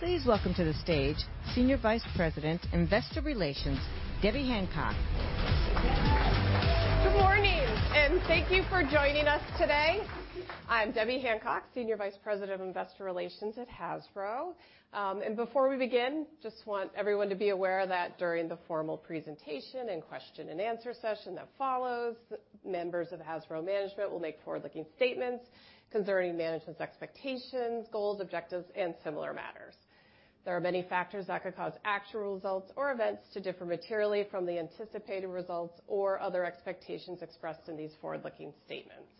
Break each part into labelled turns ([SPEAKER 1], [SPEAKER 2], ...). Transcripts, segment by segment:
[SPEAKER 1] Please welcome to the stage Senior Vice President, Investor Relations, Debbie Hancock.
[SPEAKER 2] Good morning, and thank you for joining us today. I'm Debbie Hancock, Senior Vice President of Investor Relations at Hasbro. Before we begin, just want everyone to be aware that during the formal presentation and question and answer session that follows, members of Hasbro management will make forward-looking statements concerning management's expectations, goals, objectives, and similar matters. There are many factors that could cause actual results or events to differ materially from the anticipated results or other expectations expressed in these forward-looking statements.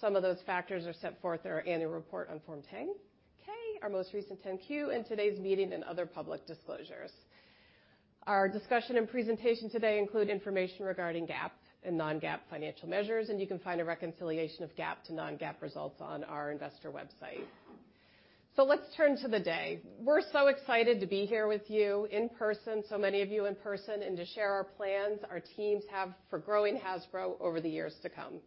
[SPEAKER 2] Some of those factors are set forth in our annual report on Form 10-K, our most recent 10-Q, and today's meeting and other public disclosures. Our discussion and presentation today include information regarding GAAP and non-GAAP financial measures, and you can find a reconciliation of GAAP to non-GAAP results on our investor website. Let's turn to the day. We're so excited to be here with you in person, so many of you in person, and to share our plans our teams have for growing Hasbro over the years to come.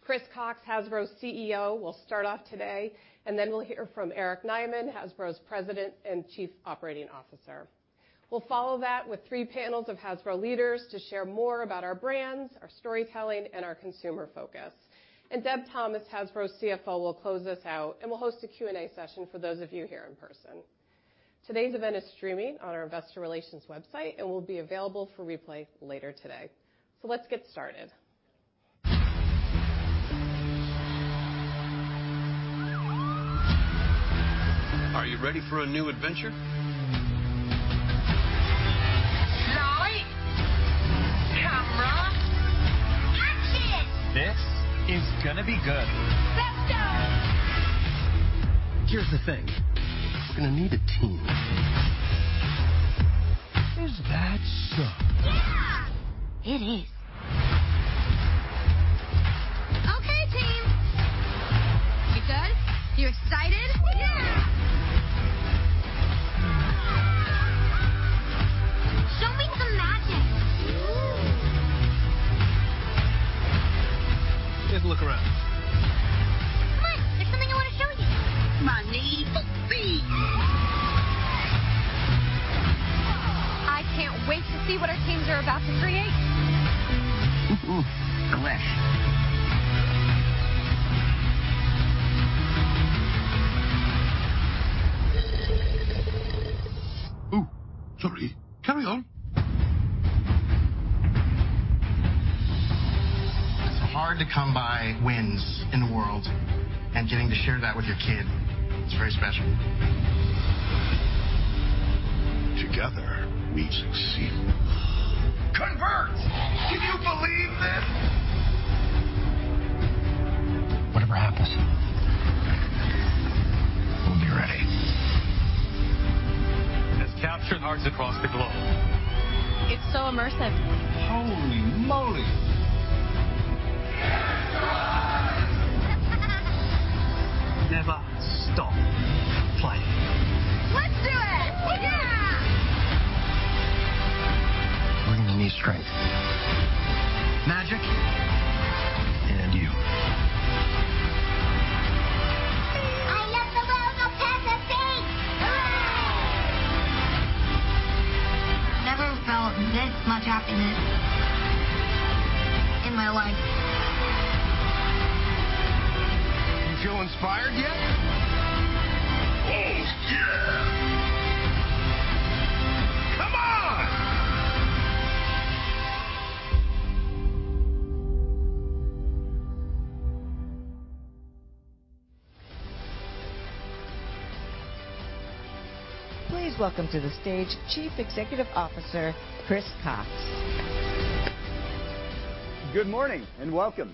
[SPEAKER 2] Chris Cocks, Hasbro's CEO, will start off today, and then we'll hear from Eric Nyman, Hasbro's President and Chief Operating Officer. We'll follow that with three panels of Hasbro leaders to share more about our brands, our storytelling, and our consumer focus. Deb Thomas, Hasbro's CFO, will close us out, and we'll host a Q&A session for those of you here in person. Today's event is streaming on our investor relations website, and will be available for replay later today. Let's get started.
[SPEAKER 3] Are you ready for a new adventure? Lights, camera, action. This is gonna be good. Let's go. Here's the thing. I'm gonna need a team. Is that so? Yeah. It is. Okay, team. You good? You excited? Yeah. Show me some magic. Ooh. Let's look around. Come on. There's something I wanna show you. My knees. I can't wait to see what our teams are about to create. Delish. Ooh, sorry. Carry on. Hard to come by wins in the world, and getting to share that with your kid, it's very special. Together we succeed. Convert. Can you believe this? Whatever happens, we'll be ready. It's captured hearts across the globe. It's so immersive. Holy moly. Hasbro! Never stop playing. Let's do it. Yeah. We're gonna need strength, magic, and you. I love the world of Peppa Pig. Hooray. Never felt this much happiness in my life. You feel inspired yet? Oh, yeah. Come on.
[SPEAKER 1] Please welcome to the stage Chief Executive Officer, Chris Cocks.
[SPEAKER 4] Good morning, and welcome.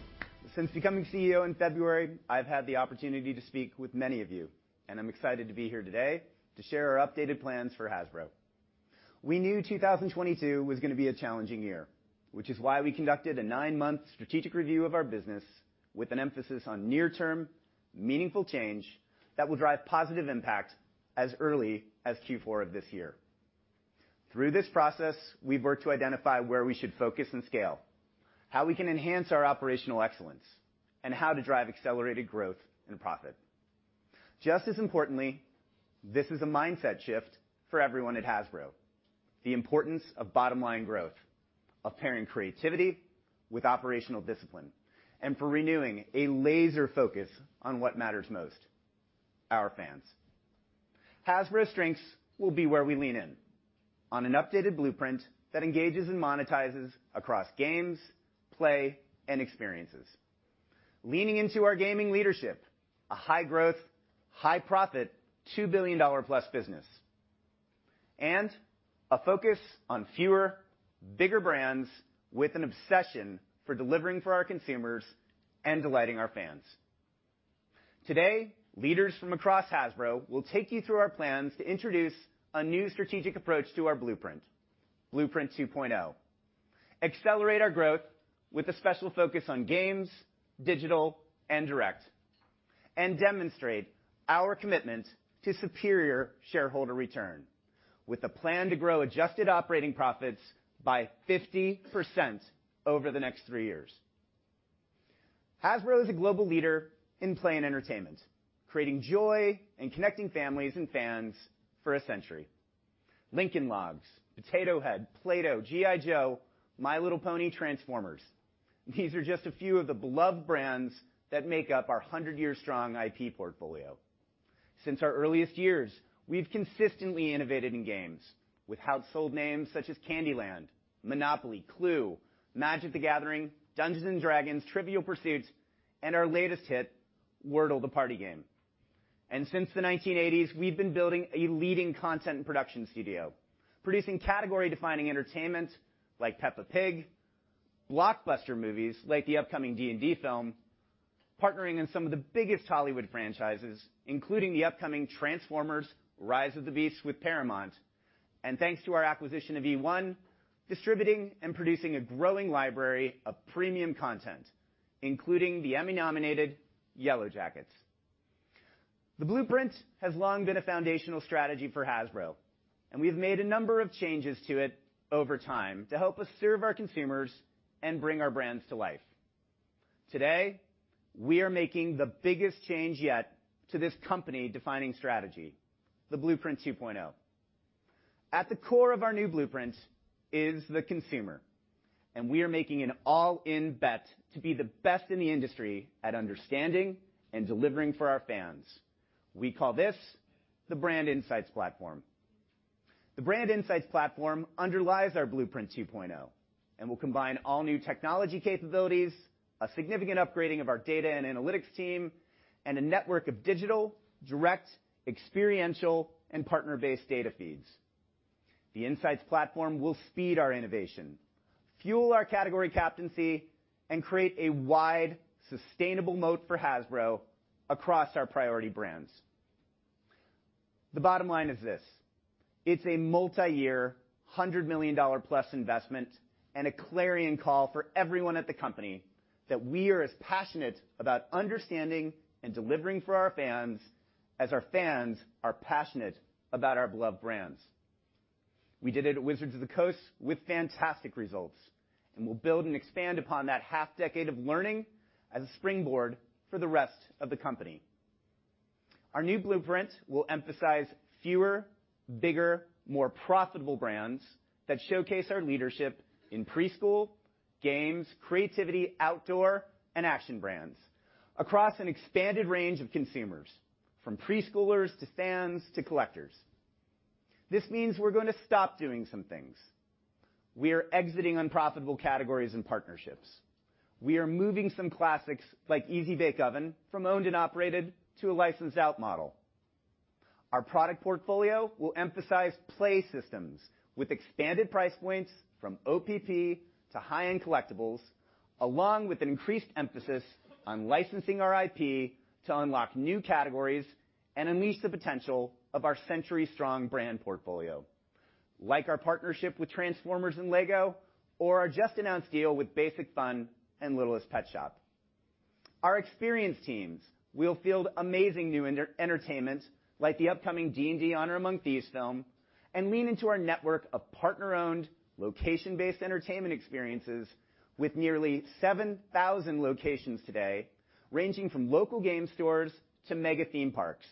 [SPEAKER 4] Since becoming CEO in February, I've had the opportunity to speak with many of you, and I'm excited to be here today to share our updated plans for Hasbro. We knew 2022 was gonna be a challenging year, which is why we conducted a nine-month strategic review of our business with an emphasis on near-term, meaningful change that will drive positive impact as early as Q4 of this year. Through this process, we've worked to identify where we should focus and scale, how we can enhance our operational excellence, and how to drive accelerated growth and profit. Just as importantly, this is a mindset shift for everyone at Hasbro, the importance of bottom-line growth, of pairing creativity with operational discipline, and for renewing a laser focus on what matters most, our fans. Hasbro's strengths will be where we lean in on an updated blueprint that engages and monetizes across games, play, and experiences. Leaning into our gaming leadership, a high-growth, high-profit, $2 billion+ business, and a focus on fewer, bigger brands with an obsession for delivering for our consumers and delighting our fans. Today, leaders from across Hasbro will take you through our plans to introduce a new strategic approach to our blueprint, Blueprint 2.0, accelerate our growth with a special focus on games, digital, and direct, and demonstrate our commitment to superior shareholder return with a plan to grow adjusted operating profits by 50% over the next three years. Hasbro is a global leader in play and entertainment, creating joy and connecting families and fans for a century. Lincoln Logs, Potato Head, Play-Doh, G.I. Joe, My Little Pony, Transformers. These are just a few of the beloved brands that make up our 100-year-strong IP portfolio. Since our earliest years, we've consistently innovated in games with household names such as Candy Land, Monopoly, Clue, Magic: The Gathering, Dungeons & Dragons, Trivial Pursuit, and our latest hit, Wordle: The Party Game. Since the 1980s, we've been building a leading content production studio, producing category-defining entertainment like Peppa Pig, blockbuster movies like the upcoming D&D film, partnering in some of the biggest Hollywood franchises, including the upcoming Transformers: Rise of the Beasts with Paramount. Thanks to our acquisition of eOne, distributing and producing a growing library of premium content, including the Emmy-nominated Yellowjackets. The blueprint has long been a foundational strategy for Hasbro, and we've made a number of changes to it over time to help us serve our consumers and bring our brands to life. Today, we are making the biggest change yet to this company-defining strategy, the Blueprint 2.0. At the core of our new blueprint is the consumer, and we are making an all-in bet to be the best in the industry at understanding and delivering for our fans. We call this the Brand Insights Platform. The Brand Insights Platform underlies our Blueprint 2.0 and will combine all new technology capabilities, a significant upgrading of our data and analytics team, and a network of digital, direct, experiential, and partner-based data feeds. The Insights Platform will speed our innovation, fuel our category captaincy, and create a wide, sustainable moat for Hasbro across our priority brands. The bottom line is this, it's a multiyear $100 million-plus investment and a clarion call for everyone at the company that we are as passionate about understanding and delivering for our fans as our fans are passionate about our beloved brands. We did it at Wizards of the Coast with fantastic results, and we'll build and expand upon that half decade of learning as a springboard for the rest of the company. Our new blueprint will emphasize fewer, bigger, more profitable brands that showcase our leadership in preschool, games, creativity, outdoor, and action brands across an expanded range of consumers, from preschoolers to fans to collectors. This means we're gonna stop doing some things. We are exiting unprofitable categories and partnerships. We are moving some classics like Easy-Bake Oven from owned and operated to a licensed-out model. Our product portfolio will emphasize play systems with expanded price points from OPP to high-end collectibles, along with an increased emphasis on licensing our IP to unlock new categories and unleash the potential of our century-strong brand portfolio, like our partnership with Transformers and LEGO or our just-announced deal with Basic Fun! and Littlest Pet Shop. Our experience teams will field amazing new entertainment like the upcoming D&D Honor Among Thieves film and lean into our network of partner-owned, location-based entertainment experiences with nearly 7,000 locations today, ranging from local game stores to mega theme parks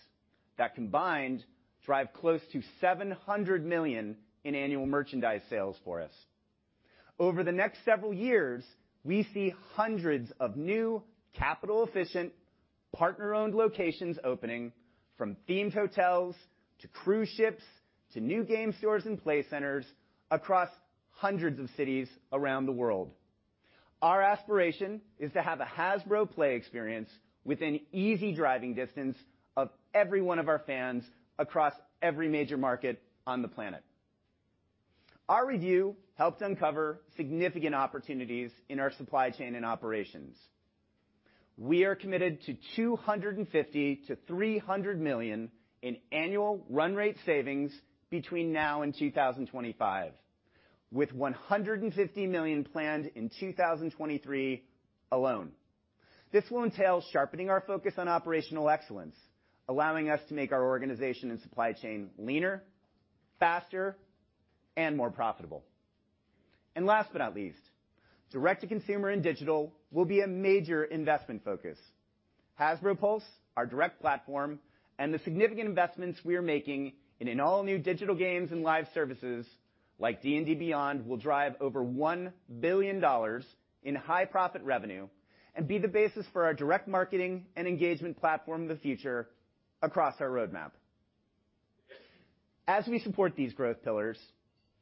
[SPEAKER 4] that combined drive close to $700 million in annual merchandise sales for us. Over the next several years, we see hundreds of new capital-efficient, partner-owned locations opening from themed hotels to cruise ships to new game stores and play centers across hundreds of cities around the world. Our aspiration is to have a Hasbro play experience within easy driving distance of every one of our fans across every major market on the planet. Our review helped uncover significant opportunities in our supply chain and operations. We are committed to $250 million-$300 million in annual run rate savings between now and 2025, with $150 million planned in 2023 alone. This will entail sharpening our focus on operational excellence, allowing us to make our organization and supply chain leaner, faster, and more profitable. Last but not least, direct-to-consumer and digital will be a major investment focus. Hasbro Pulse, our direct platform, and the significant investments we are making in an all-new digital games and live services like D&D Beyond will drive over $1 billion in high profit revenue and be the basis for our direct marketing and engagement platform of the future across our roadmap. As we support these growth pillars,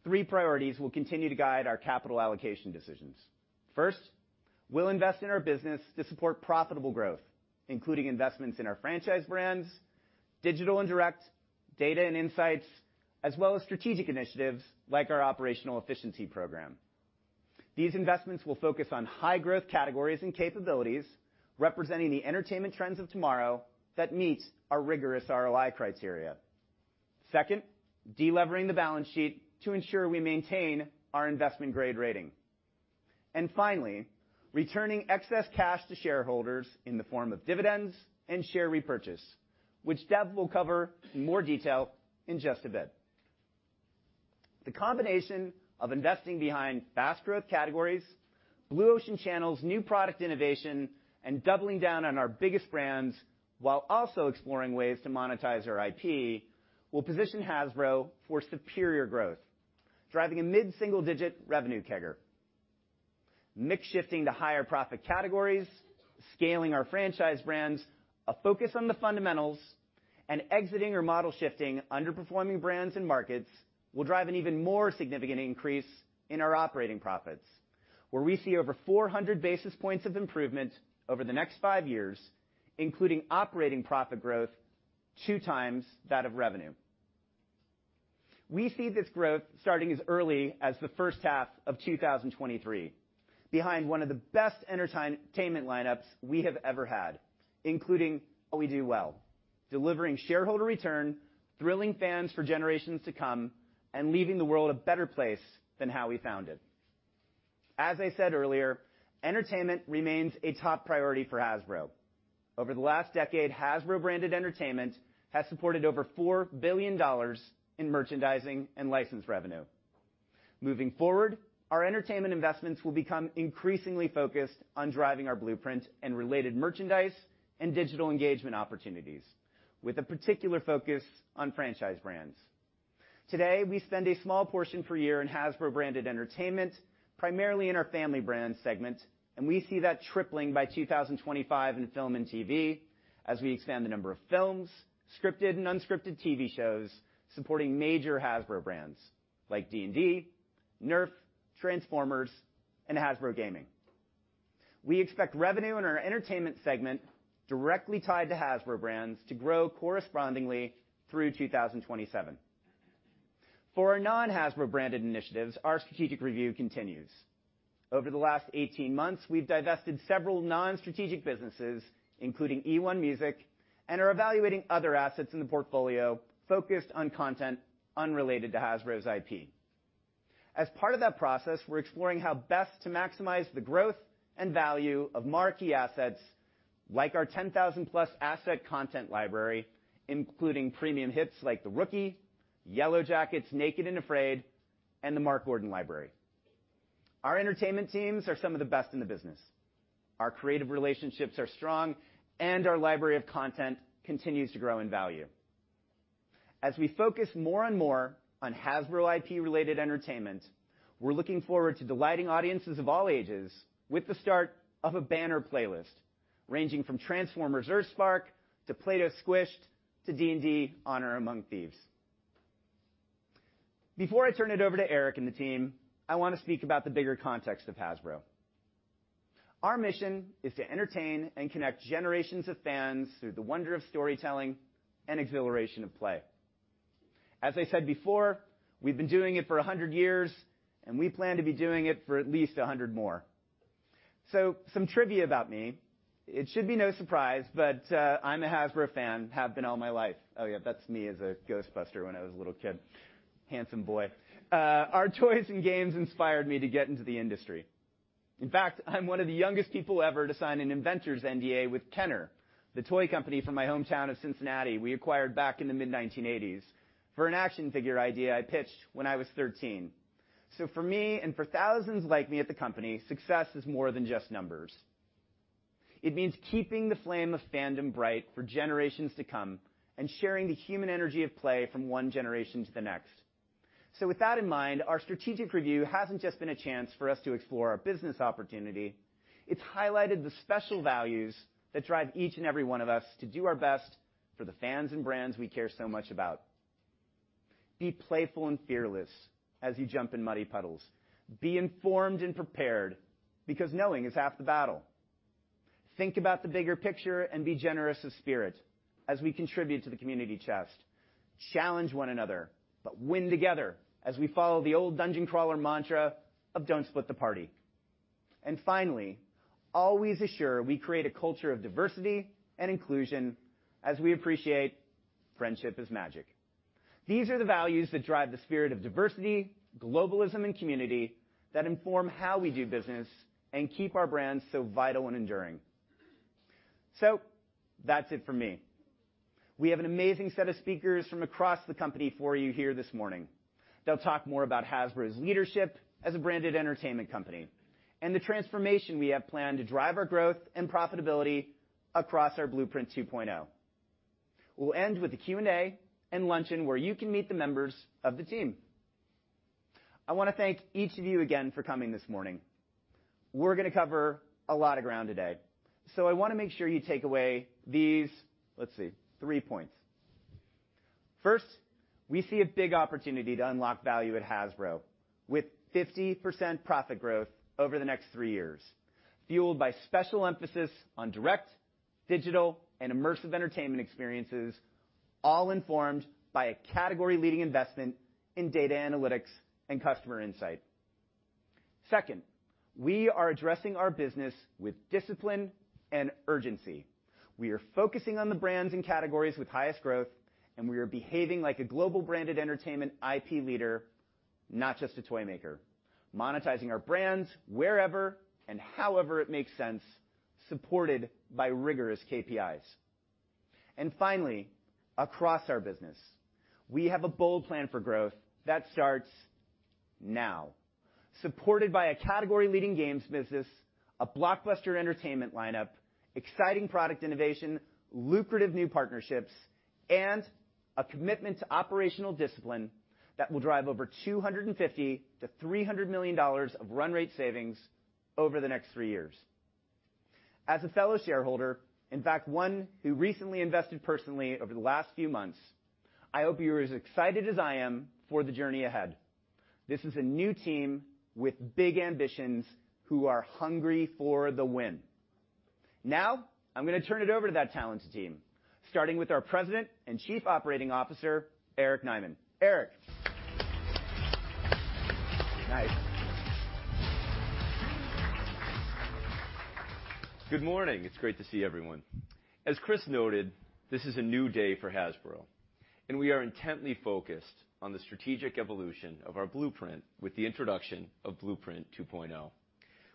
[SPEAKER 4] three priorities will continue to guide our capital allocation decisions. First, we'll invest in our business to support profitable growth, including investments in our franchise brands, digital and direct, data and insights, as well as strategic initiatives like our operational efficiency program. These investments will focus on high growth categories and capabilities representing the entertainment trends of tomorrow that meet our rigorous ROI criteria. Second, delevering the balance sheet to ensure we maintain our investment grade rating. Finally, returning excess cash to shareholders in the form of dividends and share repurchase, which Deb will cover in more detail in just a bit. The combination of investing behind fast growth categories, blue ocean channels, new product innovation, and doubling down on our biggest brands, while also exploring ways to monetize our IP, will position Hasbro for superior growth, driving a mid-single-digit revenue CAGR. Mix shifting to higher profit categories, scaling our franchise brands, a focus on the fundamentals, and exiting or model shifting underperforming brands and markets will drive an even more significant increase in our operating profits, where we see over 400 basis points of improvement over the next five years, including operating profit growth 2x that of revenue. We see this growth starting as early as the first half of 2023 behind one of the best entertainment lineups we have ever had, including what we do well, delivering shareholder return, thrilling fans for generations to come, and leaving the world a better place than how we found it. As I said earlier, entertainment remains a top priority for Hasbro. Over the last decade, Hasbro branded entertainment has supported over $4 billion in merchandising and license revenue. Moving forward, our entertainment investments will become increasingly focused on driving our Blueprint and related merchandise and digital engagement opportunities with a particular focus on franchise brands. Today, we spend a small portion per year in Hasbro branded entertainment, primarily in our family brand segment, and we see that tripling by 2025 in film and TV as we expand the number of films, scripted and unscripted TV shows supporting major Hasbro brands like D&D, NERF, Transformers, and Hasbro Gaming. We expect revenue in our entertainment segment directly tied to Hasbro brands to grow correspondingly through 2027. For our non-Hasbro branded initiatives, our strategic review continues. Over the last 18 months, we've divested several non-strategic businesses, including eOne Music, and are evaluating other assets in the portfolio focused on content unrelated to Hasbro's IP. As part of that process, we're exploring how best to maximize the growth and value of marquee assets like our 10,000-plus asset content library, including premium hits like The Rookie, Yellowjackets, Naked and Afraid, and the Mark Gordon library. Our entertainment teams are some of the best in the business. Our creative relationships are strong, and our library of content continues to grow in value. As we focus more and more on Hasbro IP-related entertainment, we're looking forward to delighting audiences of all ages with the start of a banner playlist ranging from Transformers: EarthSpark, to Play-Doh Squished to Dungeons & Dragons: Honor Among Thieves. Before I turn it over to Eric and the team, I want to speak about the bigger context of Hasbro. Our mission is to entertain and connect generations of fans through the wonder of storytelling and exhilaration of play. As I said before, we've been doing it for 100 years, and we plan to be doing it for at least 100 more. Some trivia about me. It should be no surprise, but I'm a Hasbro fan, have been all my life. Oh, yeah, that's me as a Ghostbuster when I was a little kid. Handsome boy. Our toys and games inspired me to get into the industry. In fact, I'm one of the youngest people ever to sign an inventor's NDA with Kenner, the toy company from my hometown of Cincinnati we acquired back in the mid-1980s for an action figure idea I pitched when I was 13. For me and for thousands like me at the company, success is more than just numbers. It means keeping the flame of fandom bright for generations to come and sharing the human energy of play from one generation to the next. With that in mind, our strategic review hasn't just been a chance for us to explore our business opportunity. It's highlighted the special values that drive each and every one of us to do our best for the fans and brands we care so much about. Be playful and fearless as you jump in muddy puddles. Be informed and prepared because knowing is half the battle. Think about the bigger picture and be generous of spirit as we contribute to the community chest. Challenge one another, but win together as we follow the old dungeon crawler mantra of "Don't split the party." Finally, always assure we create a culture of diversity and inclusion as we appreciate friendship is magic. These are the values that drive the spirit of diversity, globalism, and community that inform how we do business and keep our brands so vital and enduring. That's it for me. We have an amazing set of speakers from across the company for you here this morning. They'll talk more about Hasbro's leadership as a branded entertainment company and the transformation we have planned to drive our growth and profitability across our Blueprint 2.0. We'll end with the Q&A and luncheon where you can meet the members of the team. I wanna thank each of you again for coming this morning. We're gonna cover a lot of ground today, so I wanna make sure you take away these, let's see, three points. First, we see a big opportunity to unlock value at Hasbro with 50% profit growth over the next three years, fueled by special emphasis on direct, digital, and immersive entertainment experiences, all informed by a category-leading investment in data analytics and customer insight. Second, we are addressing our business with discipline and urgency. We are focusing on the brands and categories with highest growth, and we are behaving like a global branded entertainment IP leader, not just a toy maker, monetizing our brands wherever and however it makes sense, supported by rigorous KPIs. Finally, across our business, we have a bold plan for growth that starts now. Supported by a category-leading games business, a blockbuster entertainment lineup, exciting product innovation, lucrative new partnerships, and a commitment to operational discipline that will drive over $250 million-$300 million of run rate savings over the next three years. As a fellow shareholder, in fact, one who recently invested personally over the last few months, I hope you're as excited as I am for the journey ahead. This is a new team with big ambitions who are hungry for the win. Now I'm gonna turn it over to that talented team, starting with our President and Chief Operating Officer, Eric Nyman. Eric. Nice.
[SPEAKER 5] Good morning. It's great to see everyone. As Chris noted, this is a new day for Hasbro, and we are intently focused on the strategic evolution of our blueprint with the introduction of Blueprint 2.0.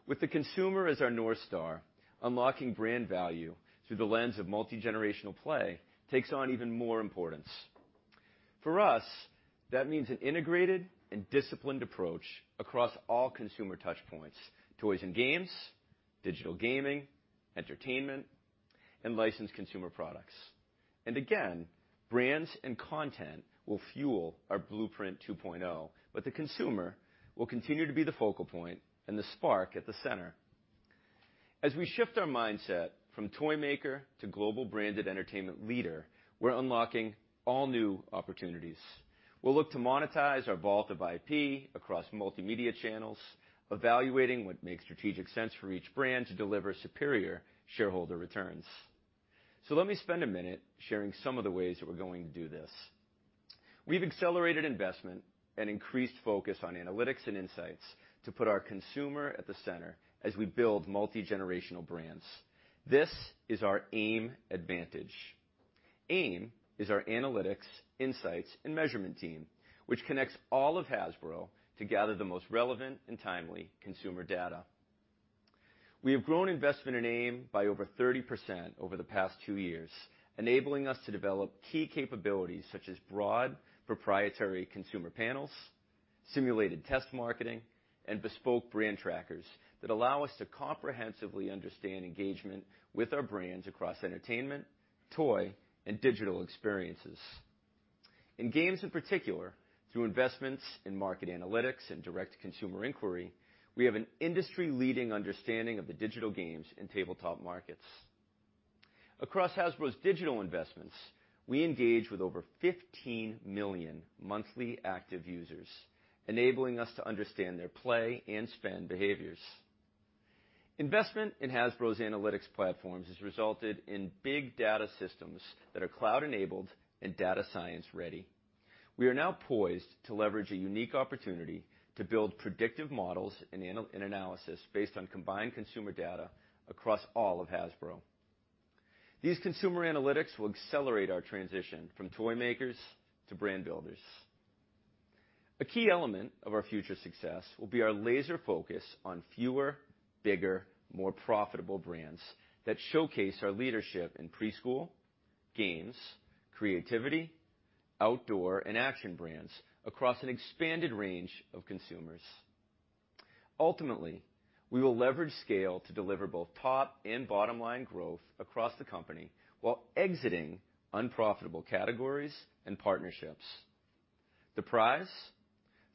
[SPEAKER 5] With the consumer as our North Star, unlocking brand value through the lens of multigenerational play takes on even more importance. For us, that means an integrated and disciplined approach across all consumer touch points, toys and games, digital gaming, entertainment, and licensed consumer products. Again, brands and content will fuel our Blueprint 2.0, but the consumer will continue to be the focal point and the spark at the center. As we shift our mindset from toymaker to global branded entertainment leader, we're unlocking all new opportunities. We'll look to monetize our vault of IP across multimedia channels, evaluating what makes strategic sense for each brand to deliver superior shareholder returns. Let me spend a minute sharing some of the ways that we're going to do this. We've accelerated investment and increased focus on analytics and insights to put our consumer at the center as we build multigenerational brands. This is our AIM advantage. AIM is our analytics, insights, and measurement team, which connects all of Hasbro to gather the most relevant and timely consumer data. We have grown investment in AIM by over 30% over the past two years, enabling us to develop key capabilities such as broad proprietary consumer panels, simulated test marketing, and bespoke brand trackers that allow us to comprehensively understand engagement with our brands across entertainment, toy, and digital experiences. In games in particular, through investments in market analytics and direct consumer inquiry, we have an industry-leading understanding of the digital games and tabletop markets. Across Hasbro's digital investments, we engage with over 15 million monthly active users, enabling us to understand their play and spend behaviors. Investment in Hasbro's analytics platforms has resulted in big data systems that are cloud-enabled and data science ready. We are now poised to leverage a unique opportunity to build predictive models and analysis based on combined consumer data across all of Hasbro. These consumer analytics will accelerate our transition from toymakers to brand builders. A key element of our future success will be our laser focus on fewer, bigger, more profitable brands that showcase our leadership in preschool, games, creativity, outdoor, and action brands across an expanded range of consumers. Ultimately, we will leverage scale to deliver both top and bottom-line growth across the company while exiting unprofitable categories and partnerships. The prize?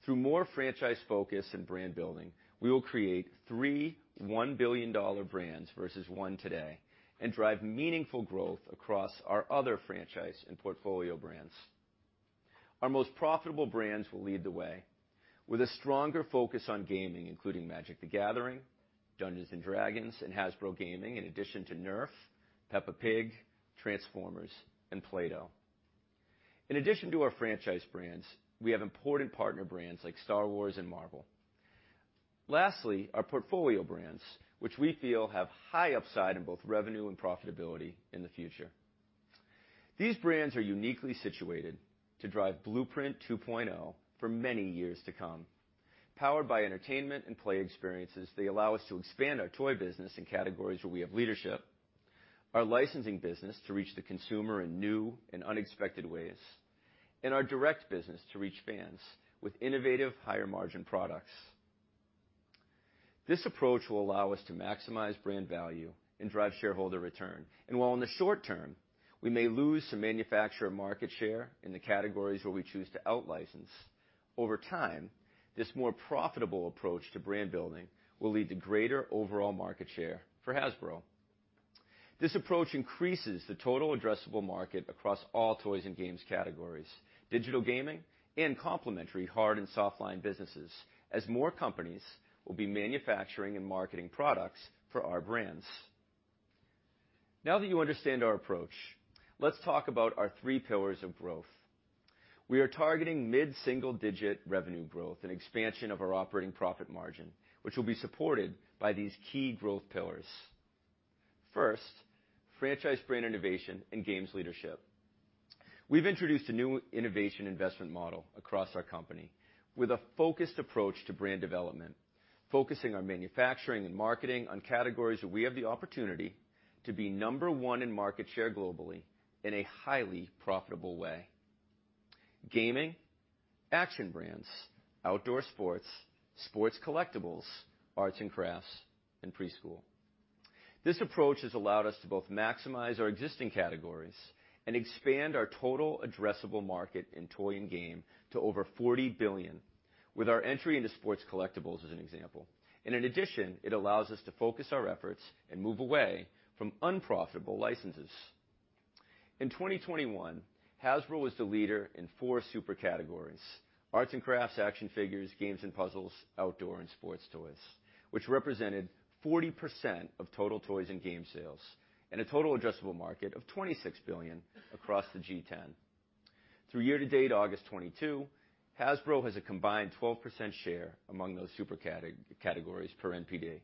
[SPEAKER 5] Through more franchise focus and brand building, we will create three one-billion-dollar brands versus one today and drive meaningful growth across our other franchise and portfolio brands. Our most profitable brands will lead the way with a stronger focus on gaming, including Magic: The Gathering, Dungeons & Dragons, and Hasbro Gaming, in addition to NERF, Peppa Pig, Transformers, and Play-Doh. In addition to our franchise brands, we have important partner brands like Star Wars and Marvel. Lastly, our portfolio brands, which we feel have high upside in both revenue and profitability in the future. These brands are uniquely situated to drive Blueprint 2.0 for many years to come. Powered by entertainment and play experiences, they allow us to expand our toy business in categories where we have leadership, our licensing business to reach the consumer in new and unexpected ways, and our direct business to reach fans with innovative, higher-margin products. This approach will allow us to maximize brand value and drive shareholder return. While in the short term we may lose some manufacturer market share in the categories where we choose to out-license, over time, this more profitable approach to brand building will lead to greater overall market share for Hasbro. This approach increases the total addressable market across all toys and games categories, digital gaming, and complementary hard and soft line businesses as more companies will be manufacturing and marketing products for our brands. Now that you understand our approach, let's talk about our three pillars of growth. We are targeting mid-single-digit revenue growth and expansion of our operating profit margin, which will be supported by these key growth pillars. First, franchise brand innovation and games leadership. We've introduced a new innovation investment model across our company with a focused approach to brand development, focusing on manufacturing and marketing on categories where we have the opportunity to be number one in market share globally in a highly profitable way. Gaming, action brands, outdoor sports collectibles, arts and crafts, and preschool. This approach has allowed us to both maximize our existing categories and expand our total addressable market in toy and game to over $40 billion, with our entry into sports collectibles as an example. In addition, it allows us to focus our efforts and move away from unprofitable licenses. In 2021, Hasbro was the leader in four super categories: arts and crafts, action figures, games and puzzles, outdoor and sports toys, which represented 40% of total toys and game sales and a total addressable market of $26 billion across the G10. Through year-to-date August 2022, Hasbro has a combined 12% share among those super categories per NPD.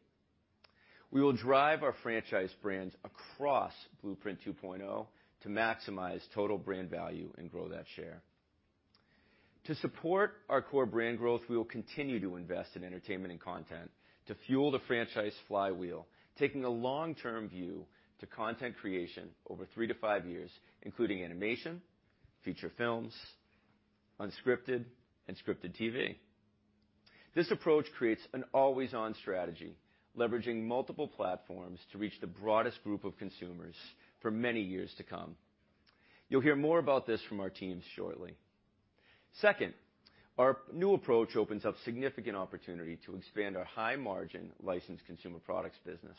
[SPEAKER 5] We will drive our franchise brands across Blueprint 2.0 to maximize total brand value and grow that share. To support our core brand growth, we will continue to invest in entertainment and content to fuel the franchise flywheel, taking a long-term view to content creation over three to five years, including animation, feature films, unscripted and scripted TV. This approach creates an always-on strategy, leveraging multiple platforms to reach the broadest group of consumers for many years to come. You'll hear more about this from our teams shortly. Second, our new approach opens up significant opportunity to expand our high-margin licensed consumer products business.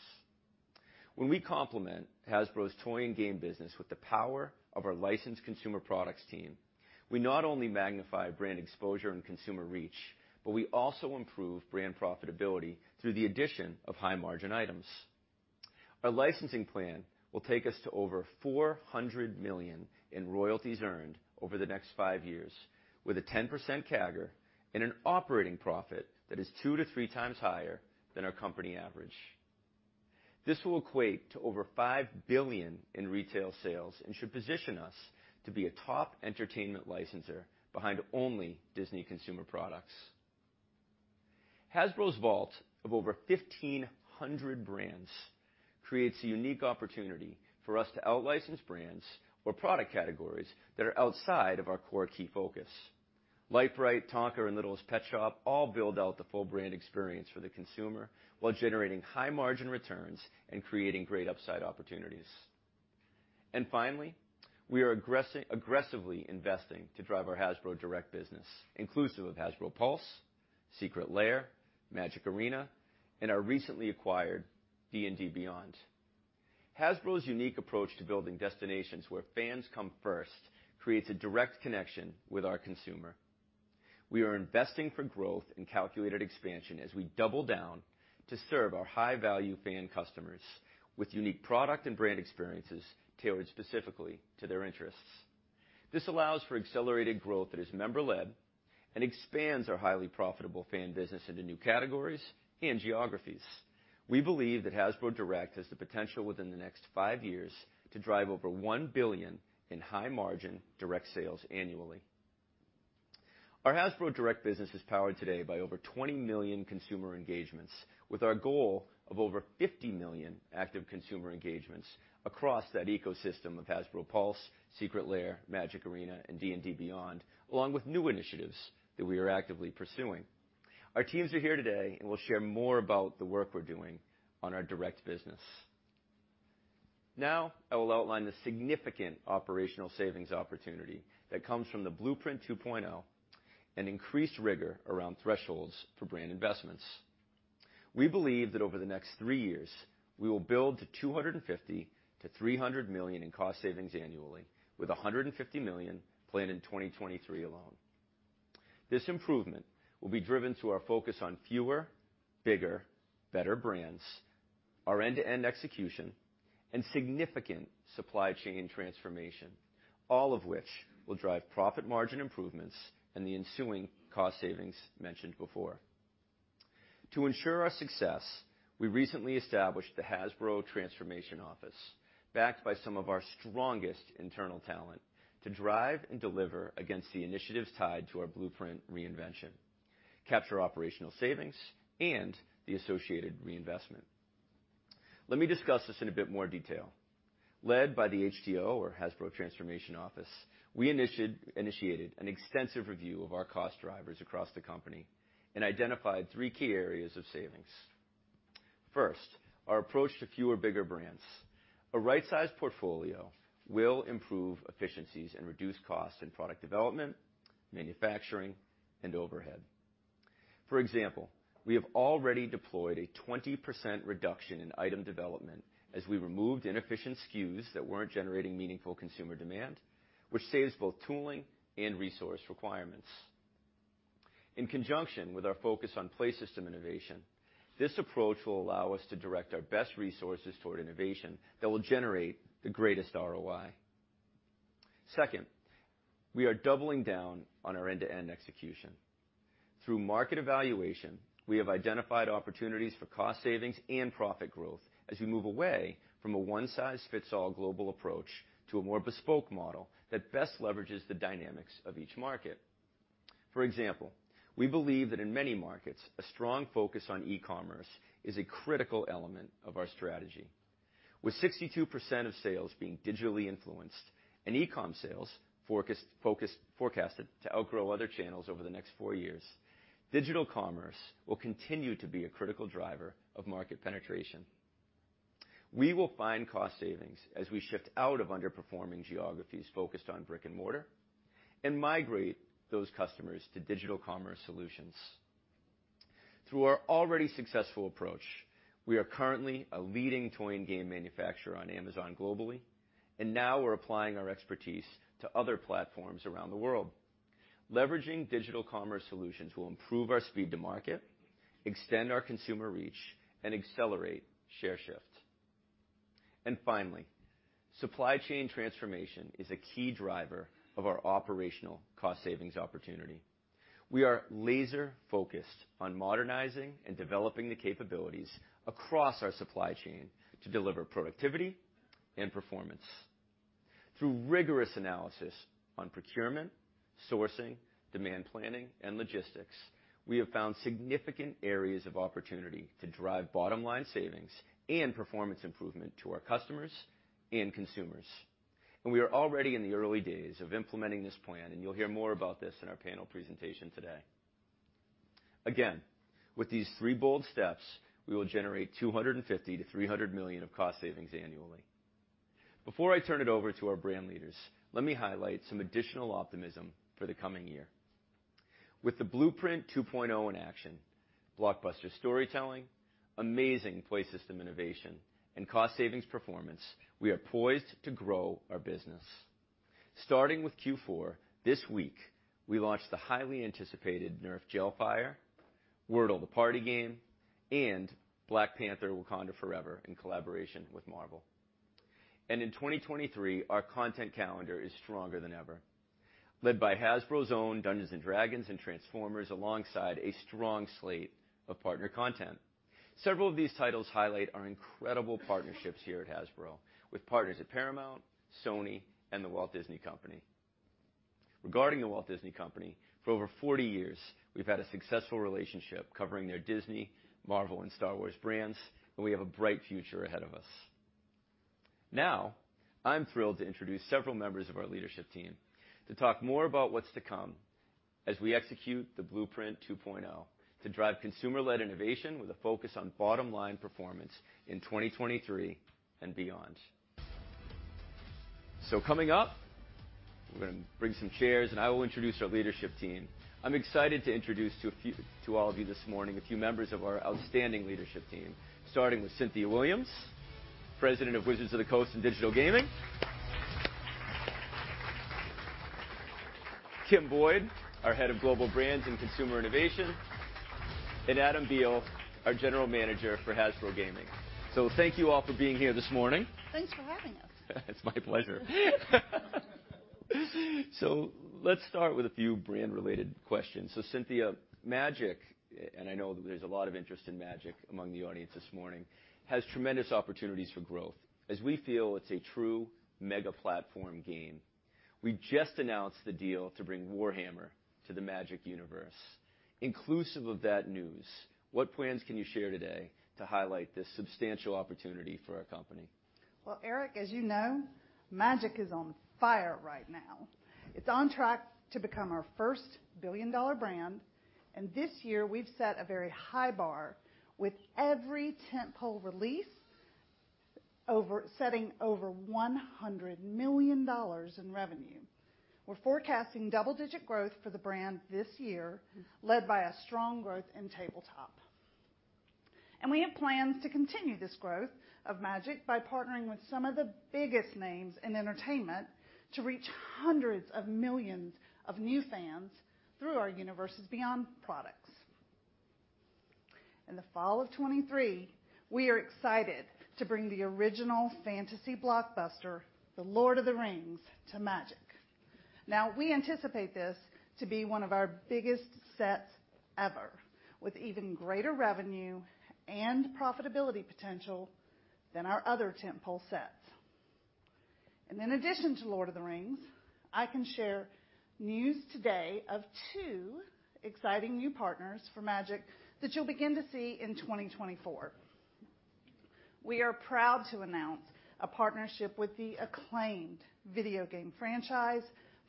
[SPEAKER 5] When we complement Hasbro's toy and game business with the power of our licensed consumer products team, we not only magnify brand exposure and consumer reach, but we also improve brand profitability through the addition of high-margin items. Our licensing plan will take us to over $400 million in royalties earned over the next five years with a 10% CAGR and an operating profit that is two to three times higher than our company average. This will equate to over $5 billion in retail sales and should position us to be a top entertainment licensor behind only Disney Consumer Products. Hasbro's vault of over 1,500 brands creates a unique opportunity for us to out-license brands or product categories that are outside of our core key focus. Lite-Brite, Tonka, and Littlest Pet Shop all build out the full brand experience for the consumer while generating high-margin returns and creating great upside opportunities. Finally, we are aggressively investing to drive our Hasbro Direct business, inclusive of Hasbro Pulse, Secret Lair, Magic Arena, and our recently acquired D&D Beyond. Hasbro's unique approach to building destinations where fans come first creates a direct connection with our consumer. We are investing for growth and calculated expansion as we double down to serve our high-value fan customers with unique product and brand experiences tailored specifically to their interests. This allows for accelerated growth that is member-led and expands our highly profitable fan business into new categories and geographies. We believe that Hasbro Direct has the potential within the next five years to drive over $1 billion in high-margin direct sales annually. Our Hasbro Direct business is powered today by over 20 million consumer engagements with our goal of over 50 million active consumer engagements across that ecosystem of Hasbro Pulse, Secret Lair, Magic Arena, and D&D Beyond, along with new initiatives that we are actively pursuing. Our teams are here today, and we'll share more about the work we're doing on our direct business. Now, I will outline the significant operational savings opportunity that comes from the Blueprint 2.0 and increased rigor around thresholds for brand investments. We believe that over the next three years, we will build to $250 million-$300 million in cost savings annually with $150 million planned in 2023 alone. This improvement will be driven through our focus on fewer, bigger, better brands, our end-to-end execution, and significant supply chain transformation, all of which will drive profit margin improvements and the ensuing cost savings mentioned before. To ensure our success, we recently established the Hasbro Transformation Office, backed by some of our strongest internal talent, to drive and deliver against the initiatives tied to our blueprint reinvention, capture operational savings, and the associated reinvestment. Let me discuss this in a bit more detail. Led by the HTO or Hasbro Transformation Office, we initiated an extensive review of our cost drivers across the company and identified three key areas of savings. First, our approach to fewer, bigger brands. A right-sized portfolio will improve efficiencies and reduce costs in product development, manufacturing, and overhead. For example, we have already deployed a 20% reduction in item development as we removed inefficient SKUs that weren't generating meaningful consumer demand, which saves both tooling and resource requirements. In conjunction with our focus on play system innovation, this approach will allow us to direct our best resources toward innovation that will generate the greatest ROI. Second, we are doubling down on our end-to-end execution. Through market evaluation, we have identified opportunities for cost savings and profit growth as we move away from a one-size-fits-all global approach to a more bespoke model that best leverages the dynamics of each market. For example, we believe that in many markets, a strong focus on e-commerce is a critical element of our strategy. With 62% of sales being digitally influenced and e-com sales forecasted to outgrow other channels over the next four years, digital commerce will continue to be a critical driver of market penetration. We will find cost savings as we shift out of underperforming geographies focused on brick-and-mortar and migrate those customers to digital commerce solutions. Through our already successful approach, we are currently a leading toy and game manufacturer on Amazon globally, and now we're applying our expertise to other platforms around the world. Leveraging digital commerce solutions will improve our speed to market, extend our consumer reach, and accelerate share shift. Finally, supply chain transformation is a key driver of our operational cost savings opportunity. We are laser-focused on modernizing and developing the capabilities across our supply chain to deliver productivity and performance. Through rigorous analysis on procurement, sourcing, demand planning, and logistics, we have found significant areas of opportunity to drive bottom-line savings and performance improvement to our customers and consumers. We are already in the early days of implementing this plan, and you'll hear more about this in our panel presentation today. Again, with these three bold steps, we will generate $250 million-$300 million of cost savings annually. Before I turn it over to our brand leaders, let me highlight some additional optimism for the coming year. With the Blueprint 2.0 in action, blockbuster storytelling, amazing play system innovation, and cost savings performance, we are poised to grow our business. Starting with Q4 this week, we launched the highly anticipated NERF Pro Gelfire, Wordle: The Party Game, and Black Panther: Wakanda Forever in collaboration with Marvel. In 2023, our content calendar is stronger than ever, led by Hasbro's own Dungeons & Dragons and Transformers alongside a strong slate of partner content. Several of these titles highlight our incredible partnerships here at Hasbro with partners at Paramount, Sony, and The Walt Disney Company. Regarding The Walt Disney Company, for over 40 years, we've had a successful relationship covering their Disney, Marvel, and Star Wars brands, and we have a bright future ahead of us. Now, I'm thrilled to introduce several members of our leadership team to talk more about what's to come as we execute the Blueprint 2.0 to drive consumer-led innovation with a focus on bottom-line performance in 2023 and beyond. Coming up, we're gonna bring some chairs, and I will introduce our leadership team. I'm excited to introduce to all of you this morning a few members of our outstanding leadership team, starting with Cynthia Williams, President of Wizards of the Coast and Digital Gaming. Kim Boyd, our Head of Global Brands and Consumer Innovation. And Adam Biehl, our General Manager for Hasbro Gaming. Thank you all for being here this morning.
[SPEAKER 6] Thanks for having us.
[SPEAKER 5] It's my pleasure. Let's start with a few brand-related questions. Cynthia, Magic, and I know that there's a lot of interest in Magic among the audience this morning, has tremendous opportunities for growth as we feel it's a true mega platform game. We just announced the deal to bring Warhammer to the Magic universe. Inclusive of that news, what plans can you share today to highlight this substantial opportunity for our company?
[SPEAKER 6] Well, Eric, as you know, Magic is on fire right now. It's on track to become our first billion-dollar brand, and this year we've set a very high bar with every tentpole release setting over $100 million in revenue. We're forecasting double-digit growth for the brand this year, led by a strong growth in tabletop. We have plans to continue this growth of Magic by partnering with some of the biggest names in entertainment to reach hundreds of millions of new fans through our Universes Beyond products. In the fall of 2023, we are excited to bring the original fantasy blockbuster, The Lord of the Rings, to Magic. Now, we anticipate this to be one of our biggest sets ever, with even greater revenue and profitability potential than our other tentpole sets. In addition to The Lord of the Rings, I can share news today of two exciting new partners for Magic that you'll begin to see in 2024. We are proud to announce a partnership with the acclaimed video game franchise,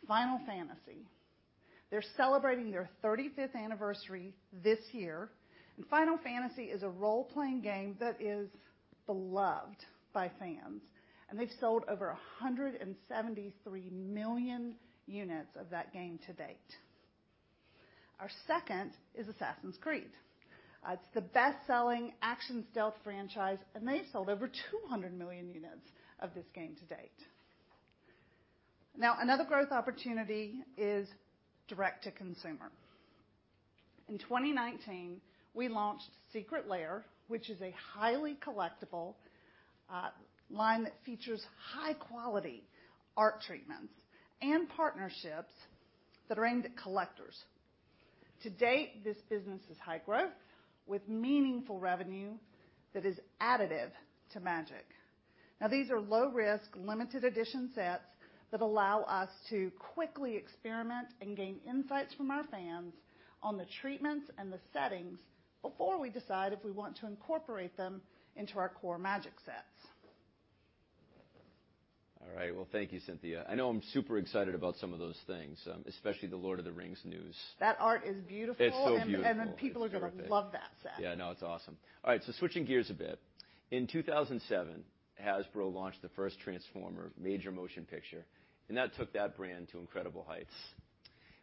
[SPEAKER 6] Final Fantasy. They're celebrating their 35th anniversary this year, and Final Fantasy is a role-playing game that is beloved by fans, and they've sold over 173 million units of that game to date. Our second is Assassin's Creed. It's the best-selling action stealth franchise, and they've sold over 200 million units of this game to date. Now, another growth opportunity is direct to consumer. In 2019, we launched Secret Lair, which is a highly collectible line that features high quality art treatments and partnerships that are aimed at collectors. To date, this business is high growth with meaningful revenue that is additive to Magic. Now these are low risk, limited edition sets that allow us to quickly experiment and gain insights from our fans on the treatments and the settings before we decide if we want to incorporate them into our core Magic sets.
[SPEAKER 5] All right. Well, thank you, Cynthia. I know I'm super excited about some of those things, especially The Lord of the Rings news.
[SPEAKER 6] That art is beautiful.
[SPEAKER 5] It's so beautiful.
[SPEAKER 6] People are gonna love that set.
[SPEAKER 5] Yeah, no, it's awesome. All right, switching gears a bit. In 2007, Hasbro launched the first Transformers major motion picture, and that took that brand to incredible heights.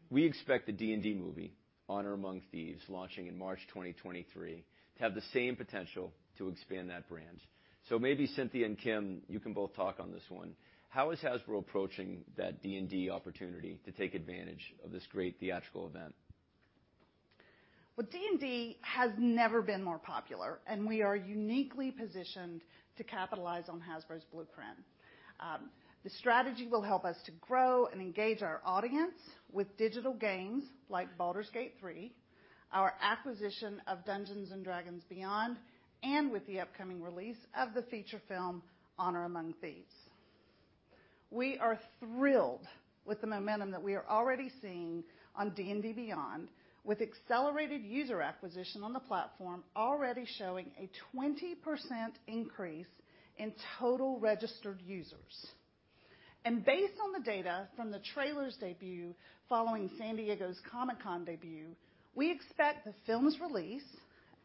[SPEAKER 5] We expect the D&D movie, Honor Among Thieves, launching in March 2023, to have the same potential to expand that brand. Maybe Cynthia and Kim, you can both talk on this one. How is Hasbro approaching that D&D opportunity to take advantage of this great theatrical event?
[SPEAKER 6] D&D has never been more popular, and we are uniquely positioned to capitalize on Hasbro's blueprint. The strategy will help us to grow and engage our audience with digital games like Baldur's Gate 3, our acquisition of Dungeons & Dragons Beyond, and with the upcoming release of the feature film Honor Among Thieves. We are thrilled with the momentum that we are already seeing on D&D Beyond, with accelerated user acquisition on the platform already showing a 20% increase in total registered users. Based on the data from the trailer's debut following San Diego Comic-Con debut, we expect the film's release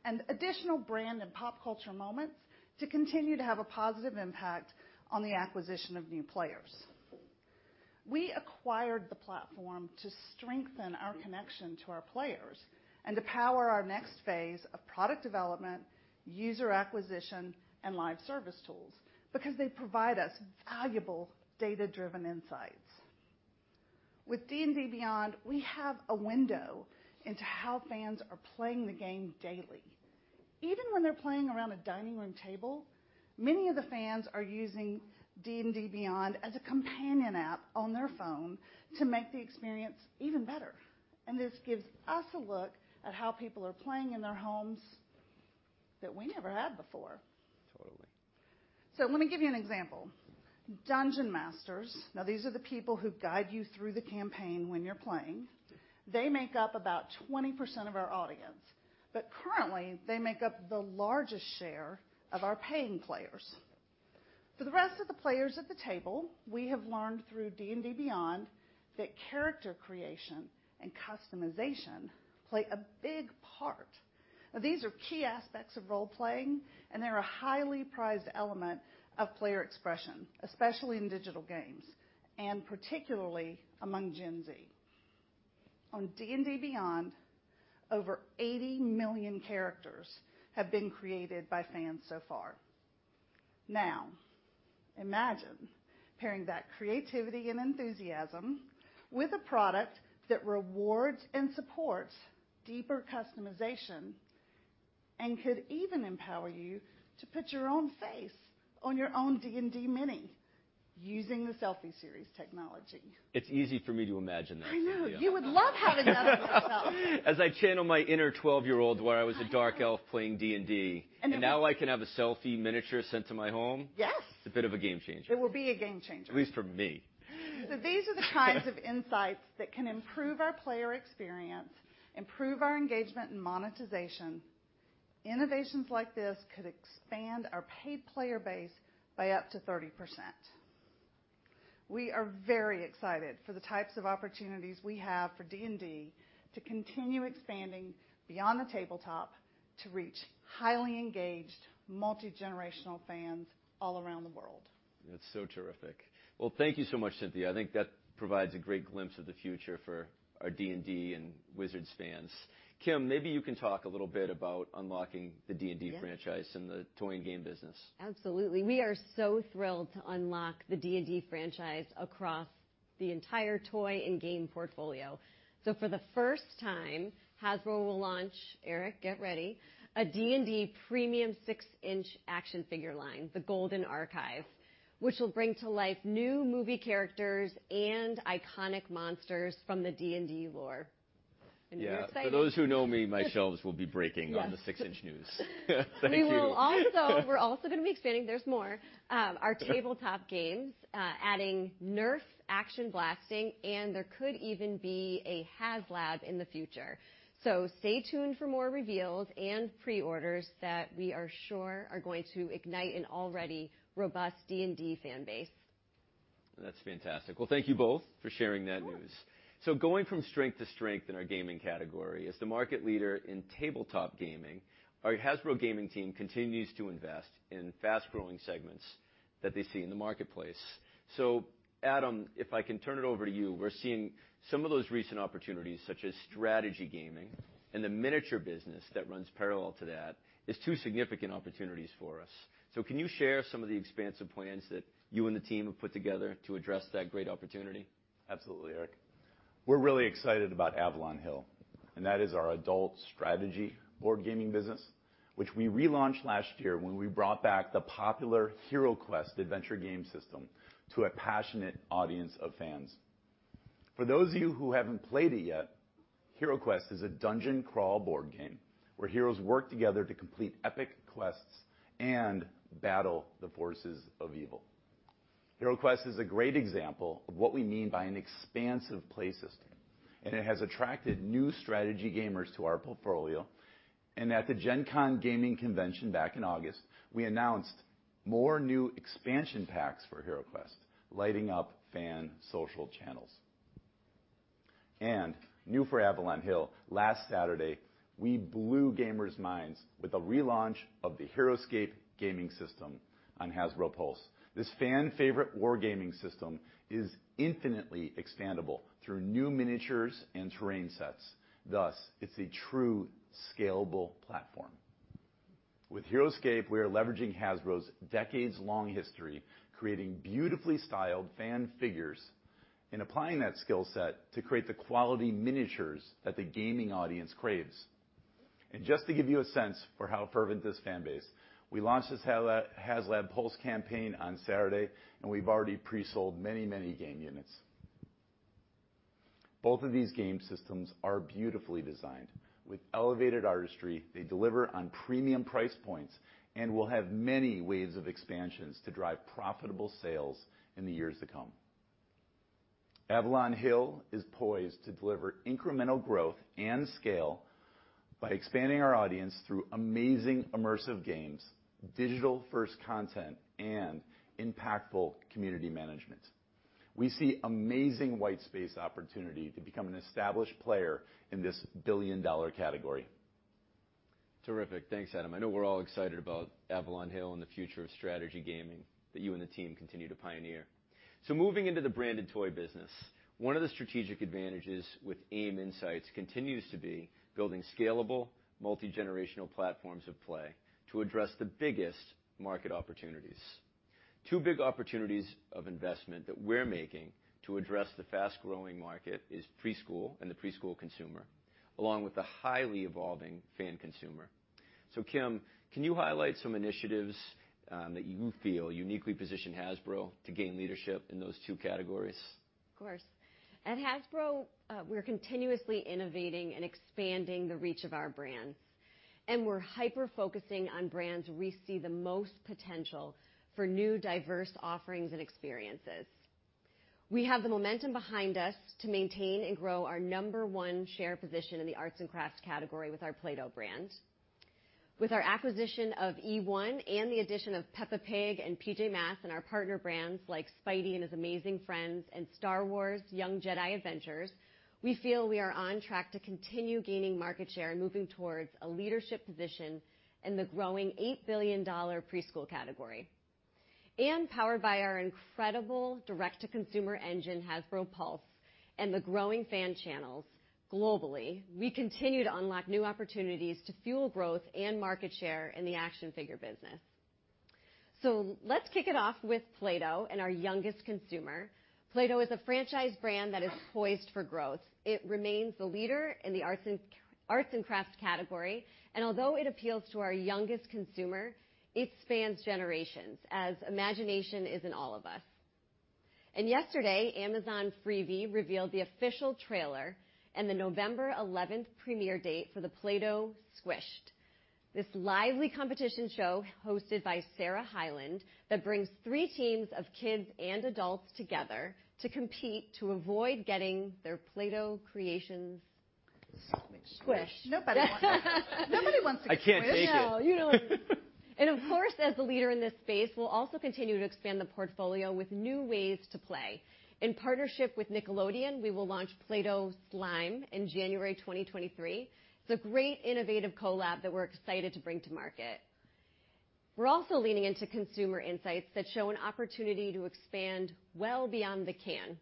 [SPEAKER 6] and additional brand and pop culture moments to continue to have a positive impact on the acquisition of new players. We acquired the platform to strengthen our connection to our players and to power our next phase of product development, user acquisition, and live service tools because they provide us valuable data-driven insights. With D&D Beyond, we have a window into how fans are playing the game daily. Even when they're playing around a dining room table, many of the fans are using D&D Beyond as a companion app on their phone to make the experience even better. This gives us a look at how people are playing in their homes that we never had before.
[SPEAKER 5] Totally.
[SPEAKER 6] Let me give you an example. Dungeon Masters, now these are the people who guide you through the campaign when you're playing.
[SPEAKER 5] Yeah.
[SPEAKER 6] They make up about 20% of our audience, but currently, they make up the largest share of our paying players. For the rest of the players at the table, we have learned through D&D Beyond that character creation and customization play a big part. Now these are key aspects of role-playing, and they're a highly prized element of player expression, especially in digital games, and particularly among Gen Z. On D&D Beyond, over 80 million characters have been created by fans so far. Now, imagine pairing that creativity and enthusiasm with a product that rewards and supports deeper customization and could even empower you to put your own face on your own D&D mini using the Selfie Series technology.
[SPEAKER 5] It's easy for me to imagine that, Cynthia.
[SPEAKER 6] I know. You would love having that of yourself.
[SPEAKER 5] As I channel my inner 12-year-old where I was a dark elf playing D&D.
[SPEAKER 6] I know.
[SPEAKER 5] Now I can have a Selfie Series sent to my home?
[SPEAKER 6] Yes.
[SPEAKER 5] It's a bit of a game changer.
[SPEAKER 6] It will be a game changer.
[SPEAKER 5] At least for me.
[SPEAKER 6] These are the kinds of insights that can improve our player experience, improve our engagement and monetization. Innovations like this could expand our paid player base by up to 30%. We are very excited for the types of opportunities we have for D&D to continue expanding beyond the tabletop to reach highly engaged, multi-generational fans all around the world.
[SPEAKER 5] That's so terrific. Well, thank you so much, Cynthia. I think that provides a great glimpse of the future for our D&D and Wizards fans. Kim, maybe you can talk a little bit about unlocking the D&D franchise.
[SPEAKER 7] Yeah.
[SPEAKER 5] in the toy and game business.
[SPEAKER 7] Absolutely. We are so thrilled to unlock the D&D franchise across the entire toy and game portfolio. For the first time, Hasbro will launch, Eric, get ready, a D&D premium 6-inch action figure line, the Golden Archive, which will bring to life new movie characters and iconic monsters from the D&D lore. Are you excited?
[SPEAKER 5] Yeah. For those who know me, my shelves will be breaking.
[SPEAKER 7] Yes.
[SPEAKER 5] On the 6-inch news. Thank you.
[SPEAKER 7] We're also gonna be expanding. There's more, our tabletop games, adding NERF action blasting, and there could even be a HasLab in the future. Stay tuned for more reveals and pre-orders that we are sure are going to ignite an already robust D&D fan base.
[SPEAKER 5] That's fantastic. Well, thank you both for sharing that news.
[SPEAKER 7] Sure.
[SPEAKER 5] Going from strength to strength in our gaming category, as the market leader in tabletop gaming, our Hasbro Gaming team continues to invest in fast-growing segments that they see in the marketplace. Adam, if I can turn it over to you, we're seeing some of those recent opportunities, such as strategy gaming and the miniature business that runs parallel to that, is two significant opportunities for us. Can you share some of the expansive plans that you and the team have put together to address that great opportunity?
[SPEAKER 8] Absolutely, Eric. We're really excited about Avalon Hill, and that is our adult strategy board gaming business, which we relaunched last year when we brought back the popular HeroQuest adventure game system to a passionate audience of fans. For those of you who haven't played it yet, HeroQuest is a dungeon crawl board game where heroes work together to complete epic quests and battle the forces of evil. HeroQuest is a great example of what we mean by an expansive play system, and it has attracted new strategy gamers to our portfolio. At the Gen Con gaming convention back in August, we announced more new expansion packs for HeroQuest, lighting up fan social channels. New for Avalon Hill, last Saturday, we blew gamers' minds with the relaunch of the Heroscape gaming system on Hasbro Pulse. This fan favorite war gaming system is infinitely expandable through new miniatures and terrain sets. Thus, it's a true scalable platform. With Heroscape, we are leveraging Hasbro's decades-long history, creating beautifully styled fan figures and applying that skill set to create the quality miniatures that the gaming audience craves. Just to give you a sense for how fervent this fan base, we launched this HasLab Pulse campaign on Saturday, and we've already pre-sold many, many game units. Both of these game systems are beautifully designed. With elevated artistry, they deliver on premium price points and will have many waves of expansions to drive profitable sales in the years to come. Avalon Hill is poised to deliver incremental growth and scale by expanding our audience through amazing immersive games, digital-first content, and impactful community management. We see amazing white space opportunity to become an established player in this billion-dollar category. Terrific. Thanks, Adam. I know we're all excited about Avalon Hill and the future of strategy gaming that you and the team continue to pioneer. Moving into the branded toy business, one of the strategic advantages with AIM Insights continues to be building scalable multi-generational platforms of play to address the biggest market opportunities. Two big opportunities of investment that we're making to address the fast-growing market is preschool and the preschool consumer, along with the highly evolving fan consumer. Kim, can you highlight some initiatives that you feel uniquely position Hasbro to gain leadership in those two categories?
[SPEAKER 7] Of course. At Hasbro, we're continuously innovating and expanding the reach of our brands, and we're hyper-focusing on brands we see the most potential for new diverse offerings and experiences. We have the momentum behind us to maintain and grow our number one share position in the arts and crafts category with our Play-Doh brand. With our acquisition of eOne and the addition of Peppa Pig and PJ Masks and our partner brands like Spidey and His Amazing Friends and Star Wars: Young Jedi Adventures, we feel we are on track to continue gaining market share and moving towards a leadership position in the growing $8 billion preschool category. Powered by our incredible direct-to-consumer engine, Hasbro Pulse, and the growing fan channels globally, we continue to unlock new opportunities to fuel growth and market share in the action figure business. Let's kick it off with Play-Doh and our youngest consumer. Play-Doh is a franchise brand that is poised for growth. It remains the leader in the arts and crafts category. Although it appeals to our youngest consumer, it spans generations, as imagination is in all of us. Yesterday, Amazon Freevee revealed the official trailer and the November 11th premiere date for the Play-Doh Squished. This lively competition show hosted by Sarah Hyland that brings three teams of kids and adults together to compete to avoid getting their Play-Doh creations squished.
[SPEAKER 8] Squished.
[SPEAKER 6] Nobody wants to get squished.
[SPEAKER 8] I can't take it.
[SPEAKER 7] Of course, as the leader in this space, we'll also continue to expand the portfolio with new ways to play. In partnership with Nickelodeon, we will launch Play-Doh Slime in January 2023. It's a great innovative collab that we're excited to bring to market. We're also leaning into consumer insights that show an opportunity to expand well beyond the can.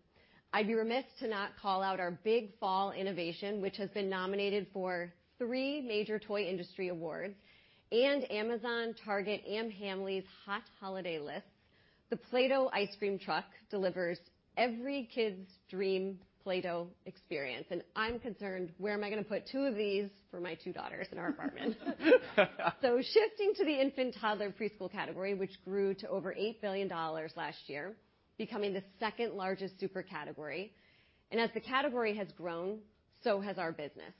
[SPEAKER 7] I'd be remiss to not call out our big fall innovation, which has been nominated for three major toy industry awards and Amazon, Target, and Hamleys hot holiday lists. The Play-Doh Ice Cream Truck delivers every kid's dream Play-Doh experience, and I'm concerned where am I gonna put two of these for my two daughters in our apartment. Shifting to the infant, toddler, and preschool category, which grew to over $8 billion last year, becoming the second-largest super category. As the category has grown, so has our business.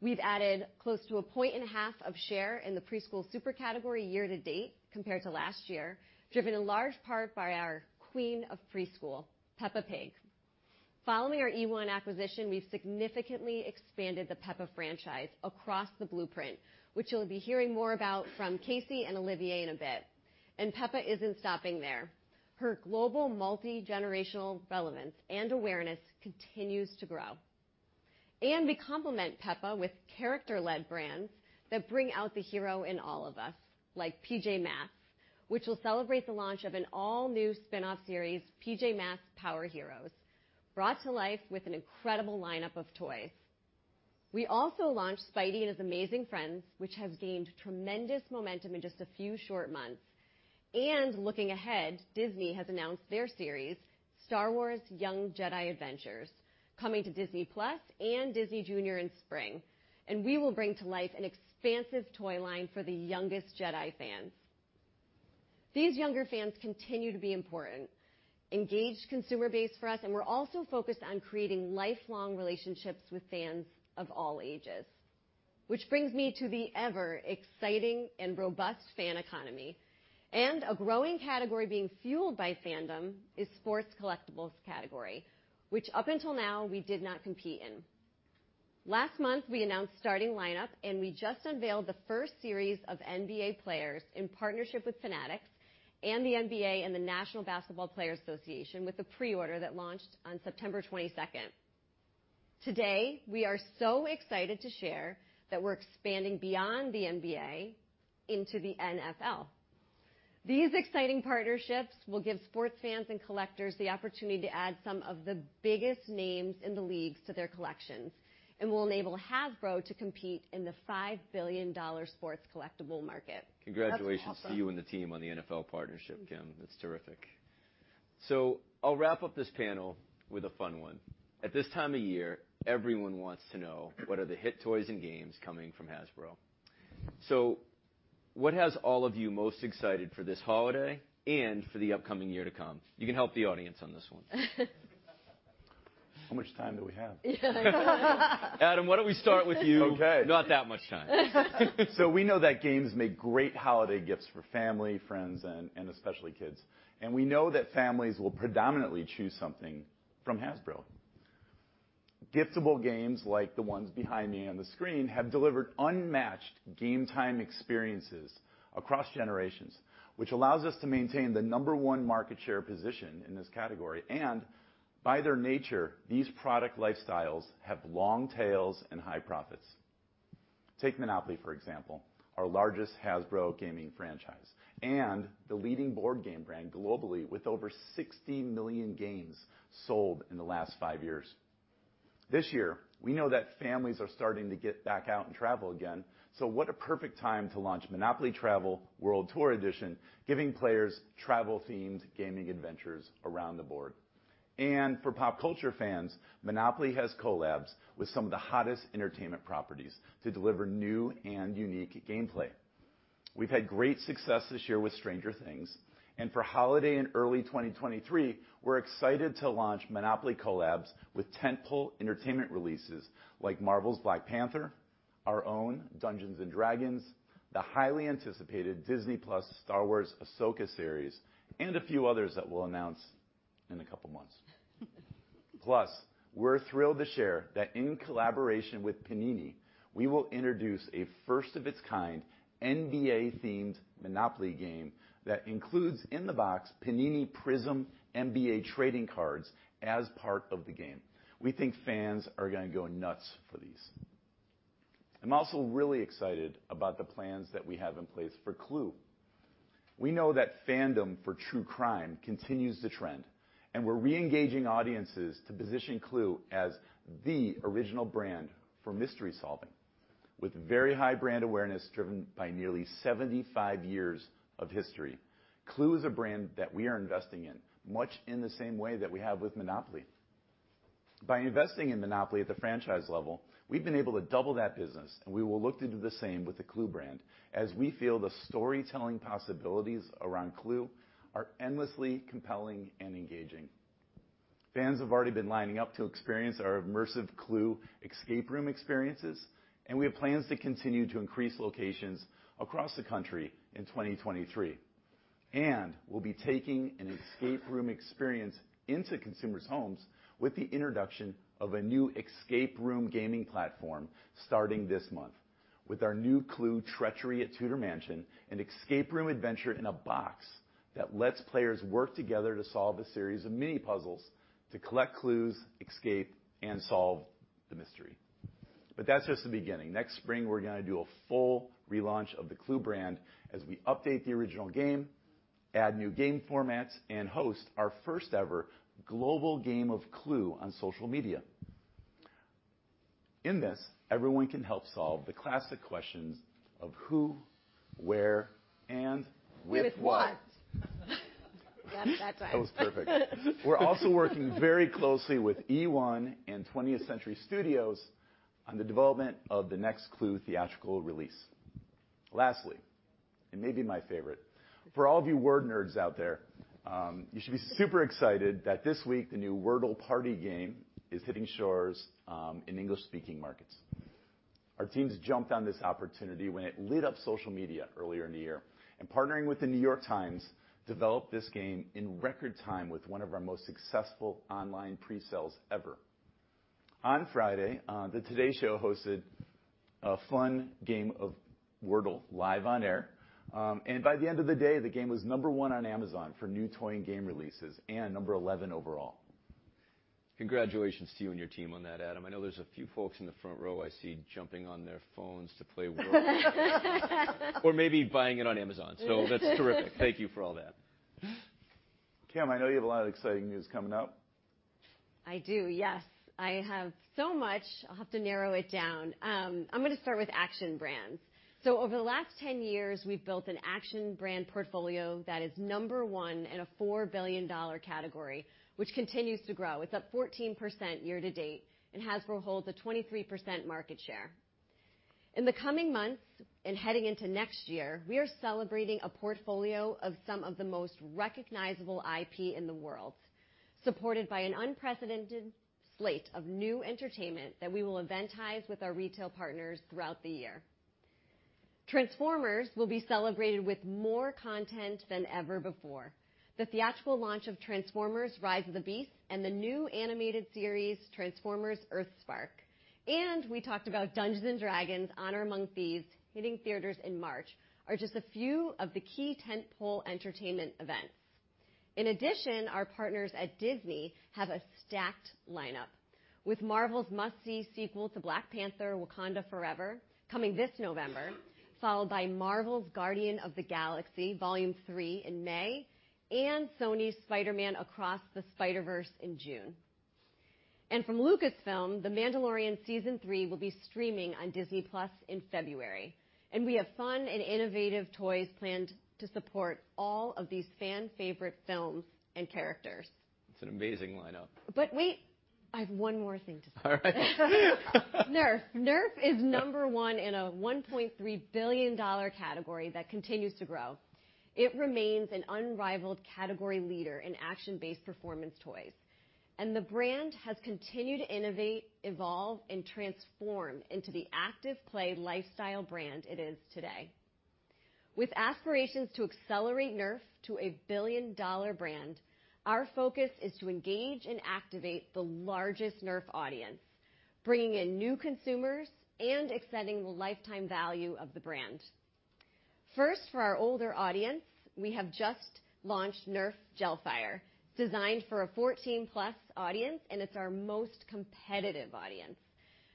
[SPEAKER 7] We've added close to 1.5 points of share in the preschool super category year to date compared to last year, driven in large part by our queen of preschool, Peppa Pig. Following our eOne acquisition, we've significantly expanded the Peppa franchise across the blueprint, which you'll be hearing more about from Casey and Olivier in a bit. Peppa isn't stopping there. Her global multi-generational relevance and awareness continues to grow. We complement Peppa with character-led brands that bring out the hero in all of us, like PJ Masks, which will celebrate the launch of an all-new spin-off series, PJ Masks Power Heroes, brought to life with an incredible lineup of toys. We also launched Spidey and His Amazing Friends, which has gained tremendous momentum in just a few short months. Looking ahead, Disney has announced their series, Star Wars: Young Jedi Adventures, coming to Disney+ and Disney Junior in spring. We will bring to life an expansive toy line for the youngest Jedi fans. These younger fans continue to be important, engaged consumer base for us, and we're also focused on creating lifelong relationships with fans of all ages. Which brings me to the ever-exciting and robust fan economy, and a growing category being fueled by fandom is sports collectibles category, which up until now, we did not compete in. Last month, we announced Starting Lineup, and we just unveiled the first series of NBA players in partnership with Fanatics and the NBA and the National Basketball Players Association with a preorder that launched on September 22. Today, we are so excited to share that we're expanding beyond the NBA into the NFL. These exciting partnerships will give sports fans and collectors the opportunity to add some of the biggest names in the leagues to their collections and will enable Hasbro to compete in the $5 billion sports collectible market.
[SPEAKER 5] Congratulations to you and the team on the NFL partnership, Kim. That's terrific. I'll wrap up this panel with a fun one. At this time of year, everyone wants to know what are the hit toys and games coming from Hasbro. What has all of you most excited for this holiday and for the upcoming year to come? You can help the audience on this one.
[SPEAKER 8] How much time do we have?
[SPEAKER 5] Adam, why don't we start with you?
[SPEAKER 8] Okay.
[SPEAKER 5] Not that much time.
[SPEAKER 8] We know that games make great holiday gifts for family, friends, and especially kids. We know that families will predominantly choose something from Hasbro. Giftable games like the ones behind me on the screen have delivered unmatched game time experiences across generations, which allows us to maintain the number one market share position in this category. By their nature, these product lifestyles have long tails and high profits. Take Monopoly, for example, our largest Hasbro Gaming franchise and the leading board game brand globally with over 60 million games sold in the last five years. This year, we know that families are starting to get back out and travel again, so what a perfect time to launch Monopoly Travel World Tour Edition, giving players travel-themed gaming adventures around the board. For pop culture fans, Monopoly has collabs with some of the hottest entertainment properties to deliver new and unique gameplay. We've had great success this year with Stranger Things, and for holiday and early 2023, we're excited to launch Monopoly collabs with tent-pole entertainment releases like Marvel's Black Panther, our own Dungeons & Dragons, the highly anticipated Disney+ Star Wars: Ahsoka series, and a few others that we'll announce in a couple months. Plus, we're thrilled to share that in collaboration with Panini, we will introduce a first of its kind NBA-themed Monopoly game that includes in the box Panini Prizm NBA trading cards as part of the game. We think fans are gonna go nuts for these. I'm also really excited about the plans that we have in place for Clue. We know that fandom for true crime continues to trend, and we're reengaging audiences to position Clue as the original brand for mystery solving. With very high brand awareness driven by nearly 75 years of history, Clue is a brand that we are investing in, much in the same way that we have with Monopoly. By investing in Monopoly at the franchise level, we've been able to double that business, and we will look to do the same with the Clue brand, as we feel the storytelling possibilities around Clue are endlessly compelling and engaging. Fans have already been lining up to experience our immersive Clue escape room experiences, and we have plans to continue to increase locations across the country in 2023. We'll be taking an escape room experience into consumers' homes with the introduction of a new escape room gaming platform starting this month with our new Clue Treachery at Tudor Mansion, an escape room adventure in a box that lets players work together to solve a series of mini puzzles to collect clues, escape, and solve the mystery. That's just the beginning. Next spring, we're gonna do a full relaunch of the Clue brand as we update the original game, add new game formats, and host our first ever global game of Clue on social media. In this, everyone can help solve the classic questions of who, where, and with what.
[SPEAKER 7] With what. That time.
[SPEAKER 8] That was perfect. We're also working very closely with eOne and 20th Century Studios on the development of the next Clue theatrical release. Lastly, and maybe my favorite, for all of you word nerds out there, you should be super excited that this week, the new Wordle party game is hitting stores, in English-speaking markets. Our teams jumped on this opportunity when it lit up social media earlier in the year and, partnering with The New York Times, developed this game in record time with one of our most successful online presales ever. On Friday, the TODAY show hosted a fun game of Wordle live on air. By the end of the day, the game was number one on Amazon for new toy and game releases, and number 11 overall.
[SPEAKER 5] Congratulations to you and your team on that, Adam. I know there's a few folks in the front row I see jumping on their phones to play Wordle. Or maybe buying it on Amazon. That's terrific. Thank you for all that. Kim, I know you have a lot of exciting news coming up.
[SPEAKER 7] I do, yes. I have so much, I'll have to narrow it down. I'm gonna start with action brands. Over the last 10 years, we've built an action brand portfolio that is number one in a $4 billion category, which continues to grow. It's up 14% year to date, and Hasbro holds a 23% market share. In the coming months, and heading into next year, we are celebrating a portfolio of some of the most recognizable IP in the world, supported by an unprecedented slate of new entertainment that we will eventize with our retail partners throughout the year. Transformers will be celebrated with more content than ever before. The theatrical launch of Transformers: Rise of the Beasts, and the new animated series, Transformers: EarthSpark. We talked about Dungeons & Dragons: Honor Among Thieves, hitting theaters in March, are just a few of the key tentpole entertainment events. In addition, our partners at Disney have a stacked lineup with Marvel's must-see sequel to Black Panther: Wakanda Forever, coming this November, followed by Marvel's Guardians of the Galaxy Vol. 3 in May, and Sony's Spider-Man: Across the Spider-Verse in June. From Lucasfilm, The Mandalorian season 3 will be streaming on Disney+ in February. We have fun and innovative toys planned to support all of these fan-favorite films and characters.
[SPEAKER 5] It's an amazing lineup.
[SPEAKER 7] Wait, I have one more thing to say.
[SPEAKER 5] All right.
[SPEAKER 7] NERF. NERF is number one in a $1.3 billion category that continues to grow. It remains an unrivaled category leader in action-based performance toys, and the brand has continued to innovate, evolve, and transform into the active play lifestyle brand it is today. With aspirations to accelerate NERF to a billion-dollar brand, our focus is to engage and activate the largest NERF audience, bringing in new consumers and extending the lifetime value of the brand. First, for our older audience, we have just launched NERF Gelfire. It's designed for a 14-plus audience, and it's our most competitive audience.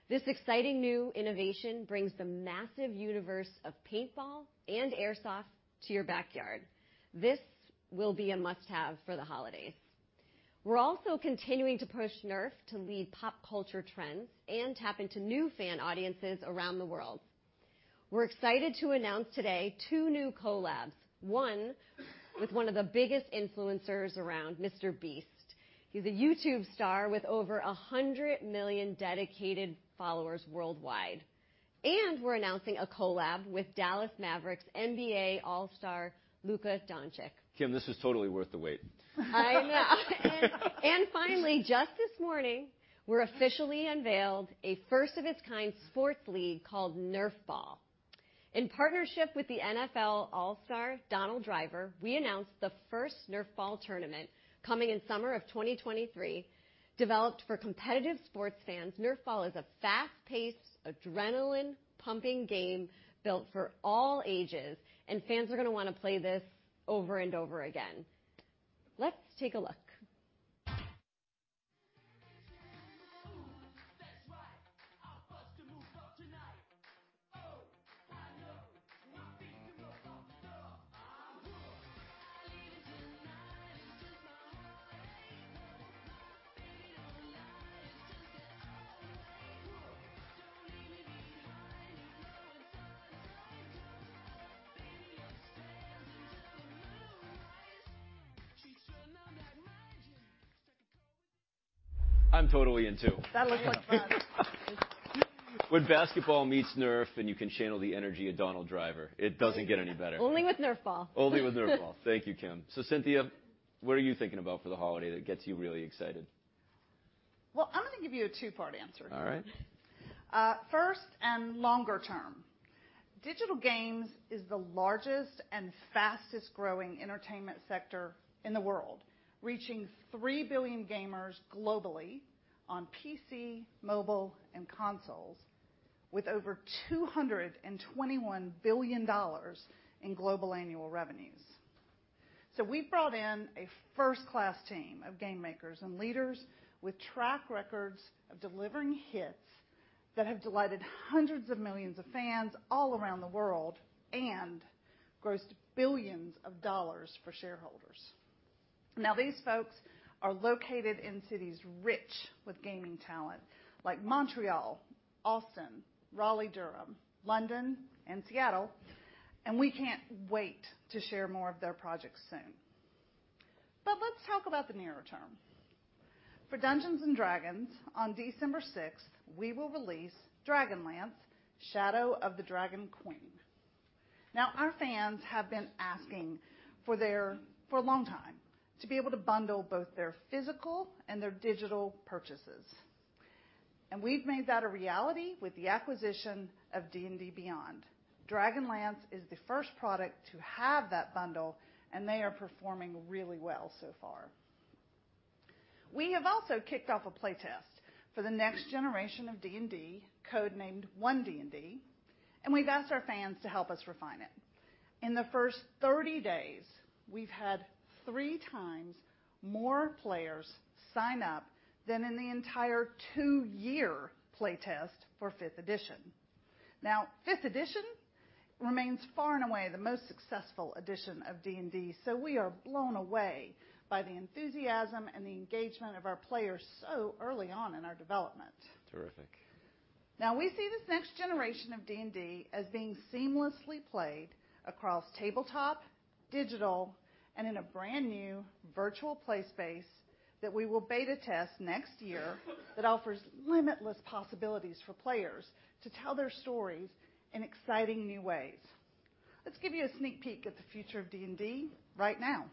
[SPEAKER 7] This exciting new innovation brings the massive universe of paintball and airsoft to your backyard. This will be a must-have for the holidays. We're also continuing to push NERF to lead pop culture trends and tap into new fan audiences around the world. We're excited to announce today two new collabs, one with one of the biggest influencers around, MrBeast. He's a YouTube star with over 100 million dedicated followers worldwide. We're announcing a collab with Dallas Mavericks NBA All-Star Luka Dončić.
[SPEAKER 5] Kim, this was totally worth the wait.
[SPEAKER 7] I know. Finally, just this morning, we officially unveiled a first-of-its-kind sports league called NERFBALL. In partnership with the NFL All-Star, Donald Driver, we announced the first NERFBALL tournament coming in summer of 2023. Developed for competitive sports fans, NERFBALL is a fast-paced, adrenaline-pumping game built for all ages, and fans are gonna wanna play this over and over again. Let's take a look.
[SPEAKER 3] Ooh, that's right. I'm bustin' move up tonight. Oh, I know. My feet can run off the floor. I'm hooked. I need it tonight. It's just my heartache. Oh, my baby don't lie. It's just that old heartache. Hooked. Don't leave me behind. You know it's hard to cope. Baby, let's dance into the moonlight. She turn on that magic. Strike a pose.
[SPEAKER 5] I'm totally in too.
[SPEAKER 7] That looked like fun.
[SPEAKER 5] When basketball meets NERF, and you can channel the energy of Donald Driver, it doesn't get any better.
[SPEAKER 7] Only with NERFBALL.
[SPEAKER 5] Only with NERFBALL. Thank you, Kim. Cynthia, what are you thinking about for the holiday that gets you really excited?
[SPEAKER 6] Well, I'm gonna give you a two-part answer.
[SPEAKER 5] All right.
[SPEAKER 6] First and longer term, digital games is the largest and fastest-growing entertainment sector in the world, reaching 3 billion gamers globally on PC, mobile, and consoles with over $221 billion in global annual revenues. We brought in a first-class team of game makers and leaders with track records of delivering hits that have delighted hundreds of millions of fans all around the world and grossed billions of dollars for shareholders. Now, these folks are located in cities rich with gaming talent, like Montreal, Austin, Raleigh-Durham, London, and Seattle, and we can't wait to share more of their projects soon. Let's talk about the nearer term. For Dungeons & Dragons, on December 6th, we will release Dragonlance: Shadow of the Dragon Queen. Now, our fans have been asking for their. for a long time to be able to bundle both their physical and their digital purchases. We've made that a reality with the acquisition of D&D Beyond. Dragonlance is the first product to have that bundle, and they are performing really well so far. We have also kicked off a playtest for the next generation of D&D, code-named One D&D, and we've asked our fans to help us refine it. In the first 30 days, we've had three times more players sign up than in the entire two-year playtest for Fifth Edition. Now, Fifth Edition remains far and away the most successful edition of D&D, so we are blown away by the enthusiasm and the engagement of our players so early on in our development.
[SPEAKER 5] Terrific.
[SPEAKER 6] Now we see this next generation of D&D as being seamlessly played across tabletop, digital, and in a brand-new virtual play space that we will beta test next year that offers limitless possibilities for players to tell their stories in exciting new ways. Let's give you a sneak peek at the future of D&D right now.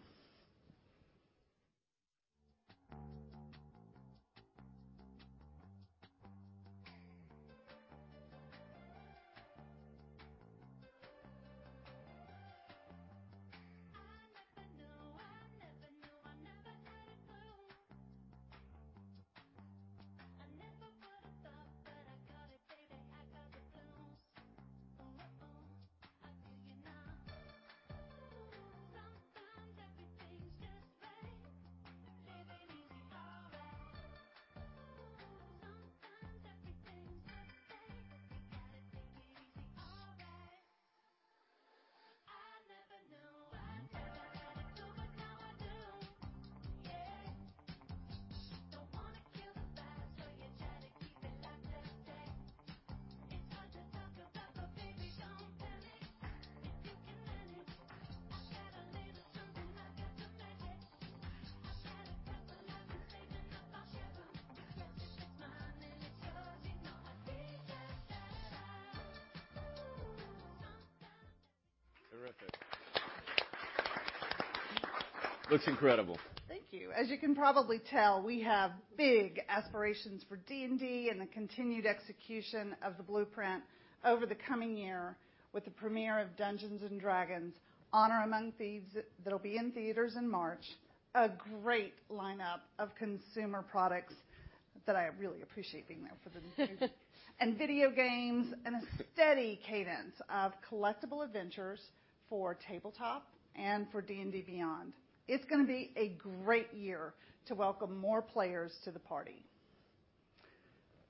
[SPEAKER 6] It's gonna be a great year to welcome more players to the party.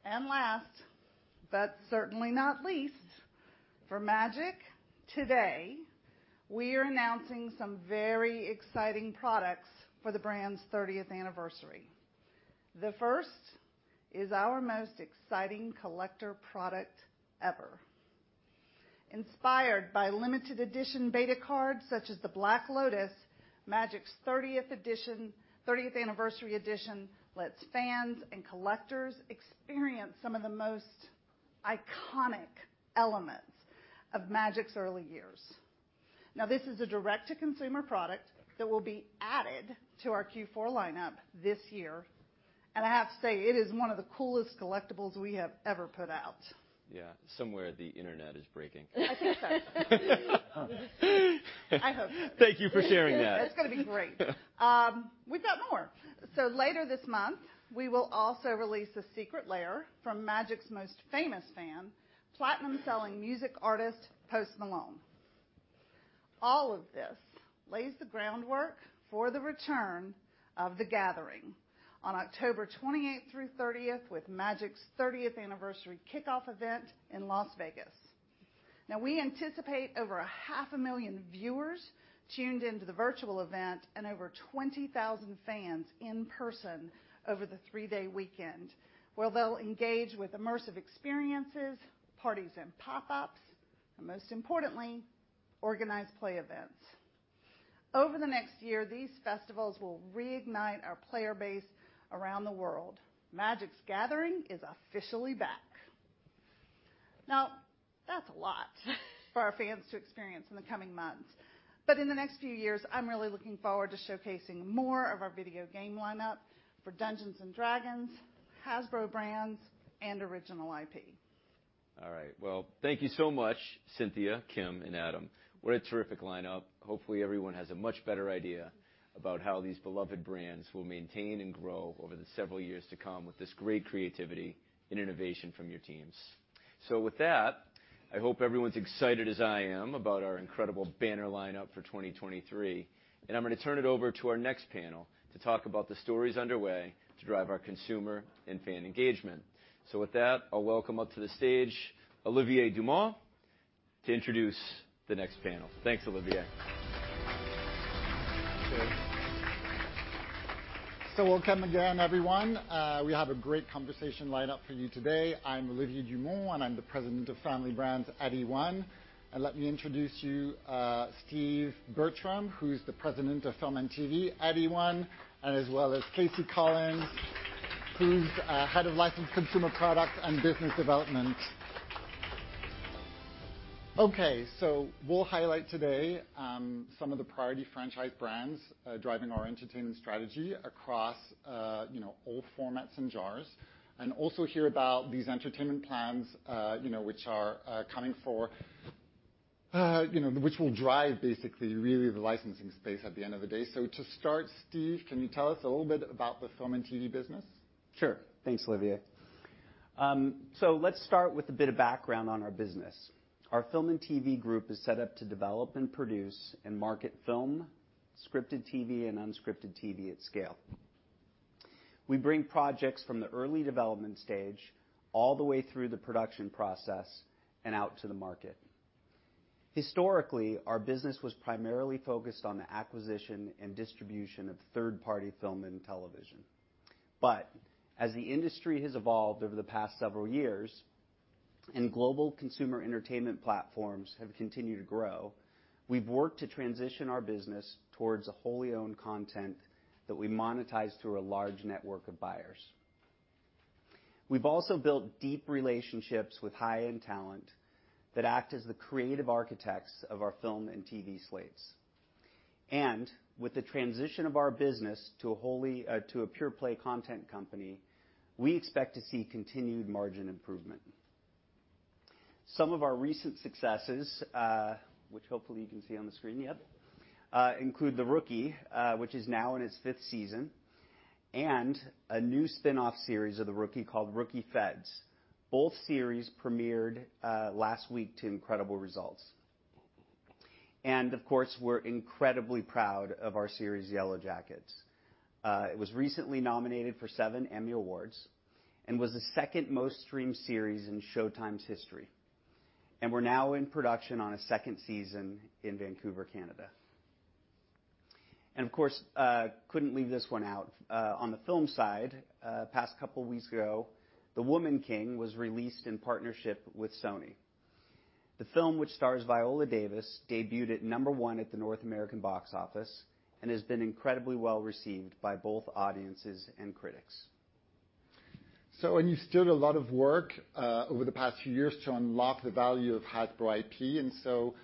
[SPEAKER 6] Last, but certainly not least, for Magic, today, we are announcing some very exciting products for the brand's thirtieth anniversary. The first is our most exciting collector product ever. Inspired by limited edition beta cards such as the Black Lotus, Magic's thirtieth anniversary edition lets fans and collectors experience some of the most iconic elements of Magic's early years. Now, this is a direct-to-consumer product that will be added to our Q4 lineup this year. I have to say, it is one of the coolest collectibles we have ever put out.
[SPEAKER 5] Yeah. Somewhere, the Internet is breaking.
[SPEAKER 6] I think so. I hope so.
[SPEAKER 5] Thank you for sharing that.
[SPEAKER 6] It's gonna be great. We've got more. Later this month, we will also release a Secret Lair from Magic: The Gathering's most famous fan, platinum-selling music artist, Post Malone. All of this lays the groundwork for the return of Magic: The Gathering on October 28th through 30th with Magic: The Gathering's 30th anniversary kickoff event in Las Vegas. We anticipate over 500,000 viewers tuned into the virtual event and over 20,000 fans in person over the three-day weekend, where they'll engage with immersive experiences, parties and pop-ups, and most importantly, organized play events. Over the next year, these festivals will reignite our player base around the world. Magic: The Gathering is officially back. That's a lot for our fans to experience in the coming months. In the next few years, I'm really looking forward to showcasing more of our video game lineup for Dungeons & Dragons, Hasbro brands, and original IP.
[SPEAKER 5] All right. Well, thank you so much, Cynthia, Kim, and Adam. What a terrific lineup. Hopefully, everyone has a much better idea about how these beloved brands will maintain and grow over the several years to come with this great creativity and innovation from your teams. With that, I hope everyone's excited as I am about our incredible banner lineup for 2023. I'm gonna turn it over to our next panel to talk about the stories underway to drive our consumer and fan engagement. With that, I'll welcome up to the stage Olivier Dumont to introduce the next panel. Thanks, Olivier.
[SPEAKER 9] Welcome again, everyone. We have a great conversation lined up for you today. I'm Olivier Dumont, and I'm the President of Family Brands at eOne. Let me introduce you Steve Bertram, who's the President of Film and TV at eOne, and as well as Casey Collins, who's Head of Licensed Consumer Products and Business Development. Okay. We'll highlight today some of the priority franchise brands driving our entertainment strategy across you know, all formats and genres, and also hear about these entertainment plans you know, which will drive basically really the licensing space at the end of the day. To start, Steve, can you tell us a little bit about the Film and TV business?
[SPEAKER 10] Sure. Thanks, Olivier. Let's start with a bit of background on our business. Our Film and TV group is set up to develop and produce and market film, scripted TV, and unscripted TV at scale. We bring projects from the early development stage all the way through the production process and out to the market. Historically, our business was primarily focused on the acquisition and distribution of third-party film and television. As the industry has evolved over the past several years and global consumer entertainment platforms have continued to grow, we've worked to transition our business towards a wholly owned content that we monetize through a large network of buyers. We've also built deep relationships with high-end talent that act as the creative architects of our film and TV slates. With the transition of our business to a pure-play content company, we expect to see continued margin improvement. Some of our recent successes, which hopefully you can see on the screen, include The Rookie, which is now in its fifth season, and a new spin-off series of The Rookie called The Rookie: Feds. Both series premiered last week to incredible results. Of course, we're incredibly proud of our series, Yellowjackets. It was recently nominated for seven Emmy Awards and was the second most-streamed series in Showtime's history. We're now in production on a second season in Vancouver, Canada. Of course, couldn't leave this one out. On the film side, a couple weeks ago, The Woman King was released in partnership with Sony. The film, which stars Viola Davis, debuted at number one at the North American box office and has been incredibly well-received by both audiences and critics.
[SPEAKER 9] You've done a lot of work over the past few years to unlock the value of Hasbro IP, and so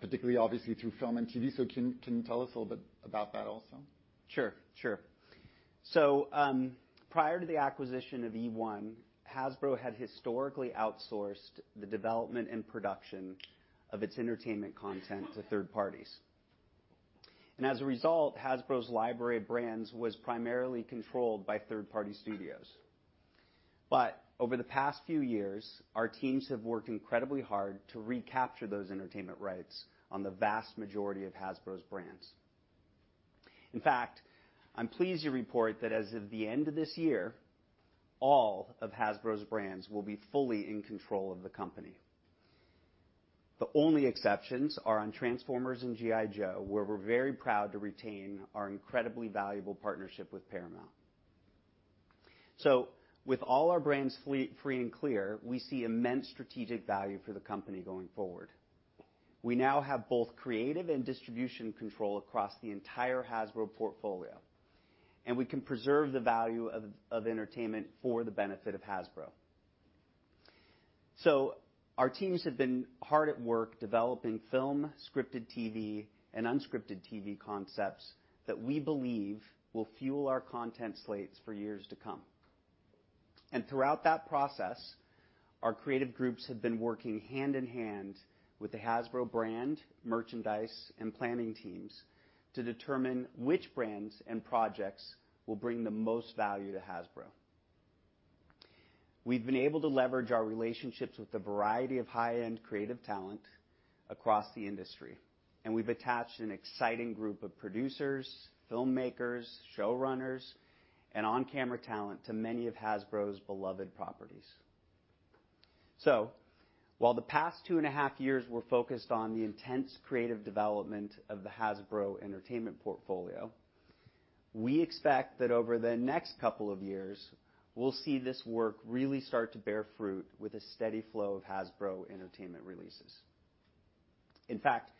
[SPEAKER 9] particularly obviously through film and TV. Can you tell us a little bit about that also?
[SPEAKER 10] Sure, sure. Prior to the acquisition of eOne, Hasbro had historically outsourced the development and production of its entertainment content to third parties. As a result, Hasbro's library of brands was primarily controlled by third-party studios. Over the past few years, our teams have worked incredibly hard to recapture those entertainment rights on the vast majority of Hasbro's brands. In fact, I'm pleased to report that as of the end of this year, all of Hasbro's brands will be fully in control of the company. The only exceptions are on Transformers and G.I. Joe, where we're very proud to retain our incredibly valuable partnership with Paramount. With all our brands free and clear, we see immense strategic value for the company going forward. We now have both creative and distribution control across the entire Hasbro portfolio, and we can preserve the value of entertainment for the benefit of Hasbro. Our teams have been hard at work developing film, scripted TV, and unscripted TV concepts that we believe will fuel our content slates for years to come. Throughout that process, our creative groups have been working hand in hand with the Hasbro brand, merchandise, and planning teams to determine which brands and projects will bring the most value to Hasbro. We've been able to leverage our relationships with a variety of high-end creative talent across the industry, and we've attached an exciting group of producers, filmmakers, showrunners, and on-camera talent to many of Hasbro's beloved properties. While the past two and a half years were focused on the intense creative development of the Hasbro entertainment portfolio, we expect that over the next couple of years, we'll see this work really start to bear fruit with a steady flow of Hasbro entertainment releases. In fact,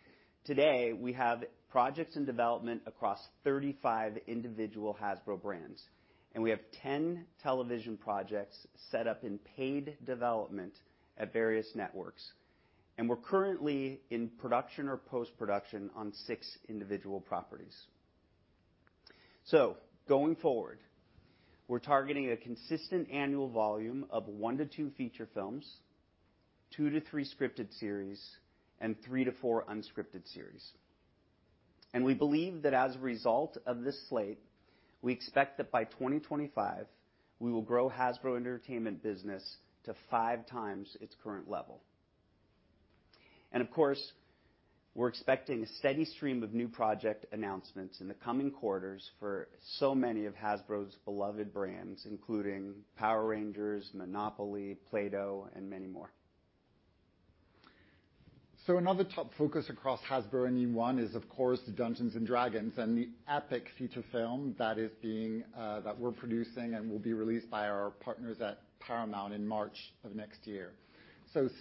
[SPEAKER 10] today, we have projects in development across 35 individual Hasbro brands, and we have 10 television projects set up in paid development at various networks. We're currently in production or post-production on six individual properties. Going forward, we're targeting a consistent annual volume of one to two feature films, two to three scripted series, and three to four unscripted series. We believe that as a result of this slate, we expect that by 2025, we will grow Hasbro entertainment business to five times its current level. Of course, we're expecting a steady stream of new project announcements in the coming quarters for so many of Hasbro's beloved brands, including Power Rangers, Monopoly, Play-Doh, and many more.
[SPEAKER 9] Another top focus across Hasbro and eOne is, of course, Dungeons & Dragons and the epic feature film that we're producing and will be released by our partners at Paramount in March of next year.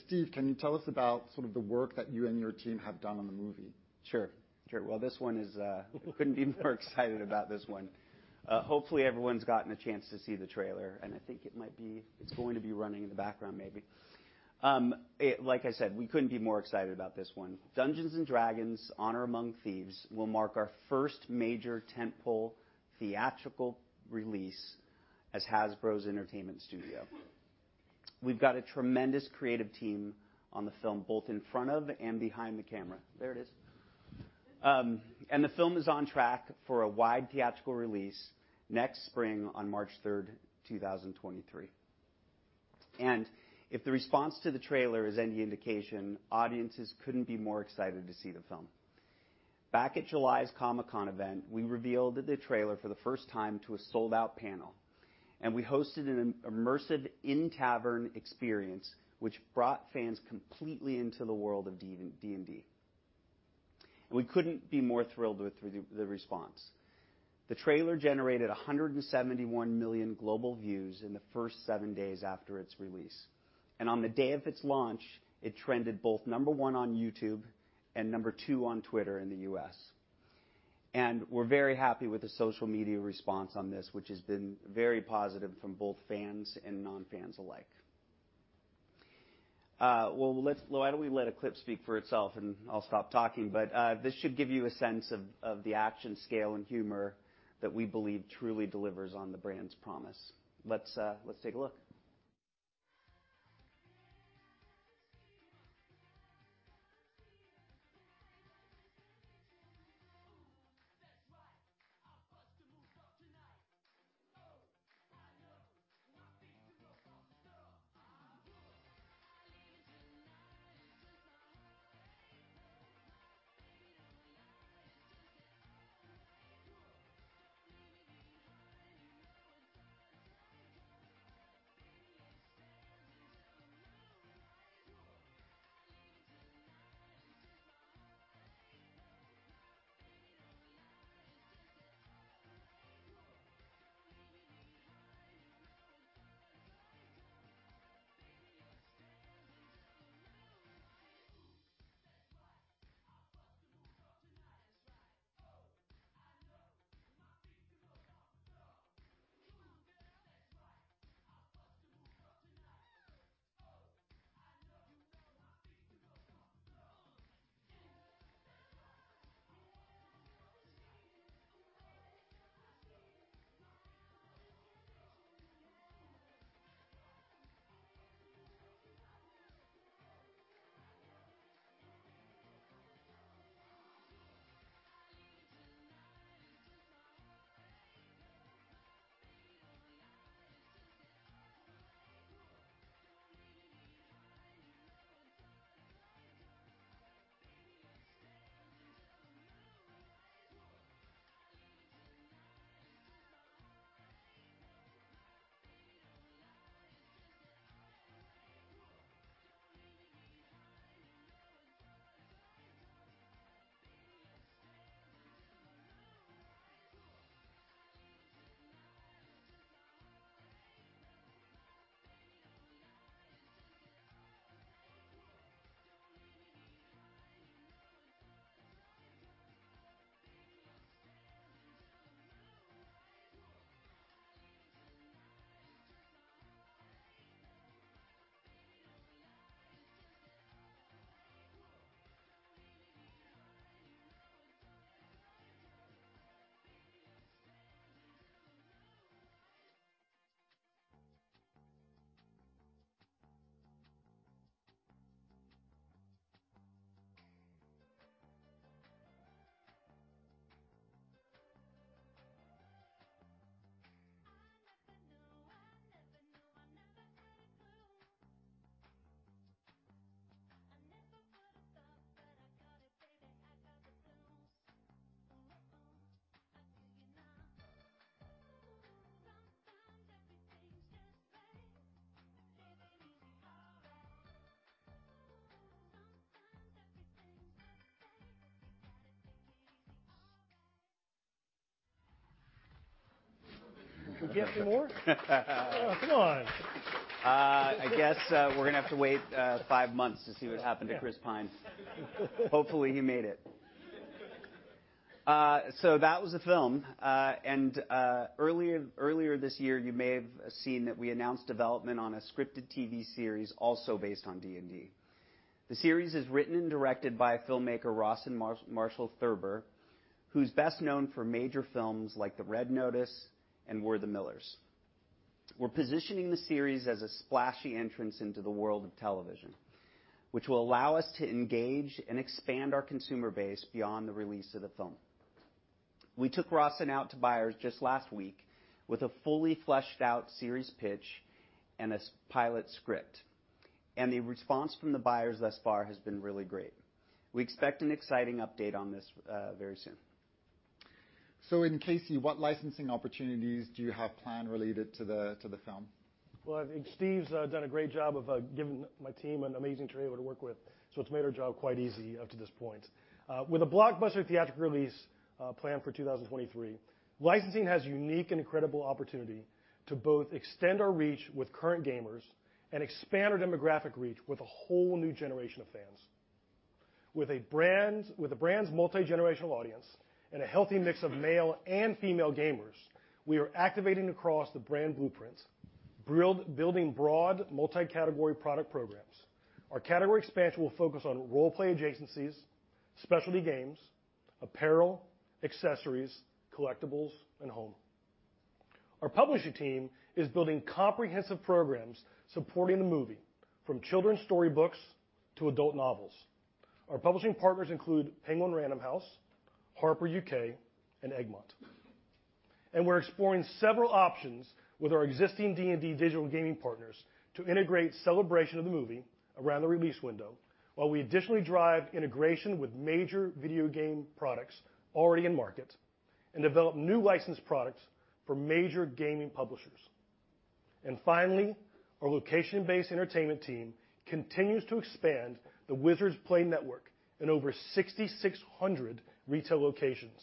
[SPEAKER 9] Steve, can you tell us about sort of the work that you and your team have done on the movie?
[SPEAKER 10] Sure, sure. Well, Couldn't be more excited about this one. Hopefully, everyone's gotten a chance to see the trailer, and I think it might be. It's going to be running in the background, maybe. Like I said, we couldn't be more excited about this one. Dungeons & Dragons: Honor Among Thieves will mark our first major tent-pole theatrical release as Hasbro's entertainment studio. We've got a tremendous creative team on the film, both in front of and behind the camera. There it is. The film is on track for a wide theatrical release next spring on March third, 2023. If the response to the trailer is any indication, audiences couldn't be more excited to see the film. Back at July's Comic-Con event, we revealed the trailer for the first time to a sold-out panel, and we hosted an immersive in-tavern experience which brought fans completely into the world of D&D. We couldn't be more thrilled with the response. The trailer generated 171 million global views in the first 7 days after its release. On the day of its launch, it trended both number one on YouTube and number two on Twitter in the U.S. We're very happy with the social media response on this, which has been very positive from both fans and non-fans alike. Why don't we let a clip speak for itself, and I'll stop talking, but this should give you a sense of the action, scale, and humor that we believe truly delivers on the brand's promise. Let's take a look.
[SPEAKER 11] Can we see more? Oh, come on.
[SPEAKER 10] I guess, we're gonna have to wait five months to see what happened to Chris Pine.
[SPEAKER 11] Yeah.
[SPEAKER 10] Hopefully, he made it. That was the film. Earlier this year, you may have seen that we announced development on a scripted TV series also based on D&D. The series is written and directed by filmmaker Rawson Marshall Thurber, who's best known for major films like Red Notice and We're the Millers. We're positioning the series as a splashy entrance into the world of television, which will allow us to engage and expand our consumer base beyond the release of the film. We took Rawson out to buyers just last week with a fully fleshed out series pitch and a pilot script, and the response from the buyers thus far has been really great. We expect an exciting update on this very soon.
[SPEAKER 9] Casey, what licensing opportunities do you have planned related to the film?
[SPEAKER 11] Well, I think Steve's done a great job of giving my team an amazing trailer to work with, so it's made our job quite easy up to this point. With a blockbuster theatrical release planned for 2023, licensing has a unique and incredible opportunity to both extend our reach with current gamers and expand our demographic reach with a whole new generation of fans. With the brand's multi-generational audience and a healthy mix of male and female gamers, we are activating across the brand blueprint, building broad multi-category product programs. Our category expansion will focus on role play adjacencies, specialty games, apparel, accessories, collectibles, and home. Our publishing team is building comprehensive programs supporting the movie from children's storybooks to adult novels. Our publishing partners include Penguin Random House, HarperCollins UK, and Egmont. We're exploring several options with our existing D&D digital gaming partners to integrate celebration of the movie around the release window, while we additionally drive integration with major video game products already in market and develop new licensed products for major gaming publishers. Finally, our location-based entertainment team continues to expand the Wizards Play Network in over 6,600 retail locations,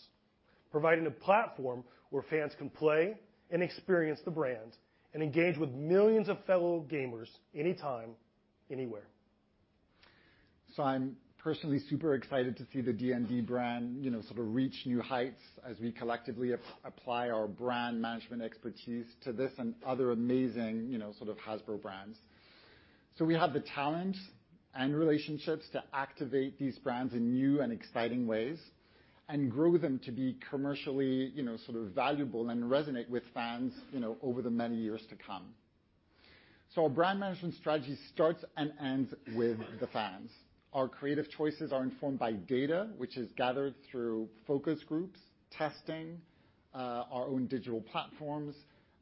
[SPEAKER 11] providing a platform where fans can play and experience the brands and engage with millions of fellow gamers anytime, anywhere.
[SPEAKER 9] I'm personally super excited to see the D&D brand, you know, sort of reach new heights as we collectively apply our brand management expertise to this and other amazing, you know, sort of Hasbro brands. We have the talent and relationships to activate these brands in new and exciting ways and grow them to be commercially, you know, sort of valuable and resonate with fans, you know, over the many years to come. Our brand management strategy starts and ends with the fans. Our creative choices are informed by data which is gathered through focus groups, testing, our own digital platforms,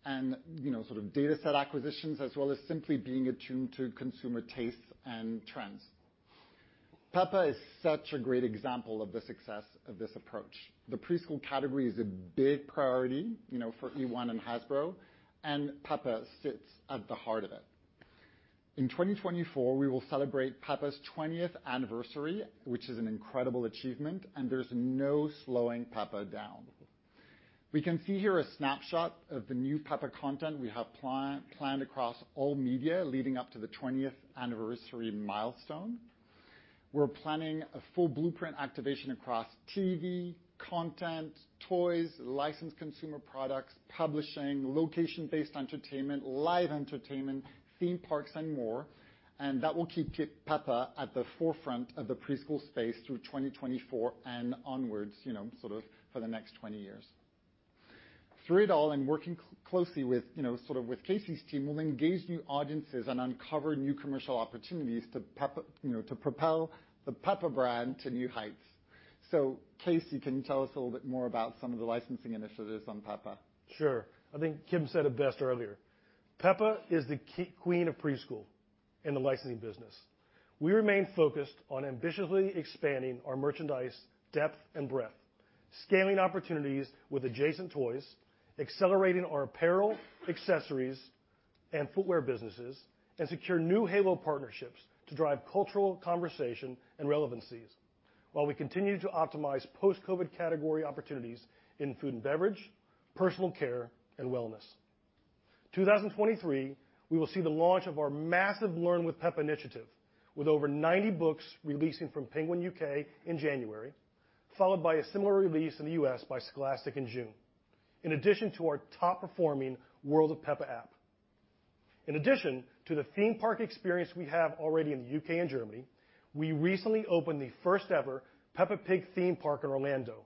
[SPEAKER 9] and, you know, sort of data set acquisitions, as well as simply being attuned to consumer tastes and trends. Peppa is such a great example of the success of this approach. The preschool category is a big priority, you know, for eOne and Hasbro, and Peppa sits at the heart of it. In 2024, we will celebrate Peppa's 20th anniversary, which is an incredible achievement, and there's no slowing Peppa down. We can see here a snapshot of the new Peppa content we have planned across all media leading up to the 20th anniversary milestone. We're planning a full blueprint activation across TV, content, toys, licensed consumer products, publishing, location-based entertainment, live entertainment, theme parks, and more. That will keep Peppa at the forefront of the preschool space through 2024 and onwards, you know, sort of for the next 20 years. Through it all and working closely with, you know, sort of with Casey's team, we'll engage new audiences and uncover new commercial opportunities to Peppa, you know, to propel the Peppa brand to new heights. Casey, can you tell us a little bit more about some of the licensing initiatives on Peppa?
[SPEAKER 11] Sure. I think Kim said it best earlier. Peppa is the queen of preschool in the licensing business. We remain focused on ambitiously expanding our merchandise depth and breadth, scaling opportunities with adjacent toys, accelerating our apparel, accessories, and footwear businesses, and secure new halo partnerships to drive cultural conversation and relevancies while we continue to optimize post-COVID category opportunities in food and beverage, personal care, and wellness. 2023, we will see the launch of our massive Learn with Peppa initiative, with over 90 books releasing from Penguin UK in January, followed by a similar release in the US by Scholastic in June, in addition to our top-performing World of Peppa app. In addition to the theme park experience we have already in the U.K. and Germany, we recently opened the first ever Peppa Pig theme park in Orlando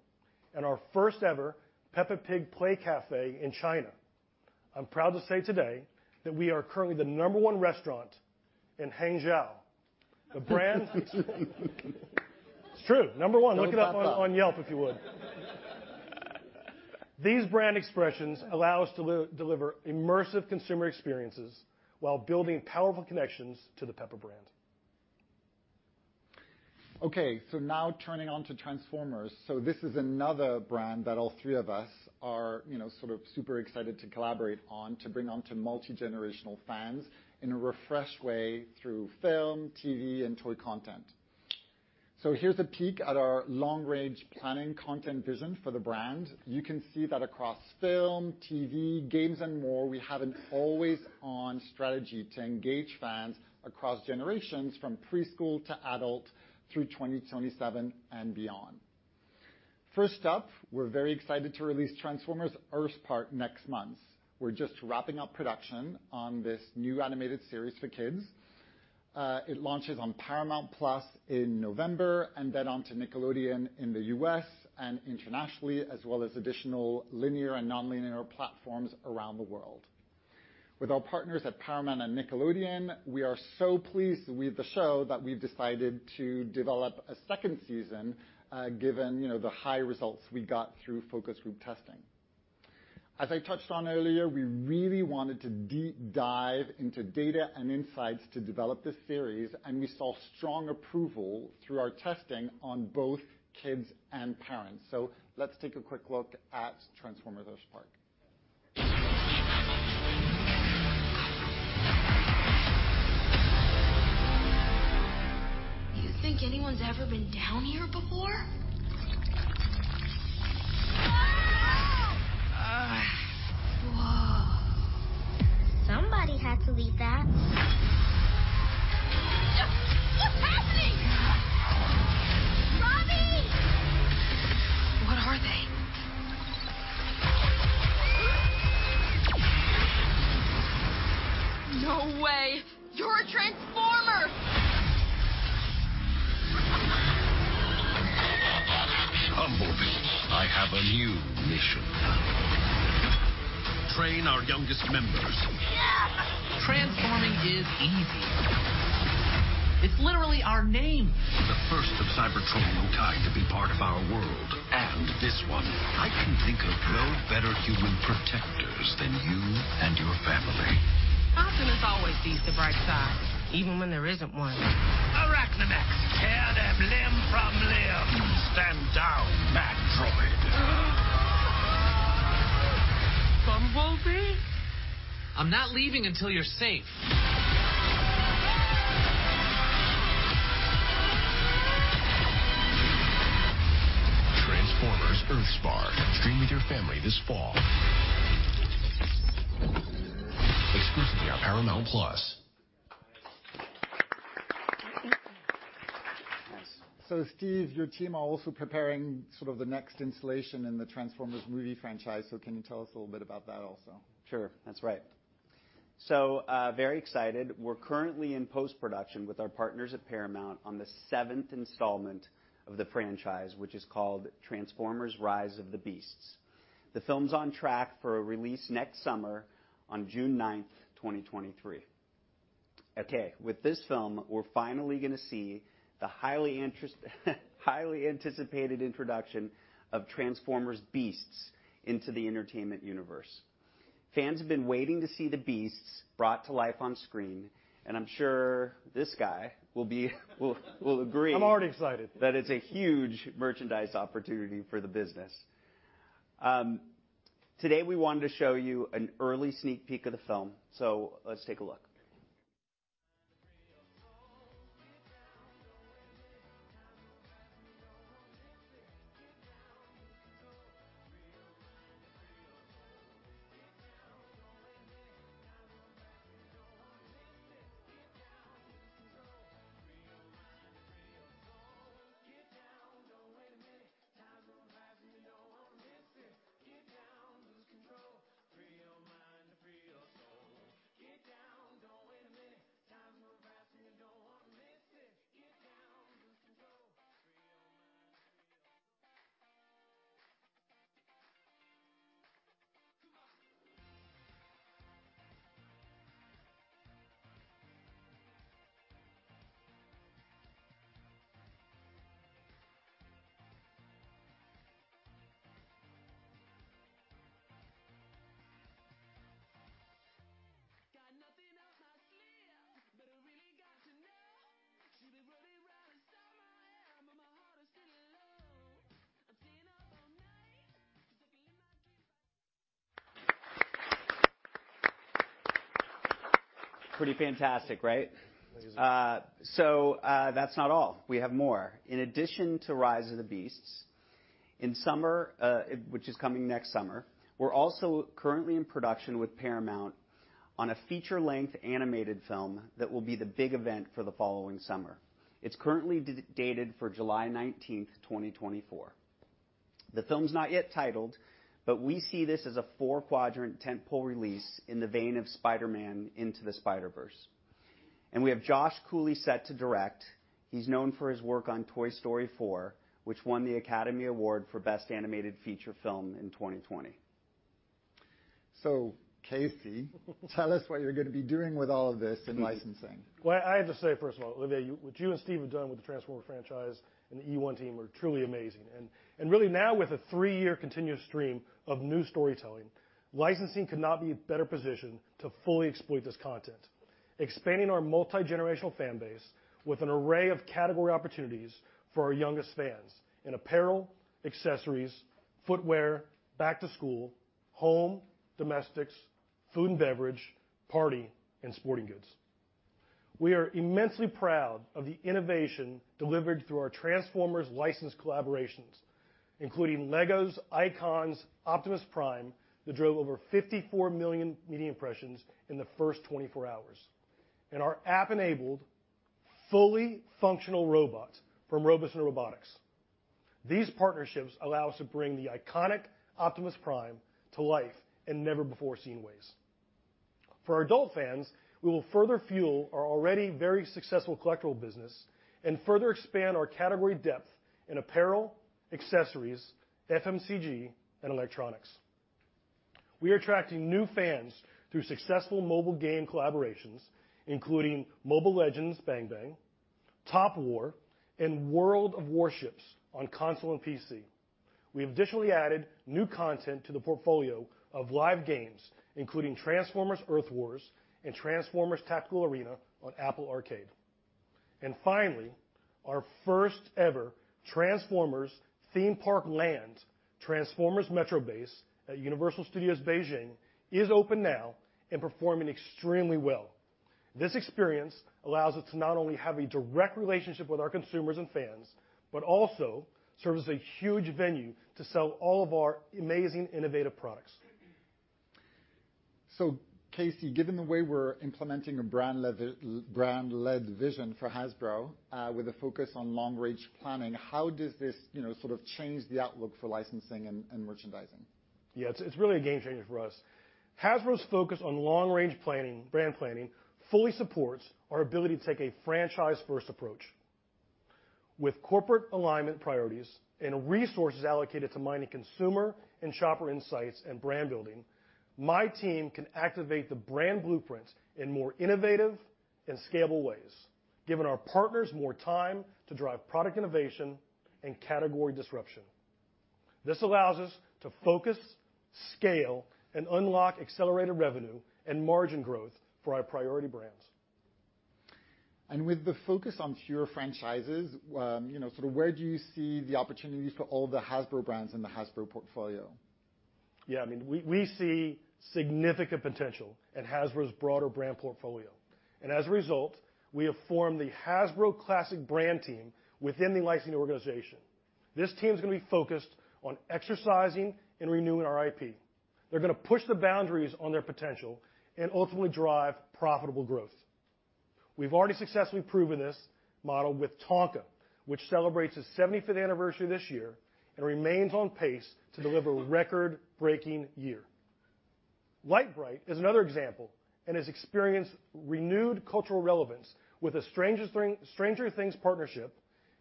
[SPEAKER 11] and our first ever Peppa Pig Play Café in China. I'm proud to say today that we are currently the number one restaurant in Hangzhou. The brand. It's true. Number one.
[SPEAKER 9] Look it up, Peppa.
[SPEAKER 11] Look it up on Yelp, if you would. These brand expressions allow us to deliver immersive consumer experiences while building powerful connections to the Peppa brand.
[SPEAKER 9] Okay. Now turning on to Transformers. This is another brand that all three of us are, you know, sort of super excited to collaborate on to bring on to multi-generational fans in a refreshed way through film, TV, and toy content. Here's a peek at our long-range planning content vision for the brand. You can see that across film, TV, games, and more, we have an always-on strategy to engage fans across generations from preschool to adult through 2027 and beyond. First up, we're very excited to release Transformers: EarthSpark next month. We're just wrapping up production on this new animated series for kids. It launches on Paramount+ in November and then onto Nickelodeon in the U.S. and internationally, as well as additional linear and nonlinear platforms around the world. With our partners at Paramount and Nickelodeon, we are so pleased with the show that we've decided to develop a second season, given the high results we got through focus group testing. As I touched on earlier, we really wanted to deep dive into data and insights to develop this series, and we saw strong approval through our testing on both kids and parents. Let's take a quick look at Transformers: EarthSpark.
[SPEAKER 3] You think anyone's ever been down here before? Somebody had to leave that. What's happening? Robbie. What are they? No way. You're a Transformer. Bumblebee, I have a new mission. Train our youngest members. Yeah. Transforming is easy. It's literally our name. The first of Cybertron kind to be part of our world. This one. I can think of no better human protectors than you and your family. Optimus always sees the bright side, even when there isn't one. Arachnamech, tear them limb from limb. Stand down, Mandroid. Bumblebee? I'm not leaving until you're safe. Transformers: EarthSpark. Stream with your family this fall. Exclusively on Paramount+.
[SPEAKER 9] Steve, your team are also preparing sort of the next installment in the Transformers movie franchise. Can you tell us a little bit about that also?
[SPEAKER 10] Sure. That's right. Very excited. We're currently in post-production with our partners at Paramount on the seventh installment of the franchise, which is called Transformers: Rise of the Beasts. The film's on track for a release next summer on June 9, 2023. Okay, with this film, we're finally gonna see the highly anticipated introduction of Transformers beasts into the entertainment universe. Fans have been waiting to see the beasts brought to life on screen, and I'm sure this guy will agree.
[SPEAKER 9] I'm already excited.
[SPEAKER 10] that it's a huge merchandise opportunity for the business. Today we wanted to show you an early sneak peek of the film. Let's take a look. Pretty fantastic, right?
[SPEAKER 9] Amazing.
[SPEAKER 10] That's not all. We have more. In addition to Rise of the Beasts in summer, which is coming next summer, we're also currently in production with Paramount on a feature length animated film that will be the big event for the following summer. It's currently dated for July 19, 2024. The film's not yet titled, but we see this as a four-quadrant tent-pole release in the vein of Spider-Man: Into the Spider-Verse. We have Josh Cooley set to direct. He's known for his work on Toy Story 4, which won the Academy Award for Best Animated Feature Film in 2020.
[SPEAKER 9] Casey, tell us what you're gonna be doing with all of this in licensing?
[SPEAKER 11] Well, I have to say, first of all, Olivier, what you and Steve have done with the Transformers franchise and the eOne team is truly amazing. Really now with a three-year continuous stream of new storytelling, licensing could not be better positioned to fully exploit this content. Expanding our multi-generational fan base with an array of category opportunities for our youngest fans in apparel, accessories, footwear, back to school, home, domestics, food and beverage, party, and sporting goods. We are immensely proud of the innovation delivered through our Transformers licensed collaborations, including LEGO's Icons Optimus Prime, that drove over 54 million media impressions in the first 24 hours. Our app-enabled, fully functional robot from Robosen Robotics. These partnerships allow us to bring the iconic Optimus Prime to life in never-before-seen ways. For our adult fans, we will further fuel our already very successful collectible business and further expand our category depth in apparel, accessories, FMCG, and electronics. We are attracting new fans through successful mobile game collaborations, including Mobile Legends: Bang Bang, Top War, and World of Warships on console and PC. We have additionally added new content to the portfolio of live games, including Transformers: Earth Wars and Transformers: Tactical Arena on Apple Arcade. Finally, our first ever Transformers theme park land, Transformers Metrobase at Universal Studios Beijing, is open now and performing extremely well. This experience allows us to not only have a direct relationship with our consumers and fans, but also serves as a huge venue to sell all of our amazing, innovative products.
[SPEAKER 9] Casey, given the way we're implementing a brand-led vision for Hasbro, with a focus on long-range planning, how does this, you know, sort of change the outlook for licensing and merchandising?
[SPEAKER 11] Yeah, it's really a game changer for us. Hasbro's focus on long-range planning, brand planning, fully supports our ability to take a franchise-first approach. With corporate alignment priorities and resources allocated to mining consumer and shopper insights and brand building, my team can activate the brand blueprints in more innovative and scalable ways, giving our partners more time to drive product innovation and category disruption. This allows us to focus, scale, and unlock accelerated revenue and margin growth for our priority brands.
[SPEAKER 9] With the focus on pure franchises, you know, sort of where do you see the opportunities for all the Hasbro brands in the Hasbro portfolio?
[SPEAKER 11] Yeah, I mean, we see significant potential at Hasbro's broader brand portfolio. As a result, we have formed the Hasbro Classic brand team within the licensing organization. This team's gonna be focused on exercising and renewing our IP. They're gonna push the boundaries on their potential and ultimately drive profitable growth. We've already successfully proven this model with Tonka, which celebrates its 75th anniversary this year and remains on pace to deliver a record-breaking year. Lite-Brite is another example and has experienced renewed cultural relevance with a Stranger Things partnership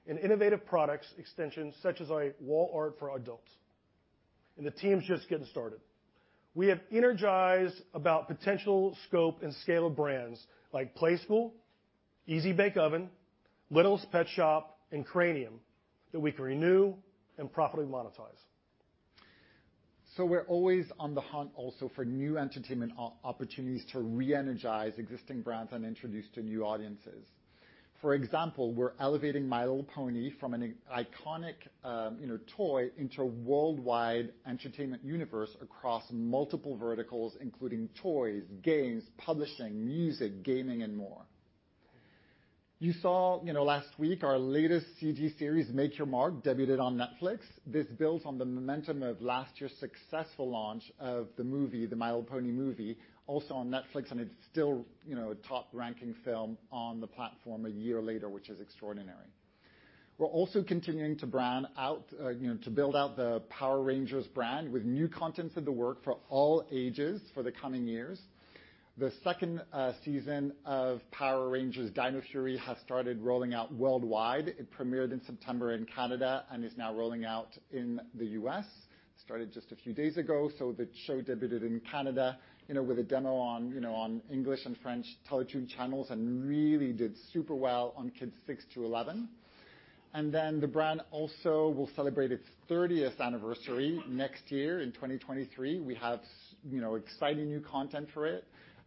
[SPEAKER 11] and innovative product extensions such as our wall art for adults. The team's just getting started. We are energized about the potential scope and scale of brands like Playskool, Easy-Bake Oven, Littlest Pet Shop, and Cranium that we can renew and properly monetize.
[SPEAKER 9] We're always on the hunt also for new entertainment opportunities to re-energize existing brands and introduce to new audiences. For example, we're elevating My Little Pony from an iconic, you know, toy into a worldwide entertainment universe across multiple verticals, including toys, games, publishing, music, gaming, and more. You saw, you know, last week our latest CG series, Make Your Mark, debuted on Netflix. This builds on the momentum of last year's successful launch of the movie, The My Little Pony Movie, also on Netflix, and it's still, you know, a top-ranking film on the platform a year later, which is extraordinary. We're also continuing to build out the Power Rangers brand with new content in the works for all ages for the coming years. The second season of Power Rangers Dino Fury has started rolling out worldwide. It premiered in September in Canada and is now rolling out in the U.S. It started just a few days ago, so the show debuted in Canada, you know, with a demo on, you know, on English and French Teletoon channels and really did super well on kids six to 11. Then the brand also will celebrate its 30th anniversary next year in 2023. We have you know, exciting new content for it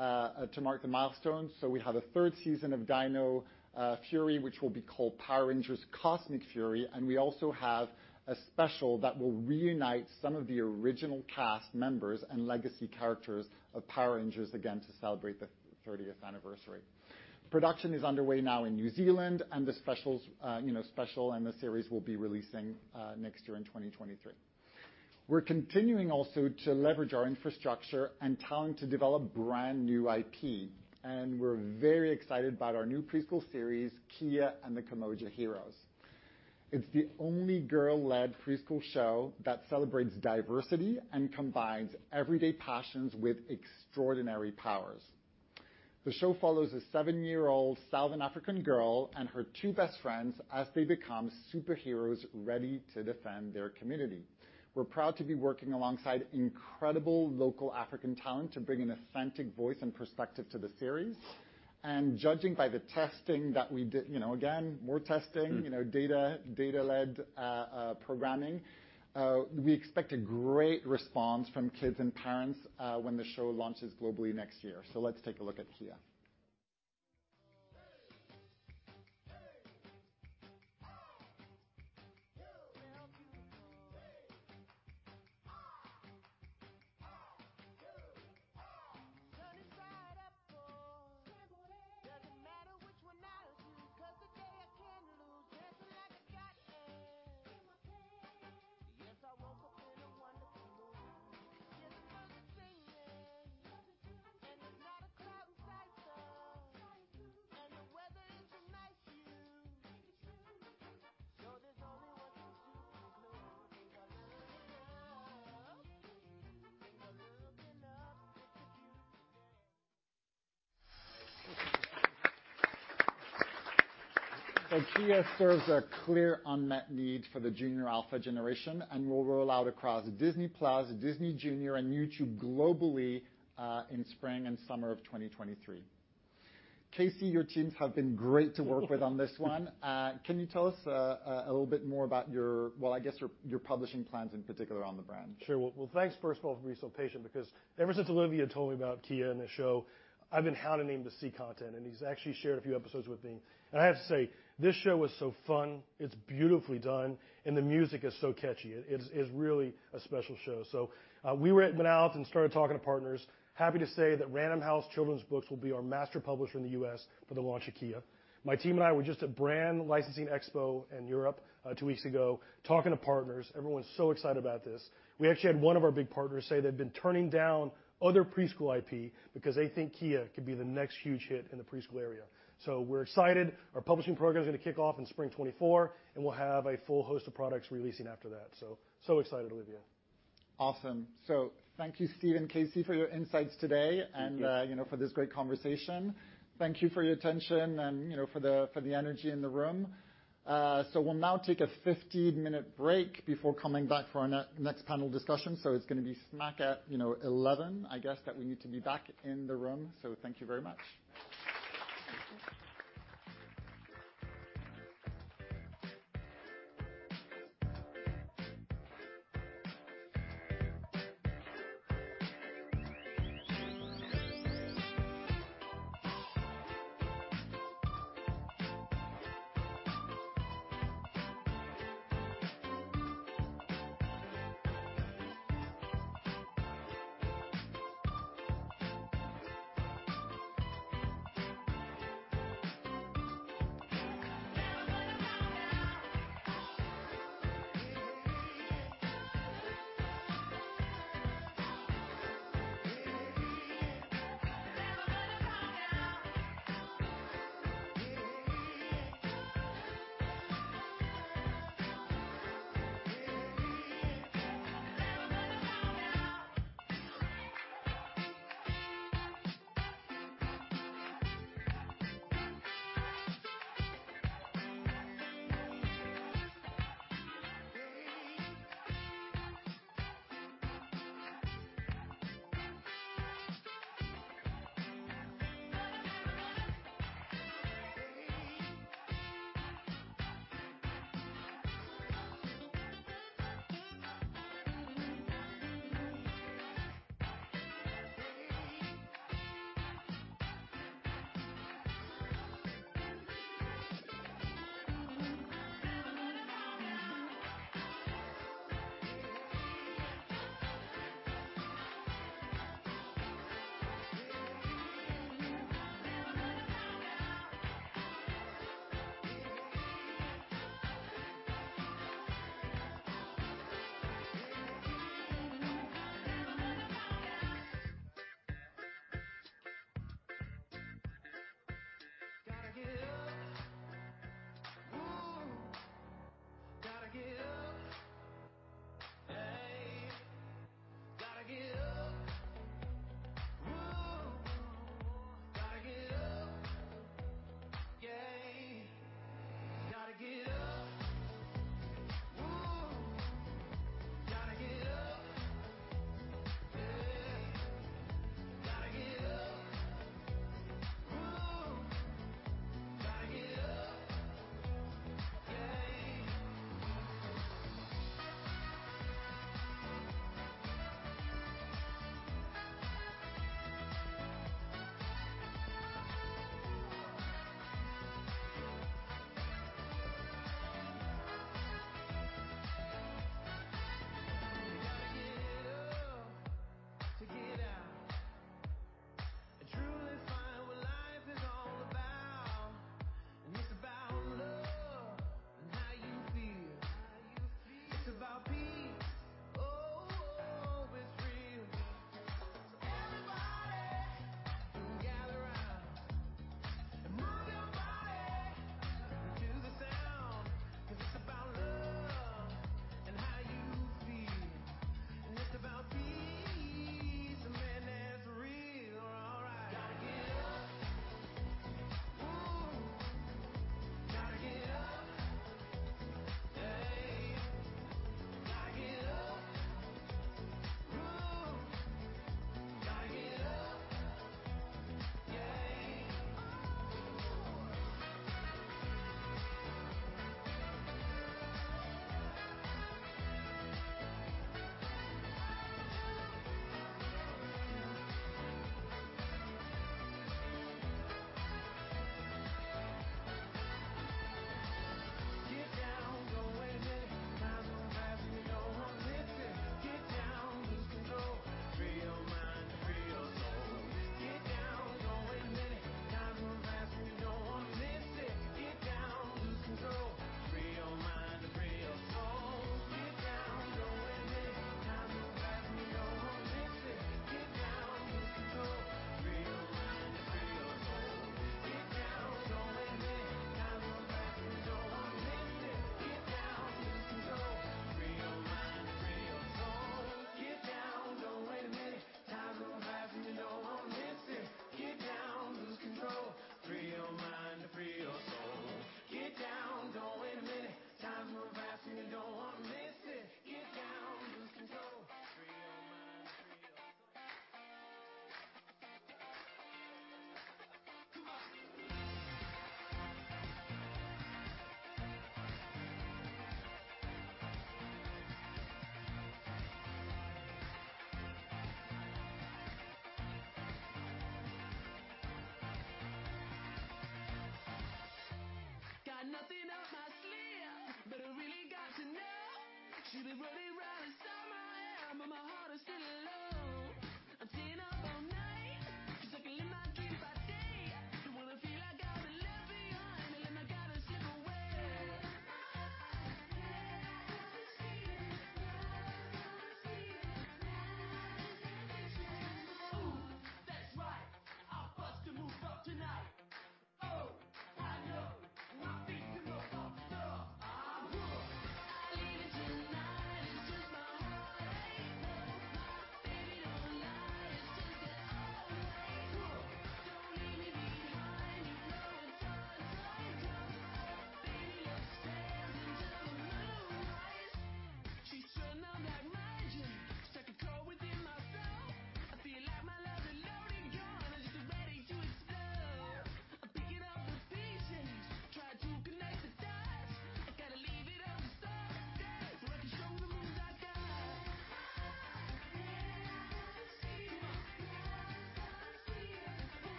[SPEAKER 9] to mark the milestone. We have a third season of Dino Fury, which will be called Power Rangers Cosmic Fury, and we also have a special that will reunite some of the original cast members and legacy characters of Power Rangers again to celebrate the 30th anniversary. Production is underway now in New Zealand and the specials and the series will be releasing next year in 2023. We're continuing also to leverage our infrastructure and talent to develop brand-new IP, and we're very excited about our new preschool series, Kiya & the Kimoja Heroes. It's the only girl-led preschool show that celebrates diversity and combines everyday passions with extraordinary powers. The show follows a seven-year-old Southern African girl and her two best friends as they become superheroes ready to defend their community. We're proud to be working alongside incredible local African talent to bring an authentic voice and perspective to the series. Judging by the testing that we did, more testing.
[SPEAKER 11] Mm-hmm.
[SPEAKER 9] You know, data-led programming, we expect a great response from kids and parents, when the show launches globally next year. Let's take a look at Kiya.
[SPEAKER 3] Hey. You. Well, good morning. Got you. Sun is right up above. Doesn't matter which one I use 'cause today I can't lose. Dancing like I got ants in my pants. Yes, I woke up in a wonderful mood. Birds are singing. There's not a cloud in sight, son. The weather is so nice, dude. There's only one conclusion. Think I'm looking up. It's a beautiful day.
[SPEAKER 9] Kiya serves a clear unmet need for the junior alpha generation and will roll out across Disney+, Disney Junior, and YouTube globally in spring and summer of 2023. Casey, your teams have been great to work with on this one. Can you tell us a little bit more about your, well, I guess your publishing plans in particular on the brand?
[SPEAKER 11] Sure. Well, thanks first of all for being so patient because ever since Olivier told me about Kiya and the show, I've been hounding him to see content, and he's actually shared a few episodes with me. I have to say, this show is so fun, it's beautifully done, and the music is so catchy. It is really a special show. We went out and started talking to partners. Happy to say that Random House Children's Books will be our master publisher in the US for the launch of Kiya. My team and I were just at Brand Licensing Europe in Europe two weeks ago, talking to partners. Everyone's so excited about this. We actually had one of our big partners say they've been turning down other preschool IP because they think Kiya could be the next huge hit in the preschool area. We're excited. Our publishing program is gonna kick off in spring 2024, and we'll have a full host of products releasing after that. so excited, Olivier.
[SPEAKER 9] Awesome. Thank you, Steve and Casey, for your insights today.
[SPEAKER 10] Thank you.
[SPEAKER 9] You know, for this great conversation. Thank you for your attention and, you know, for the energy in the room. We'll now take a 15-minute break before coming back for our next panel discussion. It's gonna be smack at 11, I guess, that we need to be back in the room. Thank you very much.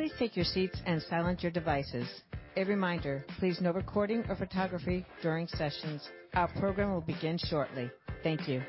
[SPEAKER 1] Please take your seats and silence your devices. A reminder, please no recording or photography during sessions. Our program will begin shortly. Thank you.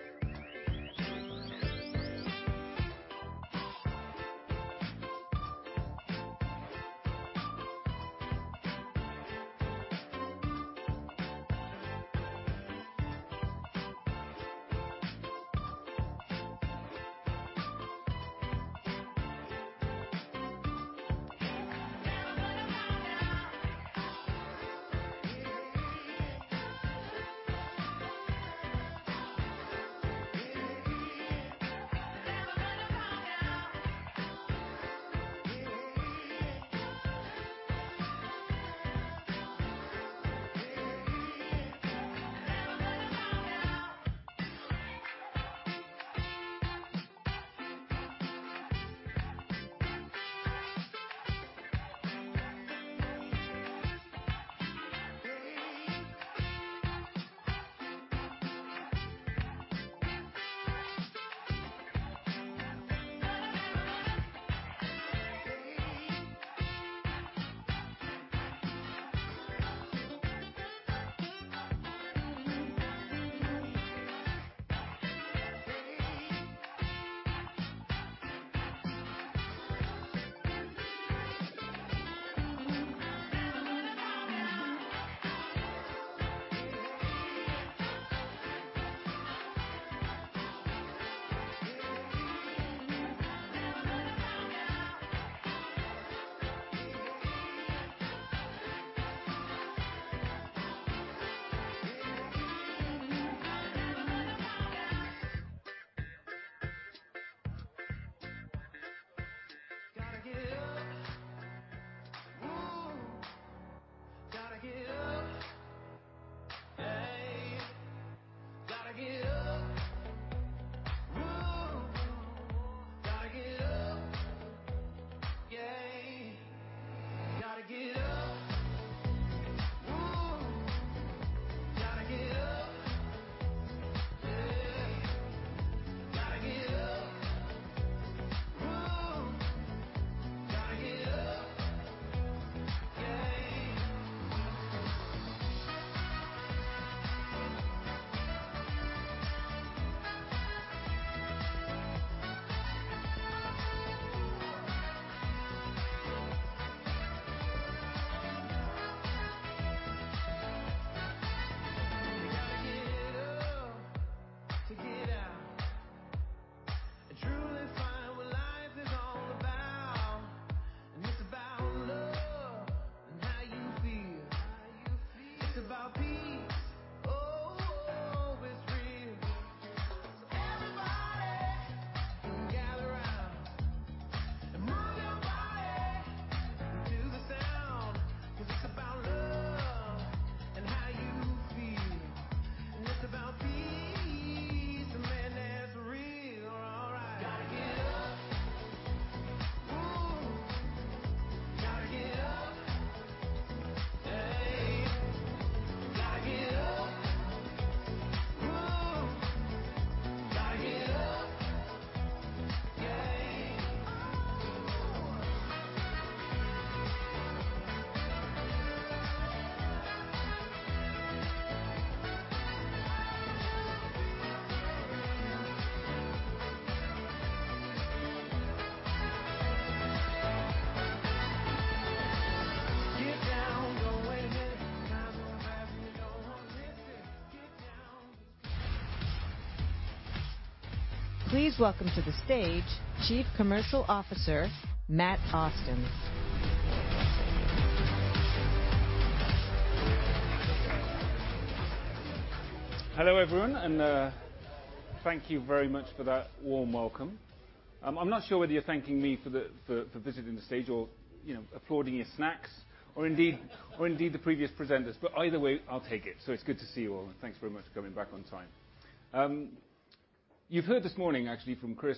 [SPEAKER 12] You've heard this morning, actually from Chris,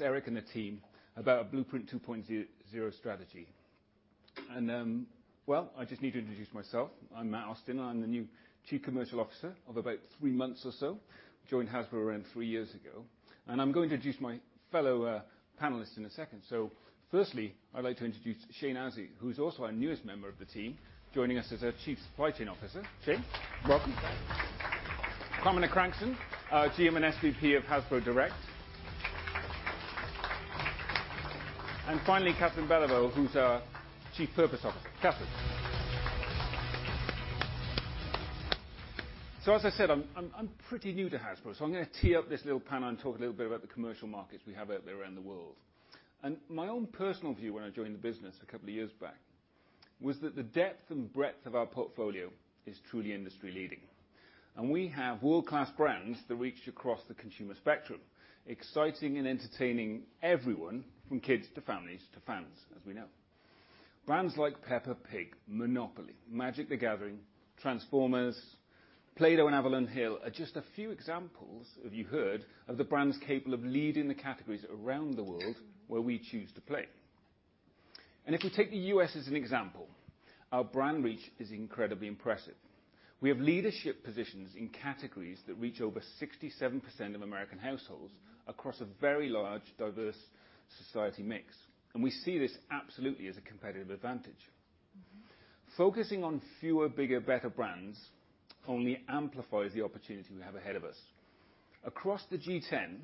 [SPEAKER 12] Eric, and the team about a Blueprint 2.0 strategy. Well, I just need to introduce myself. I'm Matt Austin. I'm the new Chief Commercial Officer of about three months or so. Joined Hasbro around three years ago. I'm gonna introduce my fellow panelists in a second. Firstly, I'd like to introduce Shane Azzi, who's also our newest member of the team, joining us as our Chief Supply Chain Officer. Shane, welcome. Kwamina Crankson, our GM and SVP of Hasbro Direct. Finally, Kathrin Belliveau, who's our Chief Purpose Officer. Kathrin. As I said, I'm pretty new to Hasbro, so I'm gonna tee up this little panel and talk a little bit about the commercial markets we have out there around the world. My own personal view when I joined the business a couple of years back was that the depth and breadth of our portfolio is truly industry leading. We have world-class brands that reach across the consumer spectrum, exciting and entertaining everyone from kids to families to fans, as we know. Brands like Peppa Pig, Monopoly, Magic: The Gathering, Transformers, Play-Doh and Avalon Hill are just a few examples of the brands you've heard of capable of leading the categories around the world where we choose to play. If we take the U.S. as an example, our brand reach is incredibly impressive. We have leadership positions in categories that reach over 67% of American households across a very large, diverse society mix. We see this absolutely as a competitive advantage. Focusing on fewer, bigger, better brands only amplifies the opportunity we have ahead of us. Across the G10,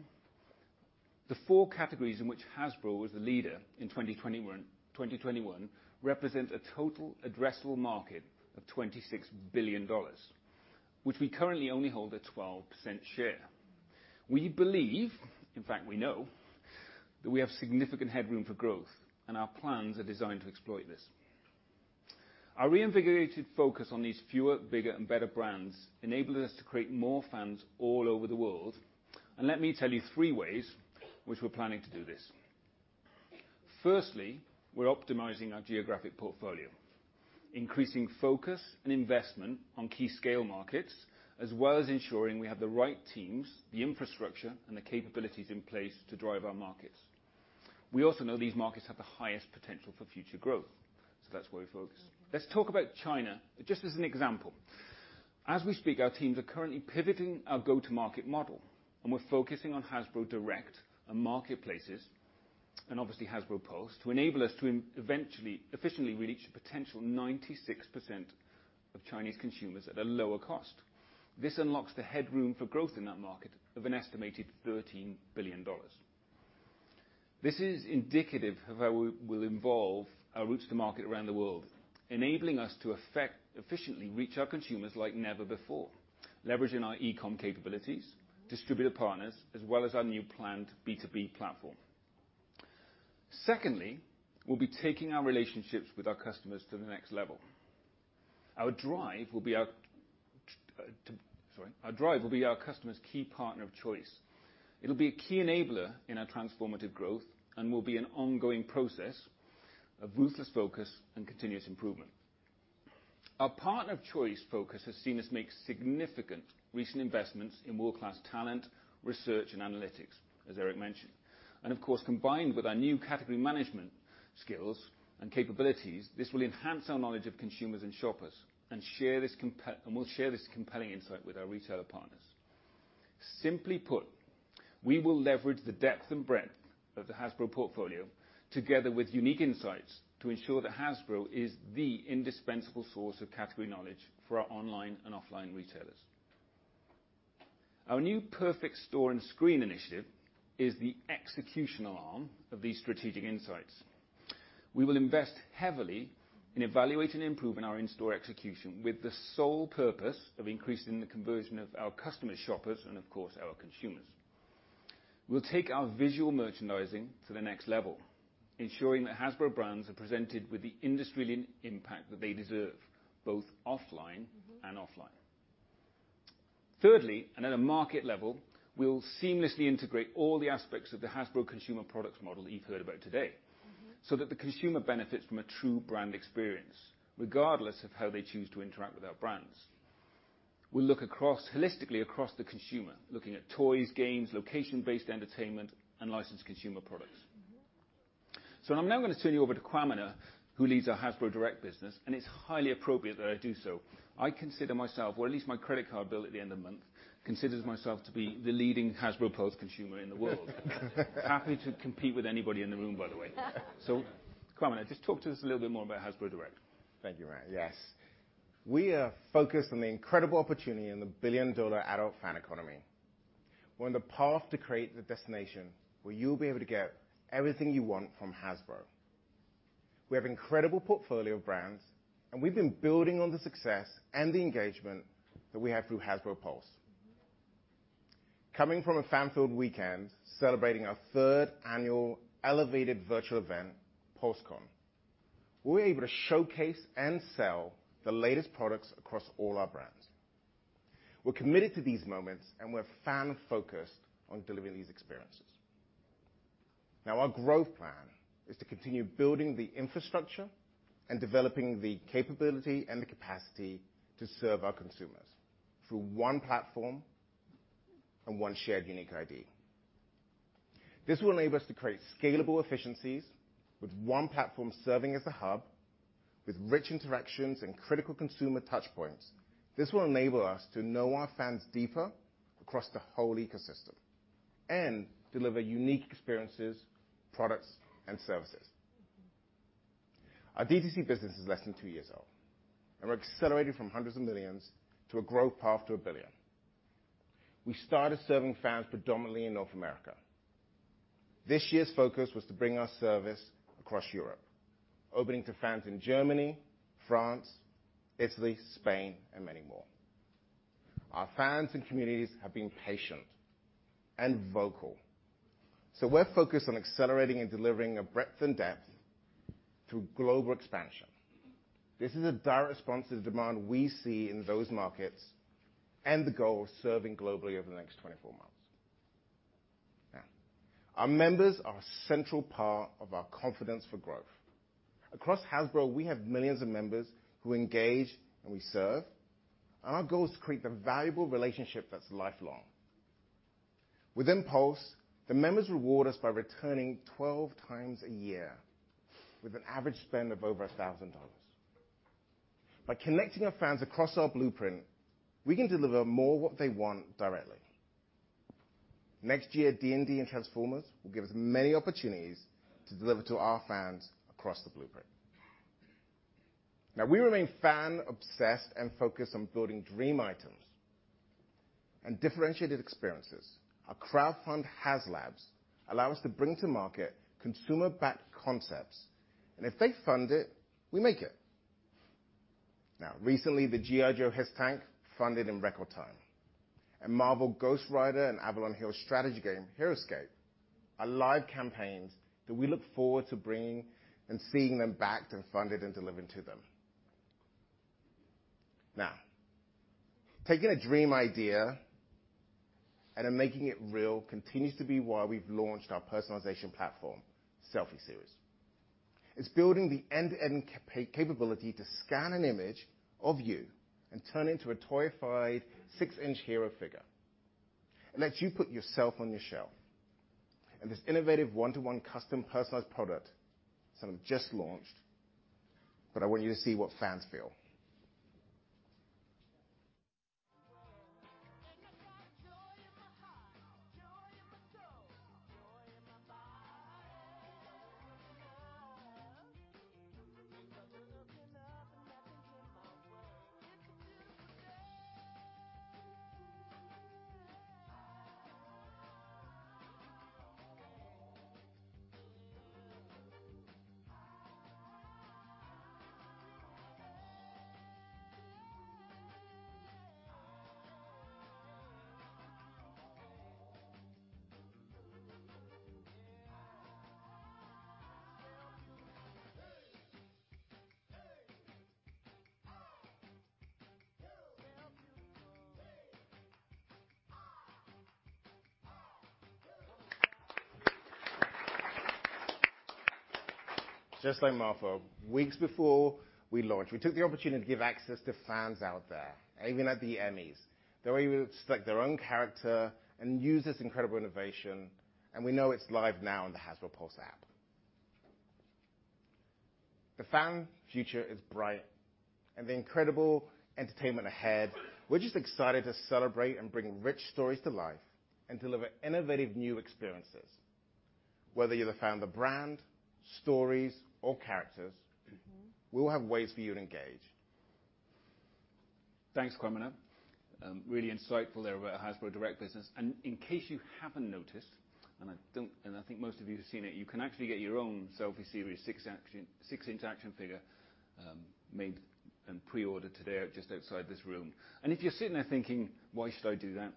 [SPEAKER 12] the four categories in which Hasbro was the leader in 2021 represent a total addressable market of $26 billion, which we currently only hold a 12% share. We believe, in fact, we know, that we have significant headroom for growth and our plans are designed to exploit this. Our reinvigorated focus on these fewer, bigger and better brands enables us to create more fans all over the world. Let me tell you three ways which we're planning to do this. Firstly, we're optimizing our geographic portfolio. Increasing focus and investment on key scale markets, as well as ensuring we have the right teams, the infrastructure and the capabilities in place to drive our markets. We also know these markets have the highest potential for future growth. That's where we focus. Let's talk about China just as an example. As we speak, our teams are currently pivoting our go-to-market model, and we're focusing on Hasbro Direct and marketplaces, and obviously Hasbro Pulse, to enable us to eventually, efficiently reach a potential 96% of Chinese consumers at a lower cost. This unlocks the headroom for growth in that market of an estimated $13 billion. This is indicative of how we will involve our routes to market around the world, enabling us to efficiently reach our consumers like never before. Leveraging our e-com capabilities, distributor partners, as well as our new planned B2B platform. Secondly, we'll be taking our relationships with our customers to the next level. Our drive will be our customer's key partner of choice. It'll be a key enabler in our transformative growth and will be an ongoing process of ruthless focus and continuous improvement. Our partner of choice focus has seen us make significant recent investments in world-class talent, research and analytics, as Eric mentioned. Of course, combined with our new category management skills and capabilities, this will enhance our knowledge of consumers and shoppers and we'll share this compelling insight with our retailer partners. Simply put, we will leverage the depth and breadth of the Hasbro portfolio together with unique insights to ensure that Hasbro is the indispensable source of category knowledge for our online and offline retailers. Our new Perfect Store and screen initiative is the executional arm of these strategic insights. We will invest heavily in evaluating and improving our in-store execution with the sole purpose of increasing the conversion of our customer shoppers and of course our consumers. We'll take our visual merchandising to the next level, ensuring that Hasbro brands are presented with the industry-leading impact that they deserve, both online and offline. Thirdly, and at a market level, we'll seamlessly integrate all the aspects of the Hasbro consumer products model that you've heard about today, so that the consumer benefits from a true brand experience, regardless of how they choose to interact with our brands. We'll look across, holistically across the consumer, looking at toys, games, location-based entertainment, and licensed consumer products. I'm now gonna turn you over to Kwamina Crankson, who leads our Hasbro Direct business, and it's highly appropriate that I do so. I consider myself, or at least my credit card bill at the end of the month, considers myself to be the leading Hasbro Pulse consumer in the world. Happy to compete with anybody in the room, by the way. Kwamina, just talk to us a little bit more about Hasbro Direct.
[SPEAKER 13] Thank you, Matt. Yes. We are focused on the incredible opportunity and the billion-dollar adult fan economy. We're on the path to create the destination where you'll be able to get everything you want from Hasbro. We have incredible portfolio of brands, and we've been building on the success and the engagement that we have through Hasbro Pulse. Coming from a fan-filled weekend celebrating our third annual elevated virtual event, Pulse Con, we were able to showcase and sell the latest products across all our brands. We're committed to these moments, and we're fan-focused on delivering these experiences. Now, our growth plan is to continue building the infrastructure and developing the capability and the capacity to serve our consumers through one platform and one shared unique ID. This will enable us to create scalable efficiencies with one platform serving as a hub with rich interactions and critical consumer touchpoints. This will enable us to know our fans deeper across the whole ecosystem and deliver unique experiences, products, and services. Our D2C business is less than two years old, and we're accelerating from hundreds of millions of dollars to a growth path to $1 billion. We started serving fans predominantly in North America. This year's focus was to bring our service across Europe, opening to fans in Germany, France, Italy, Spain, and many more. Our fans and communities have been patient and vocal, so we're focused on accelerating and delivering a breadth and depth through global expansion. This is a direct response to the demand we see in those markets and the goal of serving globally over the next 24 months. Now, our members are a central part of our confidence for growth. Across Hasbro, we have millions of members who engage and we serve, and our goal is to create the valuable relationship that's lifelong. Within Pulse, the members reward us by returning 12 times a year with an average spend of over $1,000. By connecting our fans across our Blueprint, we can deliver more of what they want directly. Next year, D&D and Transformers will give us many opportunities to deliver to our fans across the Blueprint. We remain fan-obsessed and focused on building dream items and differentiated experiences. Our crowdfunding HasLab allows us to bring to market consumer-backed concepts. If they fund it, we make it. Recently, the G.I. Joe H.I.S.S. Tank funded in record time. Marvel Ghost Rider and Avalon Hill strategy game Heroscape are live campaigns that we look forward to bringing and seeing them backed and funded and delivering to them. Now, taking a dream idea and then making it real continues to be why we've launched our personalization platform, Selfie Series. It's building the end-to-end capability to scan an image of you and turn into a toyified 6-inch hero figure. It lets you put yourself on your shelf. This innovative one-to-one custom personalized product, some have just launched, but I want you to see what fans feel.
[SPEAKER 3] I found joy in my heart, joy in my soul, joy in my body. Looking up. I start looking up and nothing can moan. Look up to the sky. Yeah. Tell me. Hey, hey, you. Tell me. Hey, hey.
[SPEAKER 13] Just like Martha, weeks before we launched, we took the opportunity to give access to fans out there, even at the Emmys. They were able to select their own character and use this incredible innovation, and we know it's live now in the Hasbro Pulse app. The fan future is bright, and the incredible entertainment ahead. We're just excited to celebrate and bring rich stories to life and deliver innovative new experiences. Whether you're the fan of the brand, stories, or characters, we will have ways for you to engage.
[SPEAKER 12] Thanks, Kwamina. Really insightful there about Hasbro Direct business. In case you haven't noticed. I think most of you have seen it. You can actually get your own Selfie Series 6-inch action figure made and pre-ordered today out just outside this room. If you're sitting there thinking, "Why should I do that?"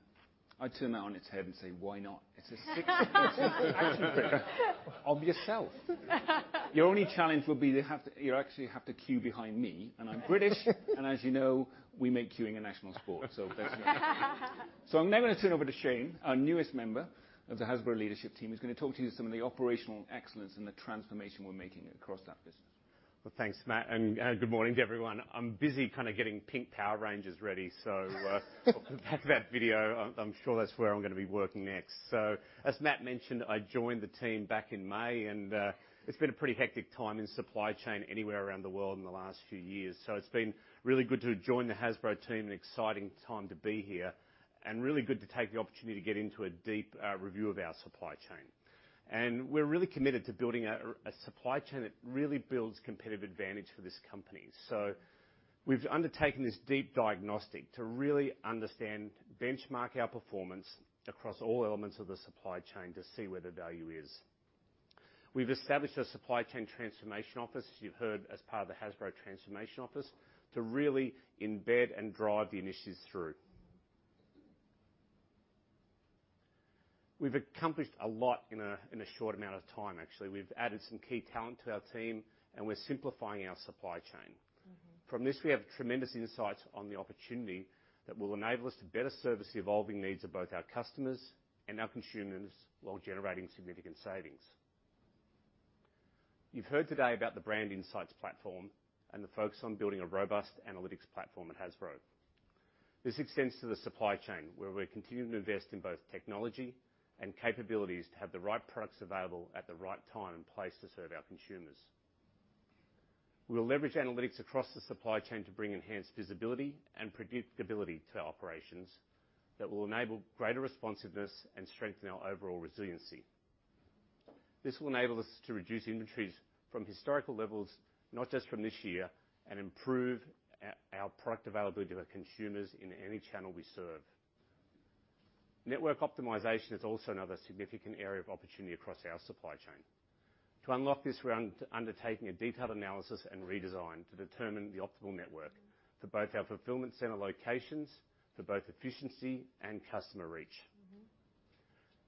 [SPEAKER 12] I'd turn that on its head and say, "Why not?" It's a 6-inch action figure of yourself. The only challenge will be. You actually have to queue behind me, and I'm British, and as you know, we make queuing a national sport. There's that. I'm now gonna turn over to Shane, our newest member of the Hasbro leadership team, who's gonna talk to you some of the operational excellence and the transformation we're making across that business.
[SPEAKER 14] Well, thanks, Matt, and good morning to everyone. I'm busy kinda getting pink Power Rangers ready, so after that video, I'm sure that's where I'm gonna be working next. As Matt mentioned, I joined the team back in May, and it's been a pretty hectic time in supply chain anywhere around the world in the last few years. It's been really good to join the Hasbro team, an exciting time to be here, and really good to take the opportunity to get into a deep review of our supply chain. We're really committed to building a supply chain that really builds competitive advantage for this company. We've undertaken this deep diagnostic to really understand, benchmark our performance across all elements of the supply chain to see where the value is. We've established a supply chain transformation office, as you heard, as part of the Hasbro Transformation Office, to really embed and drive the initiatives through. We've accomplished a lot in a short amount of time, actually. We've added some key talent to our team, and we're simplifying our supply chain.
[SPEAKER 12] Mm-hmm.
[SPEAKER 14] From this, we have tremendous insights on the opportunity that will enable us to better service the evolving needs of both our customers and our consumers while generating significant savings. You've heard today about the Brand Insights Platform and the focus on building a robust analytics platform at Hasbro. This extends to the supply chain, where we're continuing to invest in both technology and capabilities to have the right products available at the right time and place to serve our consumers. We'll leverage analytics across the supply chain to bring enhanced visibility and predictability to our operations that will enable greater responsiveness and strengthen our overall resiliency. This will enable us to reduce inventories from historical levels, not just from this year, and improve our product availability to our consumers in any channel we serve. Network optimization is also another significant area of opportunity across our supply chain. To unlock this, we're undertaking a detailed analysis and redesign to determine the optimal network for both our fulfillment center locations for both efficiency and customer reach.
[SPEAKER 12] Mm-hmm.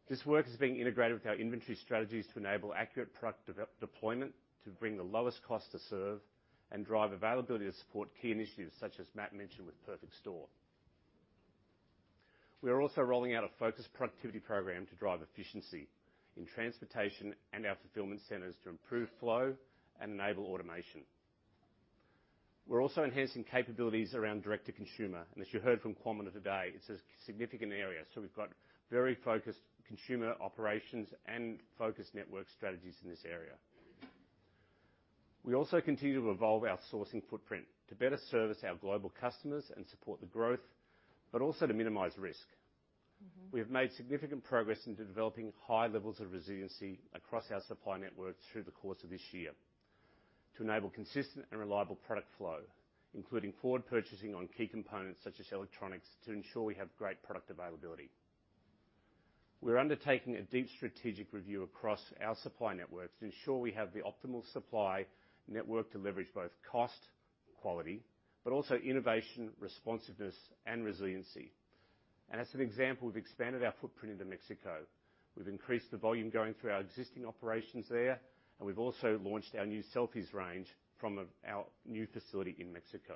[SPEAKER 14] This work is being integrated with our inventory strategies to enable accurate product deployment to bring the lowest cost to serve and drive availability to support key initiatives, such as Matt mentioned with Perfect Store. We are also rolling out a focused productivity program to drive efficiency in transportation and our fulfillment centers to improve flow and enable automation. We're also enhancing capabilities around direct-to-consumer. As you heard from Kwamina today, it's a significant area. We've got very focused consumer operations and focused network strategies in this area. We also continue to evolve our sourcing footprint to better service our global customers and support the growth, but also to minimize risk.
[SPEAKER 12] Mm-hmm.
[SPEAKER 14] We have made significant progress into developing high levels of resiliency across our supply networks through the course of this year to enable consistent and reliable product flow, including forward purchasing on key components such as electronics to ensure we have great product availability. We're undertaking a deep strategic review across our supply networks to ensure we have the optimal supply network to leverage both cost, quality, but also innovation, responsiveness, and resiliency. As an example, we've expanded our footprint into Mexico. We've increased the volume going through our existing operations there, and we've also launched our new Selfie Series from our new facility in Mexico.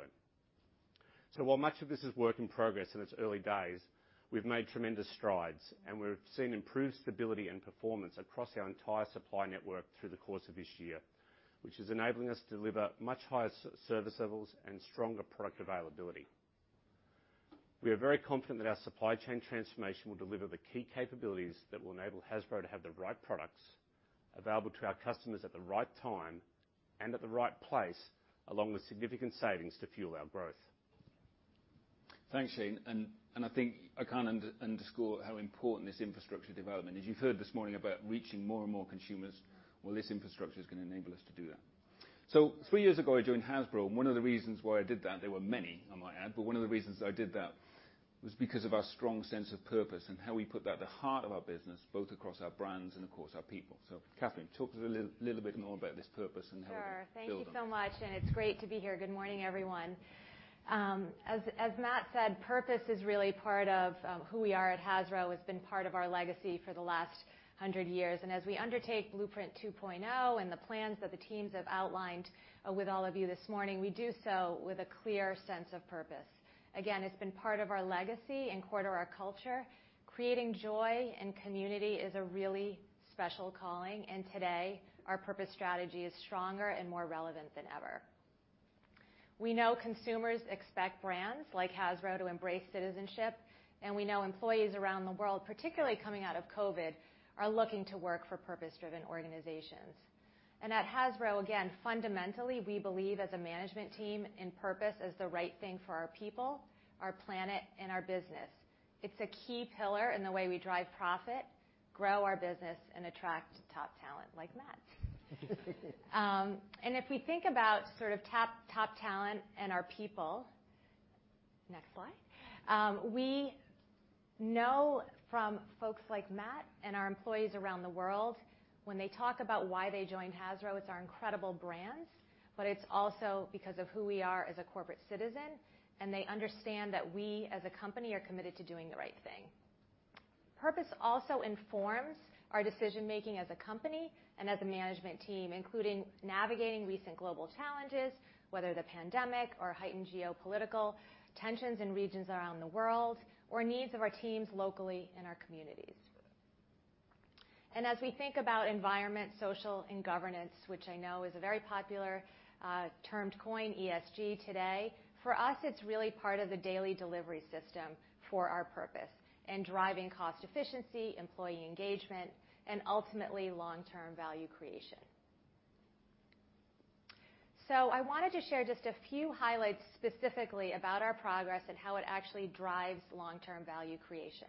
[SPEAKER 14] While much of this is work in progress, in its early days, we've made tremendous strides, and we've seen improved stability and performance across our entire supply network through the course of this year, which is enabling us to deliver much higher service levels and stronger product availability. We are very confident that our supply chain transformation will deliver the key capabilities that will enable Hasbro to have the right products available to our customers at the right time and at the right place, along with significant savings to fuel our growth.
[SPEAKER 12] Thanks, Shane. I think I can't underscore how important this infrastructure development is. You've heard this morning about reaching more and more consumers. Well, this infrastructure is gonna enable us to do that. Three years ago, I joined Hasbro, and one of the reasons why I did that, there were many, I might add, but one of the reasons I did that was because of our strong sense of purpose and how we put that at the heart of our business, both across our brands and, of course, our people. Kathrin, talk to us a little bit more about this purpose and how we can build on it.
[SPEAKER 15] Sure. Thank you so much, and it's great to be here. Good morning, everyone. As Matt said, purpose is really part of who we are at Hasbro. It's been part of our legacy for the last 100 years. As we undertake Blueprint 2.0 and the plans that the teams have outlined with all of you this morning, we do so with a clear sense of purpose. Again, it's been part of our legacy and core to our culture. Creating joy and community is a really special calling. Today, our purpose strategy is stronger and more relevant than ever. We know consumers expect brands like Hasbro to embrace citizenship, and we know employees around the world, particularly coming out of COVID, are looking to work for purpose-driven organizations. At Hasbro, again, fundamentally, we believe as a management team and purpose is the right thing for our people, our planet, and our business. It's a key pillar in the way we drive profit, grow our business, and attract top talent like Matt. We know from folks like Matt and our employees around the world, when they talk about why they joined Hasbro, it's our incredible brands, but it's also because of who we are as a corporate citizen, and they understand that we as a company are committed to doing the right thing. Purpose also informs our decision-making as a company and as a management team, including navigating recent global challenges, whether the pandemic or heightened geopolitical tensions in regions around the world or needs of our teams locally in our communities. As we think about environment, social, and governance, which I know is a very popular term du jour, ESG, today, for us, it's really part of the daily delivery system for our purpose in driving cost efficiency, employee engagement, and ultimately long-term value creation. I wanted to share just a few highlights specifically about our progress and how it actually drives long-term value creation.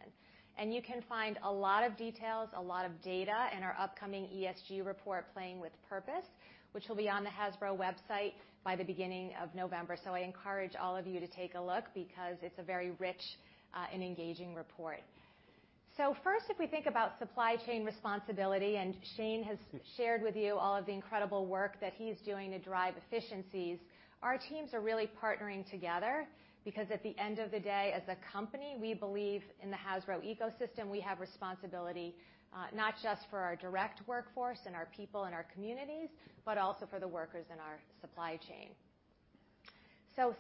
[SPEAKER 15] You can find a lot of details, a lot of data in our upcoming ESG report, Playing with Purpose, which will be on the Hasbro website by the beginning of November. I encourage all of you to take a look because it's a very rich and engaging report. First, if we think about supply chain responsibility, and Shane has shared with you all of the incredible work that he's doing to drive efficiencies, our teams are really partnering together because at the end of the day, as a company, we believe in the Hasbro ecosystem. We have responsibility, not just for our direct workforce and our people and our communities, but also for the workers in our supply chain.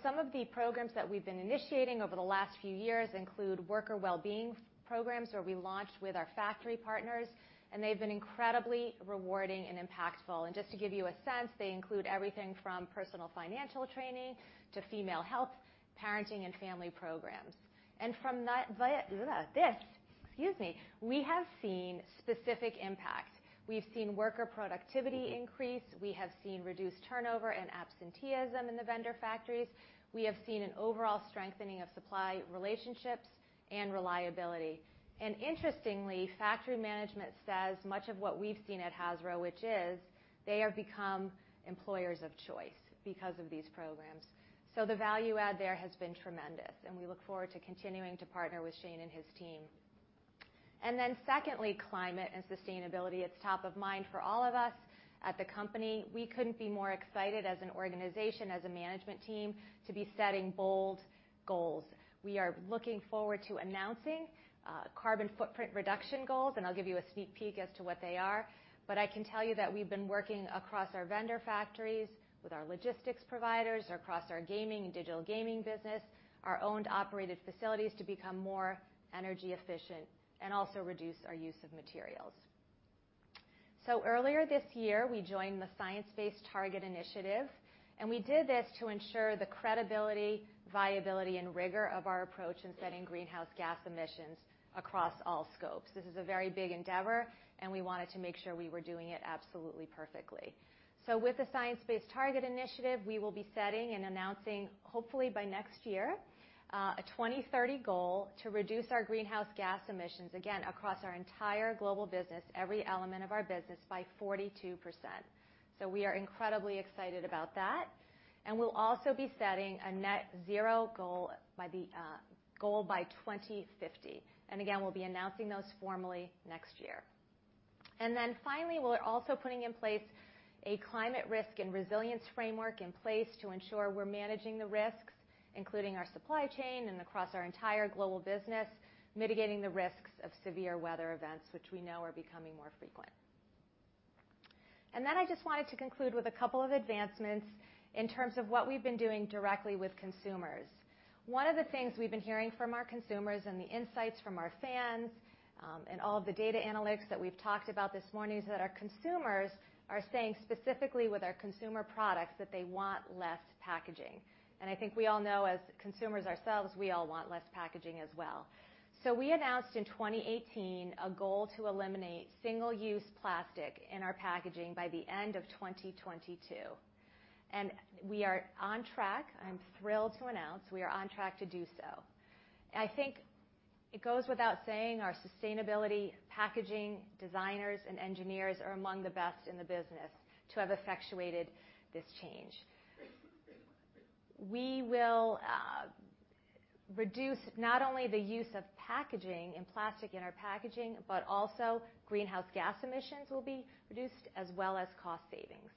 [SPEAKER 15] Some of the programs that we've been initiating over the last few years include worker well-being programs, where we launched with our factory partners, and they've been incredibly rewarding and impactful. Just to give you a sense, they include everything from personal financial training to female health, parenting, and family programs. From that, we have seen specific impacts. We've seen worker productivity increase. We have seen reduced turnover and absenteeism in the vendor factories. We have seen an overall strengthening of supply relationships, and reliability. Interestingly, factory management says much of what we've seen at Hasbro, which is they have become employers of choice because of these programs. The value add there has been tremendous, and we look forward to continuing to partner with Shane and his team. Secondly, climate and sustainability. It's top of mind for all of us at the company. We couldn't be more excited as an organization, as a management team, to be setting bold goals. We are looking forward to announcing carbon footprint reduction goals, and I'll give you a sneak peek as to what they are. I can tell you that we've been working across our vendor factories, with our logistics providers, across our gaming and digital gaming business, our owned operated facilities to become more energy efficient and also reduce our use of materials. Earlier this year, we joined the Science Based Targets initiative, and we did this to ensure the credibility, viability, and rigor of our approach in setting greenhouse gas emissions across all scopes. This is a very big endeavor, and we wanted to make sure we were doing it absolutely perfectly. With the Science Based Targets initiative, we will be setting and announcing, hopefully by next year, a 2030 goal to reduce our greenhouse gas emissions, again, across our entire global business, every element of our business, by 42%. We are incredibly excited about that. We'll also be setting a net zero goal by 2050. We'll be announcing those formally next year. Finally, we're also putting in place a climate risk and resilience framework to ensure we're managing the risks, including our supply chain and across our entire global business, mitigating the risks of severe weather events, which we know are becoming more frequent. I just wanted to conclude with a couple of advancements in terms of what we've been doing directly with consumers. One of the things we've been hearing from our consumers and the insights from our fans and all the data analytics that we've talked about this morning is that our consumers are saying specifically with our consumer products that they want less packaging. I think we all know as consumers ourselves, we all want less packaging as well. We announced in 2018 a goal to eliminate single-use plastic in our packaging by the end of 2022. We are on track, I'm thrilled to announce, we are on track to do so. I think it goes without saying our sustainability, packaging, designers, and engineers are among the best in the business to have effectuated this change. We will reduce not only the use of packaging and plastic in our packaging, but also greenhouse gas emissions will be reduced as well as cost savings.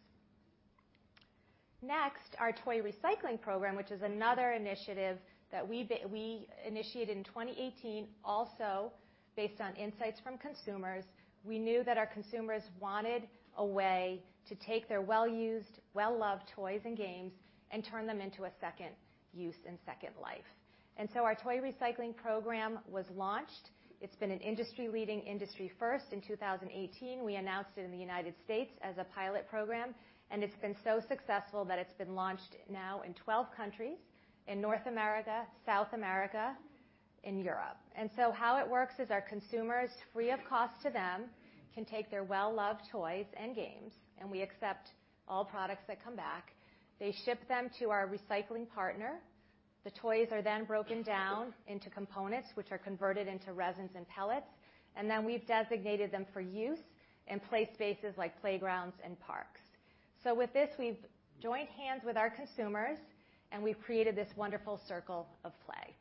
[SPEAKER 15] Next, our toy recycling program, which is another initiative that we initiated in 2018, also based on insights from consumers. We knew that our consumers wanted a way to take their well-used, well-loved toys and games and turn them into a second use and second life. Our toy recycling program was launched. It's been an industry-leading industry first. In 2018, we announced it in the United States as a pilot program, and it's been so successful that it's been launched now in 12 countries, in North America, South America, in Europe. How it works is our consumers, free of cost to them, can take their well-loved toys and games, and we accept all products that come back. They ship them to our recycling partner. The toys are then broken down into components which are converted into resins and pellets, and then we've designated them for use in play spaces like playgrounds and parks. With this, we've joined hands with our consumers, and we've created this wonderful circle of play.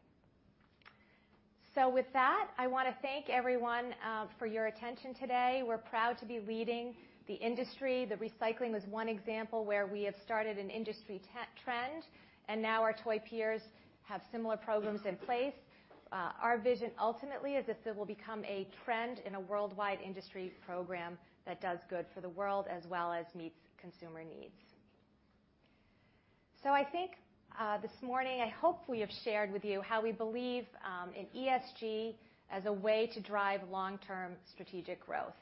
[SPEAKER 15] With that, I wanna thank everyone for your attention today. We're proud to be leading the industry. The recycling is one example where we have started an industry trend, and now our toy peers have similar programs in place. Our vision ultimately is that this will become a trend in a worldwide industry program that does good for the world as well as meets consumer needs. I think this morning, I hope we have shared with you how we believe in ESG as a way to drive long-term strategic growth.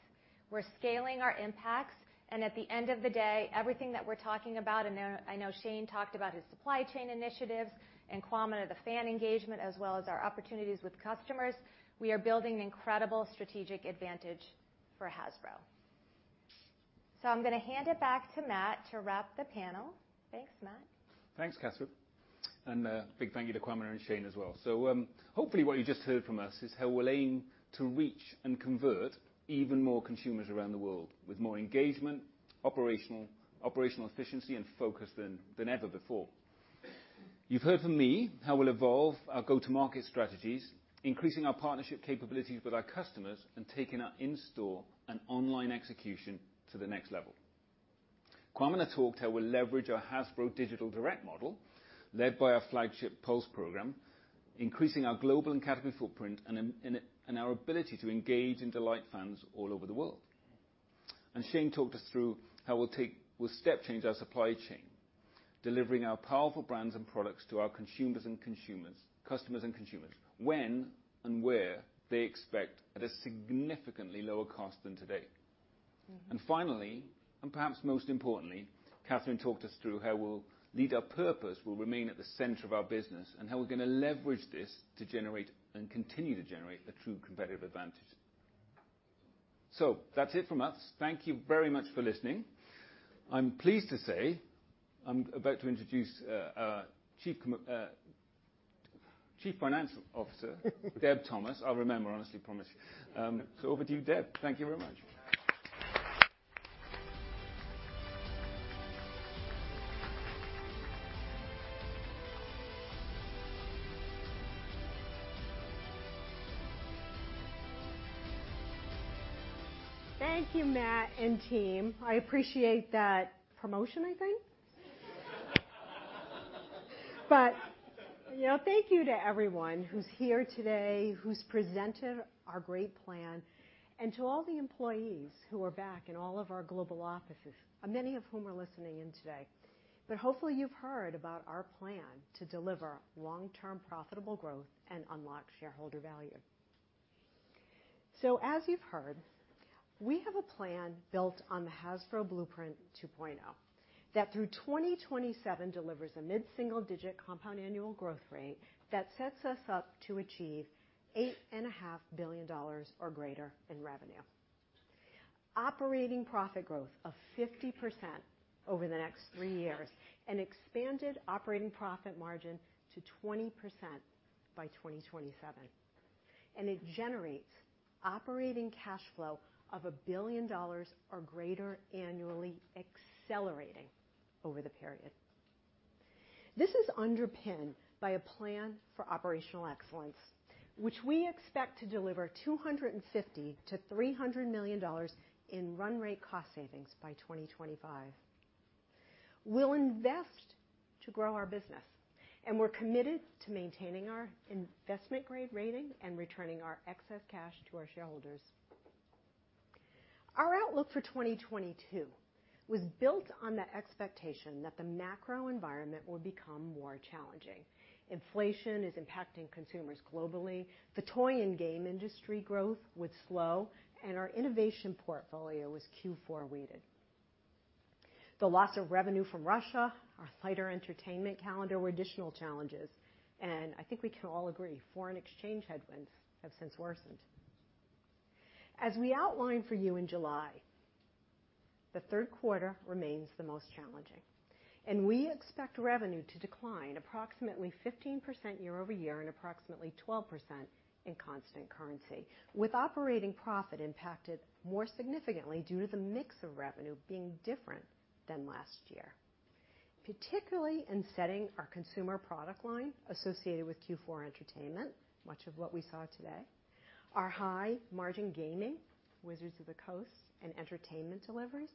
[SPEAKER 15] We're scaling our impacts, and at the end of the day, everything that we're talking about, and I know Shane talked about his supply chain initiatives and Kwamina on the fan engagement as well as our opportunities with customers, we are building an incredible strategic advantage for Hasbro. I'm gonna hand it back to Matt to wrap the panel. Thanks, Matt.
[SPEAKER 12] Thanks, Kathrin. Big thank you to Kwamina and Shane as well. Hopefully, what you just heard from us is how we'll aim to reach and convert even more consumers around the world with more engagement, operational efficiency and focus than ever before. You've heard from me how we'll evolve our go-to-market strategies, increasing our partnership capabilities with our customers, and taking our in-store and online execution to the next level. Kwamina now talked how we'll leverage our Hasbro Direct model, led by our flagship Pulse program, increasing our global and category footprint and our ability to engage and delight fans all over the world. Shane talked us through how we'll step change our supply chain, delivering our powerful brands and products to our customers and consumers when and where they expect at a significantly lower cost than today.
[SPEAKER 15] Mm-hmm.
[SPEAKER 12] Finally, and perhaps most importantly, Kathrin Belliveau talked us through how we'll lead our purpose will remain at the center of our business and how we're gonna leverage this to generate and continue to generate a true competitive advantage. That's it from us. Thank you very much for listening. I'm pleased to say I'm about to introduce our Chief Financial Officer, Deb Thomas. I'll remember, honestly, promise. Over to you, Deb. Thank you very much.
[SPEAKER 16] Thank you, Matt and team. I appreciate that promotion, I think. You know, thank you to everyone who's here today, who's presented our great plan, and to all the employees who are back in all of our global offices, many of whom are listening in today. Hopefully, you've heard about our plan to deliver long-term profitable growth and unlock shareholder value. As you've heard, we have a plan built on the Hasbro Blueprint 2.0 that through 2027 delivers a mid-single-digit compound annual growth rate that sets us up to achieve $8.5 billion or greater in revenue, operating profit growth of 50% over the next three years, and expanded operating profit margin to 20% by 2027. It generates operating cash flow of $1 billion or greater annually, accelerating over the period. This is underpinned by a plan for operational excellence, which we expect to deliver $250 million-$300 million in run rate cost savings by 2025. We'll invest to grow our business, and we're committed to maintaining our investment-grade rating and returning our excess cash to our shareholders. Our outlook for 2022 was built on the expectation that the macro environment would become more challenging. Inflation is impacting consumers globally. The toy and game industry growth was slow, and our innovation portfolio was Q4 weighted. The loss of revenue from Russia, our lighter entertainment calendar were additional challenges, and I think we can all agree foreign exchange headwinds have since worsened. As we outlined for you in July, the third quarter remains the most challenging, and we expect revenue to decline approximately 15% year-over-year and approximately 12% in constant currency, with operating profit impacted more significantly due to the mix of revenue being different than last year, particularly in setting our consumer product line associated with Q4 entertainment, much of what we saw today, our high margin gaming, Wizards of the Coast, and entertainment deliveries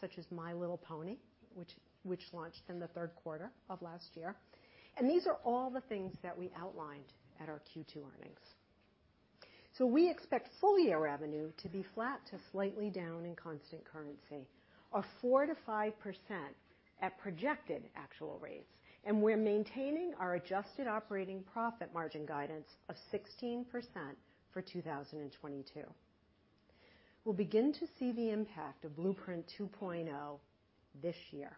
[SPEAKER 16] such as My Little Pony, which launched in the third quarter of last year. These are all the things that we outlined at our Q2 earnings. We expect full-year revenue to be flat to slightly down in constant currency, or 4%-5% at projected actual rates. We're maintaining our adjusted operating profit margin guidance of 16% for 2022. We'll begin to see the impact of Blueprint 2.0 this year.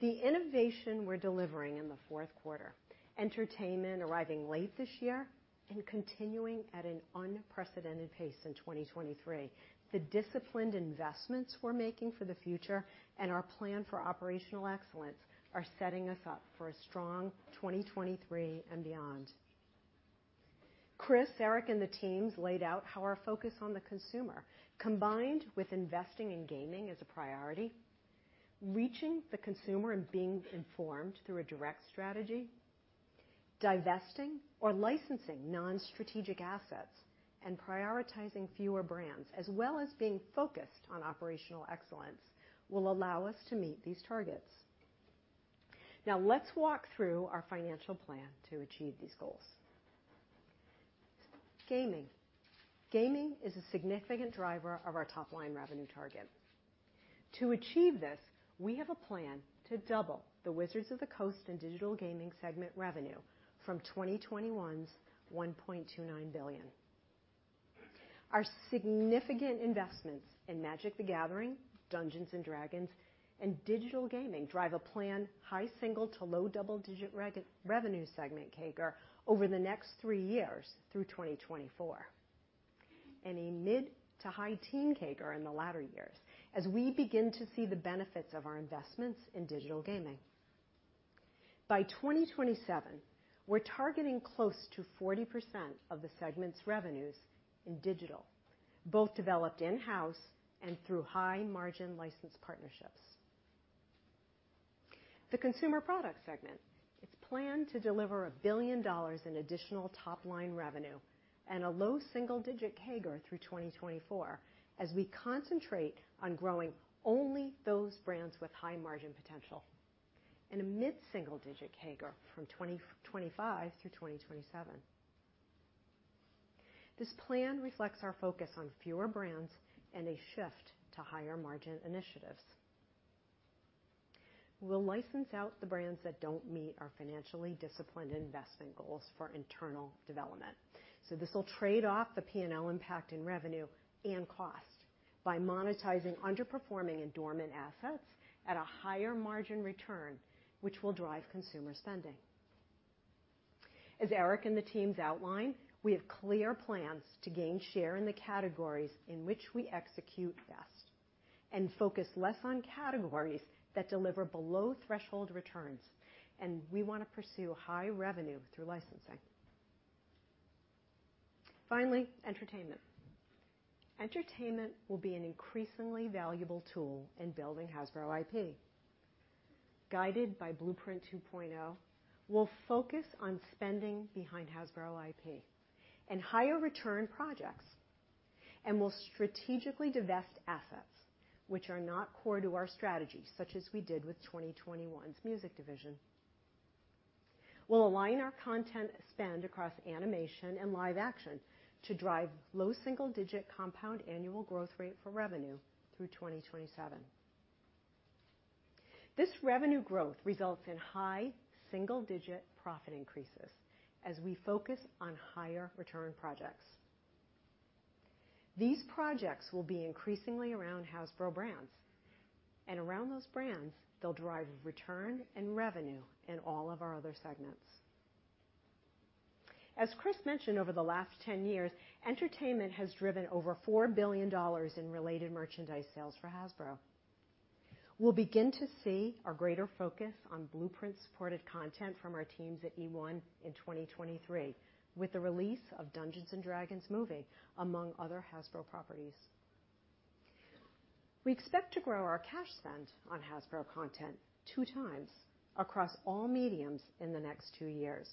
[SPEAKER 16] The innovation we're delivering in the fourth quarter, entertainment arriving late this year and continuing at an unprecedented pace in 2023, the disciplined investments we're making for the future, and our plan for operational excellence are setting us up for a strong 2023 and beyond. Chris, Eric, and the teams laid out how our focus on the consumer, combined with investing in gaming as a priority, reaching the consumer and being informed through a direct strategy, divesting or licensing non-strategic assets, and prioritizing fewer brands, as well as being focused on operational excellence, will allow us to meet these targets. Now let's walk through our financial plan to achieve these goals. Gaming. Gaming is a significant driver of our top-line revenue target. To achieve this, we have a plan to double the Wizards of the Coast and Digital Gaming segment revenue from 2021's $1.29 billion. Our significant investments in Magic: The Gathering, Dungeons & Dragons, and digital gaming drive a planned high single- to low double-digit% revenue segment CAGR over the next three years through 2024, and a mid- to high-teens% CAGR in the latter years as we begin to see the benefits of our investments in digital gaming. By 2027, we're targeting close to 40% of the segment's revenues in digital, both developed in-house and through high-margin license partnerships. The Consumer Products segment is planned to deliver $1 billion in additional top-line revenue and a low single-digit% CAGR through 2024 as we concentrate on growing only those brands with high margin potential and a mid-single-digit% CAGR from 2025 through 2027. This plan reflects our focus on fewer brands and a shift to higher margin initiatives. We'll license out the brands that don't meet our financially disciplined investment goals for internal development. This will trade off the P&L impact in revenue and cost by monetizing underperforming and dormant assets at a higher margin return, which will drive consumer spending. As Eric and the teams outlined, we have clear plans to gain share in the categories in which we execute best and focus less on categories that deliver below threshold returns, and we want to pursue high revenue through licensing. Finally, entertainment. Entertainment will be an increasingly valuable tool in building Hasbro IP. Guided by Blueprint 2.0, we'll focus on spending behind Hasbro IP and higher return projects, and we'll strategically divest assets which are not core to our strategy, such as we did with 2021's music division. We'll align our content spend across animation and live action to drive low single-digit compound annual growth rate for revenue through 2027. This revenue growth results in high single-digit profit increases as we focus on higher return projects. These projects will be increasingly around Hasbro brands, and around those brands they'll drive return and revenue in all of our other segments. As Chris mentioned, over the last 10 years, entertainment has driven over $4 billion in related merchandise sales for Hasbro. We'll begin to see our greater focus on Blueprint-supported content from our teams at eOne in 2023, with the release of Dungeons & Dragons movie, among other Hasbro properties. We expect to grow our cash spend on Hasbro content 2x across all mediums in the next two years,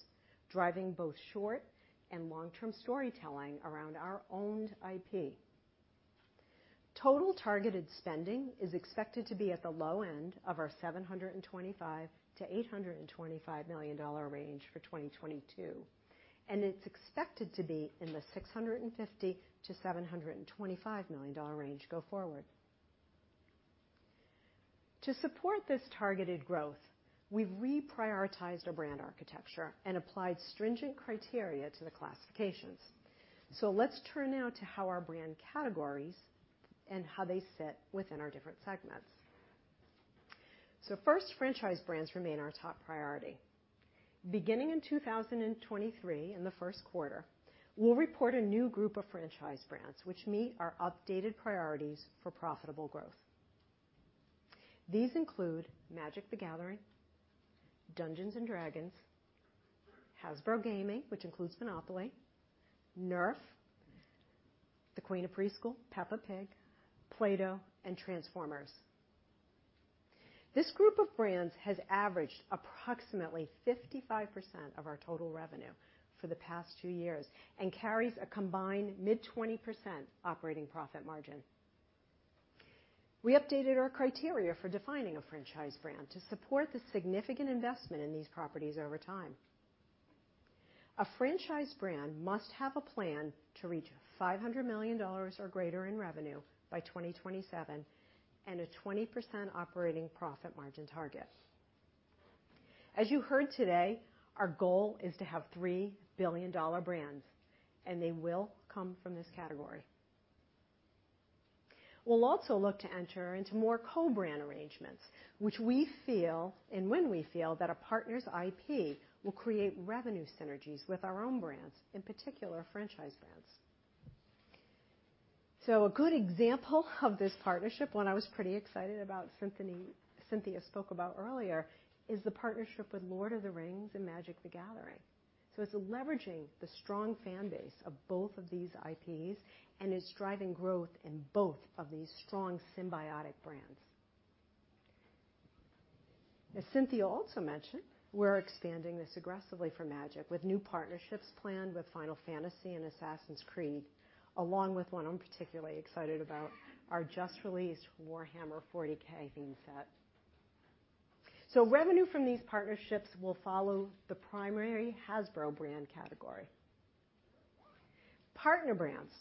[SPEAKER 16] driving both short and long-term storytelling around our owned IP. Total targeted spending is expected to be at the low end of our $725 million-$825 million range for 2022, and it's expected to be in the $650 million-$725 million range go forward. To support this targeted growth, we've reprioritized our brand architecture and applied stringent criteria to the classifications. Let's turn now to how our brand categories and how they fit within our different segments. First, Franchise Brands remain our top priority. Beginning in 2023 in the first quarter, we'll report a new group of Franchise Brands which meet our updated priorities for profitable growth. These include Magic: The Gathering, Dungeons & Dragons, Hasbro Gaming, which includes Monopoly, NERF, the queen of preschool, Peppa Pig, Play-Doh, and Transformers. This group of brands has averaged approximately 55% of our total revenue for the past two years and carries a combined mid-20% operating profit margin. We updated our criteria for defining a Franchise Brand to support the significant investment in these properties over time. A Franchise Brand must have a plan to reach $500 million or greater in revenue by 2027 and a 20% operating profit margin target. As you heard today, our goal is to have three billion-dollar brands, and they will come from this category. We'll also look to enter into more co-brand arrangements, which we feel and when we feel that a partner's IP will create revenue synergies with our own brands, in particular Franchise Brands. A good example of this partnership, one I was pretty excited about, Cynthia spoke about earlier is the partnership with Lord of the Rings and Magic: The Gathering. It's leveraging the strong fan base of both of these IPs, and is driving growth in both of these strong symbiotic brands. As Cynthia also mentioned, we're expanding this aggressively for Magic with new partnerships planned with Final Fantasy and Assassin's Creed, along with one I'm particularly excited about, our just-released Warhammer 40K theme set. Revenue from these partnerships will follow the primary Hasbro brand category. Partner brands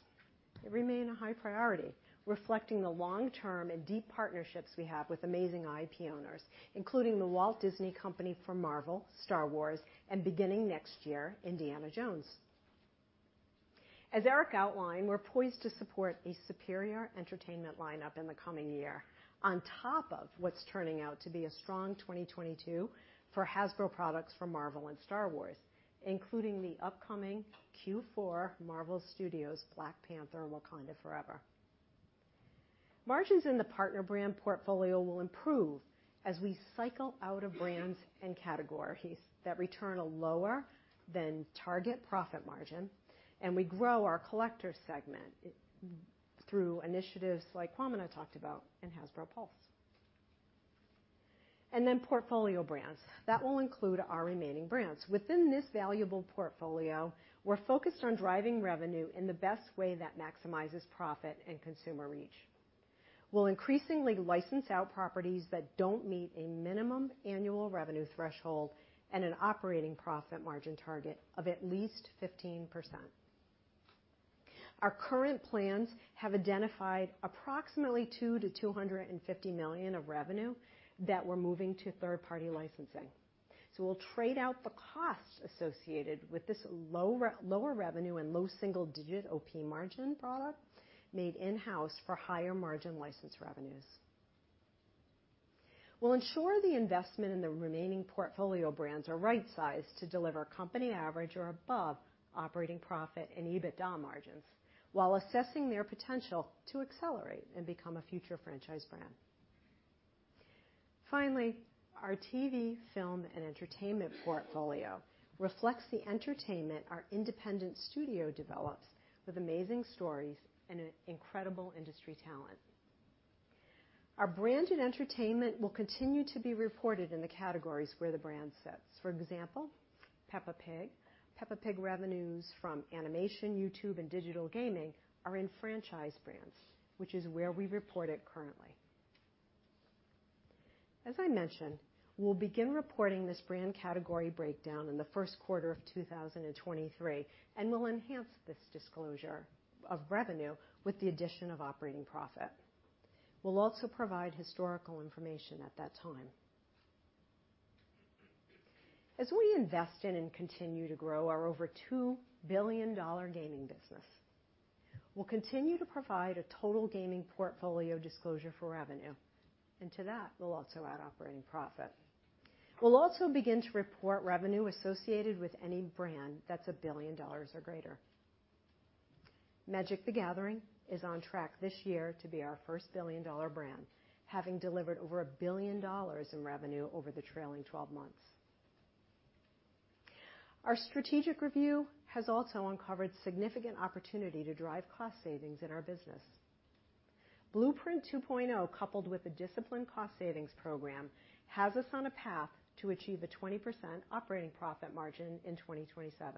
[SPEAKER 16] remain a high priority, reflecting the long-term and deep partnerships we have with amazing IP owners, including The Walt Disney Company for Marvel, Star Wars, and beginning next year, Indiana Jones. As Eric outlined, we're poised to support a superior entertainment lineup in the coming year on top of what's turning out to be a strong 2022 for Hasbro products from Marvel and Star Wars, including the upcoming Q4 Marvel Studios' Black Panther: Wakanda Forever. Margins in the partner brand portfolio will improve as we cycle out of brands and categories that return a lower-than-target profit margin, and we grow our collector segment through initiatives like Kwamina and I talked about in Hasbro Pulse. Portfolio brands. That will include our remaining brands. Within this valuable portfolio, we're focused on driving revenue in the best way that maximizes profit and consumer reach. We'll increasingly license out properties that don't meet a minimum annual revenue threshold and an operating profit margin target of at least 15%. Our current plans have identified approximately $200 million-$250 million of revenue that we're moving to third-party licensing. We'll trade out the costs associated with this lower revenue and low single-digit OP margin product made in-house for higher margin license revenues. We'll ensure the investment in the remaining portfolio brands are right sized to deliver company average or above operating profit and EBITDA margins while assessing their potential to accelerate and become a future franchise brand. Finally, our TV, film, and entertainment portfolio reflects the entertainment our independent studio develops with amazing stories and incredible industry talent. Our branded entertainment will continue to be reported in the categories where the brand sits. For example, Peppa Pig. Peppa Pig revenues from animation, YouTube, and digital gaming are in franchise brands, which is where we report it currently. As I mentioned, we'll begin reporting this brand category breakdown in the first quarter of 2023, and we'll enhance this disclosure of revenue with the addition of operating profit. We'll also provide historical information at that time. As we invest in and continue to grow our over $2 billion gaming business, we'll continue to provide a total gaming portfolio disclosure for revenue. To that, we'll also add operating profit. We'll also begin to report revenue associated with any brand that's $1 billion or greater. Magic: The Gathering is on track this year to be our first billion-dollar brand, having delivered over $1 billion in revenue over the trailing twelve months. Our strategic review has also uncovered significant opportunity to drive cost savings in our business. Blueprint 2.0, coupled with the disciplined cost savings program, has us on a path to achieve a 20% operating profit margin in 2027.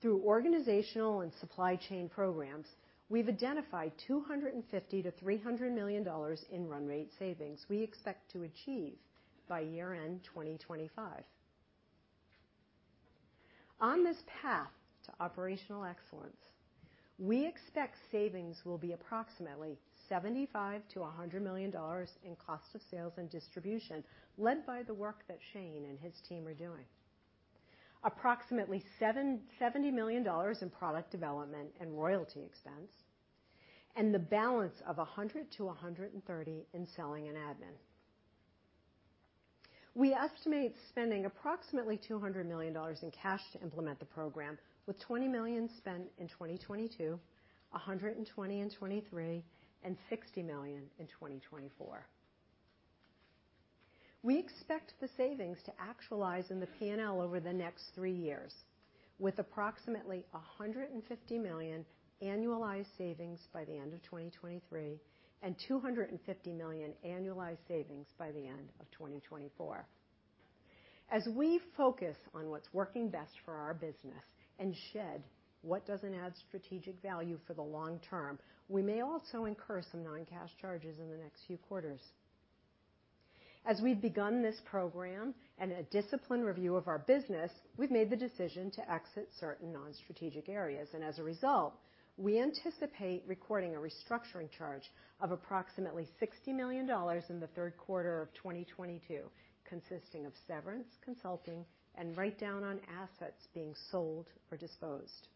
[SPEAKER 16] Through organizational and supply chain programs, we've identified $250 million-$300 million in run rate savings we expect to achieve by year-end 2025. On this path to operational excellence, we expect savings will be approximately $75 million-$100 million in cost of sales and distribution, led by the work that Shane and his team are doing. Approximately $70 million in product development and royalty expense, and the balance of $100 million-$130 million in selling and admin. We estimate spending approximately $200 million in cash to implement the program, with $20 million spent in 2022, $120 million in 2023, and $60 million in 2024. We expect the savings to actualize in the P&L over the next three years, with approximately $150 million annualized savings by the end of 2023 and $250 million annualized savings by the end of 2024. We focus on what's working best for our business and shed what doesn't add strategic value for the long term, we may also incur some non-cash charges in the next few quarters. As we've begun this program and a disciplined review of our business, we've made the decision to exit certain non-strategic areas, and as a result, we anticipate recording a restructuring charge of approximately $60 million in the third quarter of 2022, consisting of severance, consulting, and write-down on assets being sold or disposed.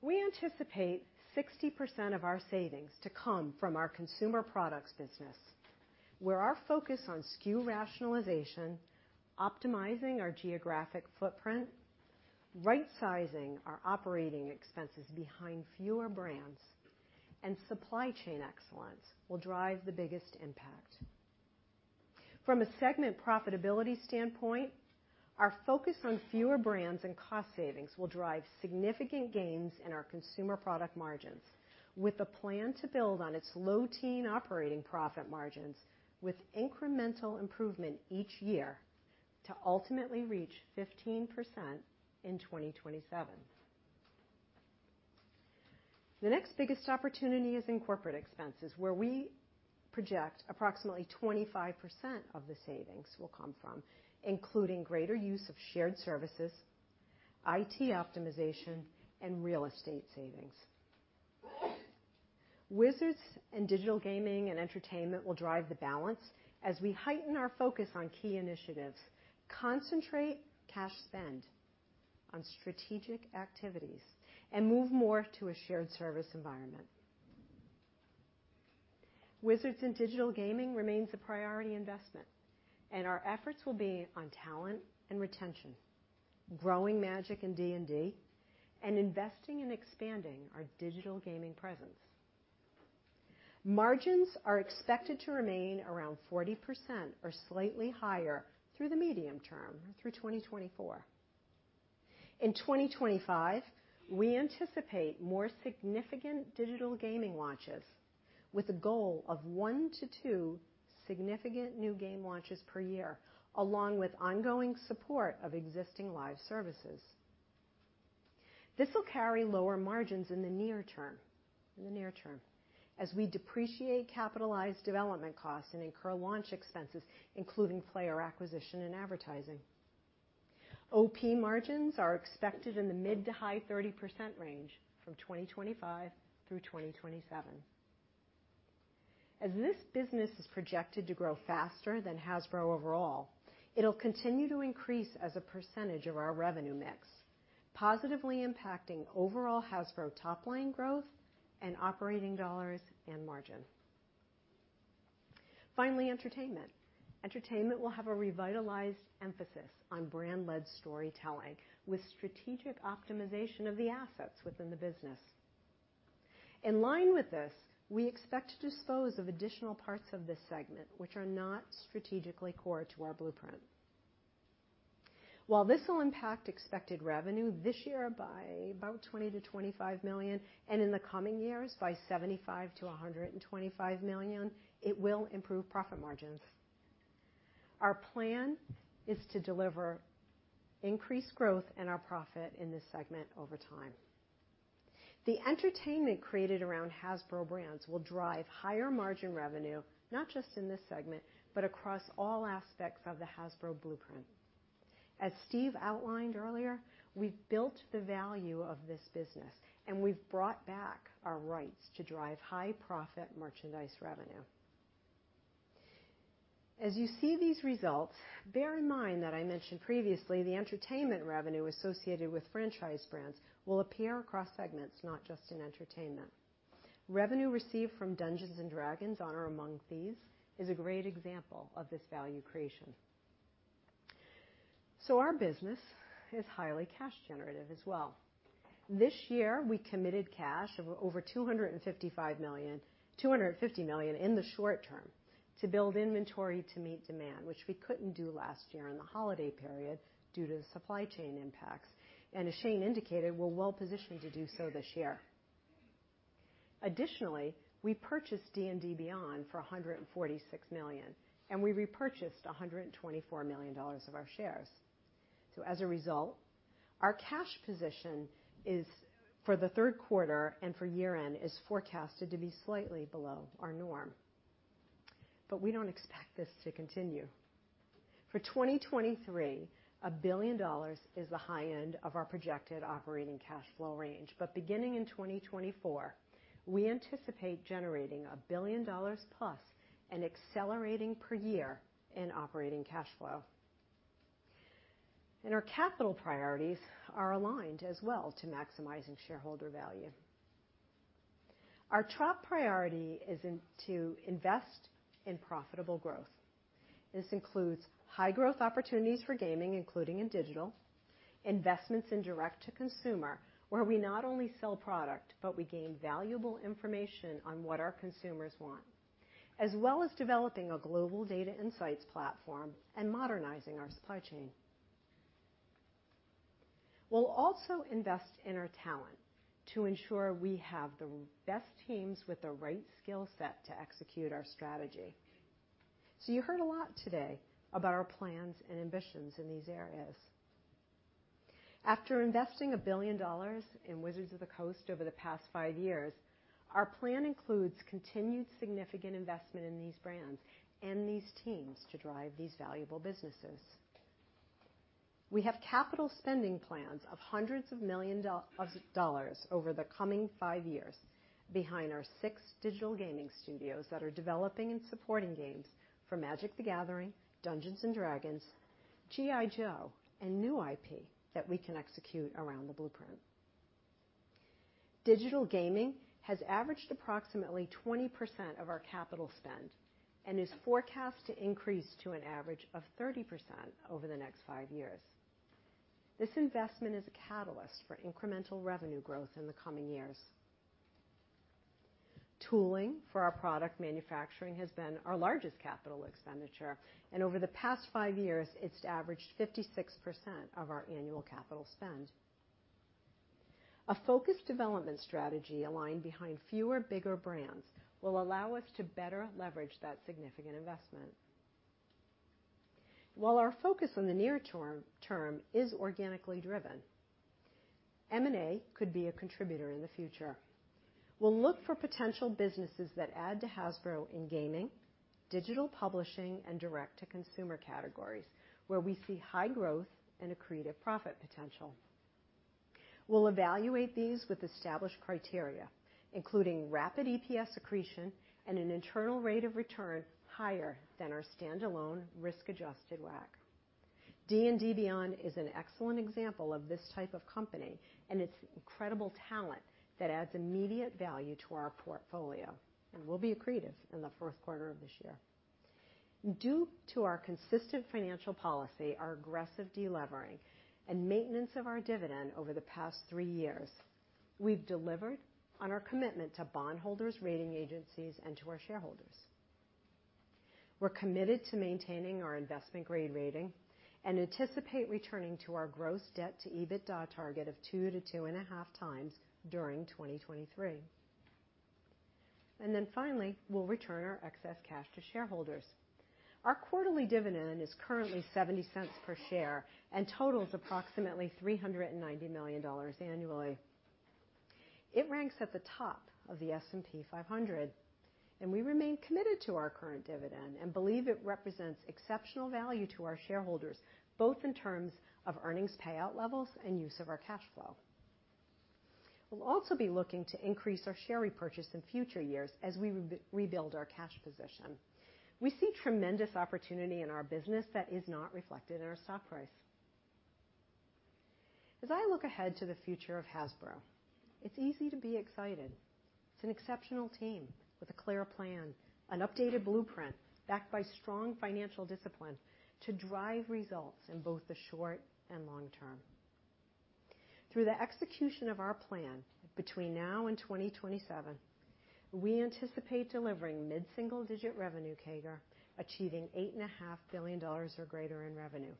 [SPEAKER 16] We anticipate 60% of our savings to come from our consumer products business, where our focus on SKU rationalization, optimizing our geographic footprint, rightsizing our operating expenses behind fewer brands, and supply chain excellence will drive the biggest impact. From a segment profitability standpoint, our focus on fewer brands and cost savings will drive significant gains in our consumer product margins with a plan to build on its low-teen operating profit margins with incremental improvement each year to ultimately reach 15% in 2027. The next biggest opportunity is in corporate expenses, where we project approximately 25% of the savings will come from, including greater use of shared services, IT optimization, and real estate savings. Wizards and digital gaming and entertainment will drive the balance as we heighten our focus on key initiatives, concentrate cash spend on strategic activities, and move more to a shared service environment. Wizards and digital gaming remains a priority investment, and our efforts will be on talent and retention, growing Magic and D&D, and investing and expanding our digital gaming presence. Margins are expected to remain around 40% or slightly higher through the medium term, through 2024. In 2025, we anticipate more significant digital gaming launches with a goal of one to two significant new game launches per year, along with ongoing support of existing live services. This will carry lower margins in the near term, as we depreciate capitalized development costs and incur launch expenses, including player acquisition and advertising. OP margins are expected in the mid- to high-30% range from 2025 through 2027. As this business is projected to grow faster than Hasbro overall, it'll continue to increase as a percentage of our revenue mix, positively impacting overall Hasbro top line growth and operating dollars and margin. Finally, entertainment. Entertainment will have a revitalized emphasis on brand-led storytelling with strategic optimization of the assets within the business. In line with this, we expect to dispose of additional parts of this segment which are not strategically core to our blueprint. While this will impact expected revenue this year by about $20 million-$25 million and in the coming years by $75 million-$125 million, it will improve profit margins. Our plan is to deliver increased growth in our profit in this segment over time. The entertainment created around Hasbro brands will drive higher margin revenue, not just in this segment, but across all aspects of the Hasbro blueprint. As Steve outlined earlier, we've built the value of this business, and we've brought back our rights to drive high profit merchandise revenue. As you see these results, bear in mind that I mentioned previously the entertainment revenue associated with franchise brands will appear across segments, not just in entertainment. Revenue received from Dungeons & Dragons: Honor Among Thieves is a great example of this value creation. Our business is highly cash generative as well. This year, we committed cash of over $255 million, $250 million in the short term to build inventory to meet demand, which we couldn't do last year in the holiday period due to the supply chain impacts. As Shane indicated, we're well positioned to do so this year. Additionally, we purchased D&D Beyond for $146 million, and we repurchased $124 million of our shares. as a result, our cash position is, for the third quarter and for year-end, is forecasted to be slightly below our norm. We don't expect this to continue. For 2023, $1 billion is the high end of our projected operating cash flow range. Beginning in 2024, we anticipate generating $1 billion+ and accelerating per year in operating cash flow. Our capital priorities are aligned as well to maximizing shareholder value. Our top priority is to invest in profitable growth. This includes high growth opportunities for gaming, including in digital, investments in direct-to-consumer, where we not only sell product, but we gain valuable information on what our consumers want, as well as developing a global data insights platform and modernizing our supply chain. We'll also invest in our talent to ensure we have the best teams with the right skill set to execute our strategy. You heard a lot today about our plans and ambitions in these areas. After investing $1 billion in Wizards of the Coast over the past five years, our plan includes continued significant investment in these brands and these teams to drive these valuable businesses. We have capital spending plans of hundreds of millions of dollars over the coming five years behind our six digital gaming studios that are developing and supporting games for Magic: The Gathering, Dungeons & Dragons, G.I. Joe, and new IP that we can execute around the blueprint. Digital gaming has averaged approximately 20% of our capital spend and is forecast to increase to an average of 30% over the next five years. This investment is a catalyst for incremental revenue growth in the coming years. Tooling for our product manufacturing has been our largest capital expenditure, and over the past five years, it's averaged 56% of our annual capital spend. A focused development strategy aligned behind fewer, bigger brands will allow us to better leverage that significant investment. While our focus on the near term is organically driven, M&A could be a contributor in the future. We'll look for potential businesses that add to Hasbro in gaming, digital publishing, and direct-to-consumer categories, where we see high growth and accretive profit potential. We'll evaluate these with established criteria, including rapid EPS accretion and an internal rate of return higher than our standalone risk-adjusted WACC. D&D Beyond is an excellent example of this type of company and its incredible talent that adds immediate value to our portfolio and will be accretive in the fourth quarter of this year. Due to our consistent financial policy, our aggressive de-levering, and maintenance of our dividend over the past three years, we've delivered on our commitment to bondholders, rating agencies, and to our shareholders. We're committed to maintaining our investment grade rating and anticipate returning to our gross debt to EBITDA target of 2x-2.5x during 2023. We'll return our excess cash to shareholders. Our quarterly dividend is currently $0.70 per share and totals approximately $390 million annually. It ranks at the top of the S&P 500, and we remain committed to our current dividend and believe it represents exceptional value to our shareholders, both in terms of earnings payout levels and use of our cash flow. We'll also be looking to increase our share repurchase in future years as we rebuild our cash position. We see tremendous opportunity in our business that is not reflected in our stock price. As I look ahead to the future of Hasbro, it's easy to be excited. It's an exceptional team with a clear plan, an updated blueprint backed by strong financial discipline to drive results in both the short and long term. Through the execution of our plan between now and 2027, we anticipate delivering mid-single-digit revenue CAGR, achieving $8.5 billion or greater in revenue.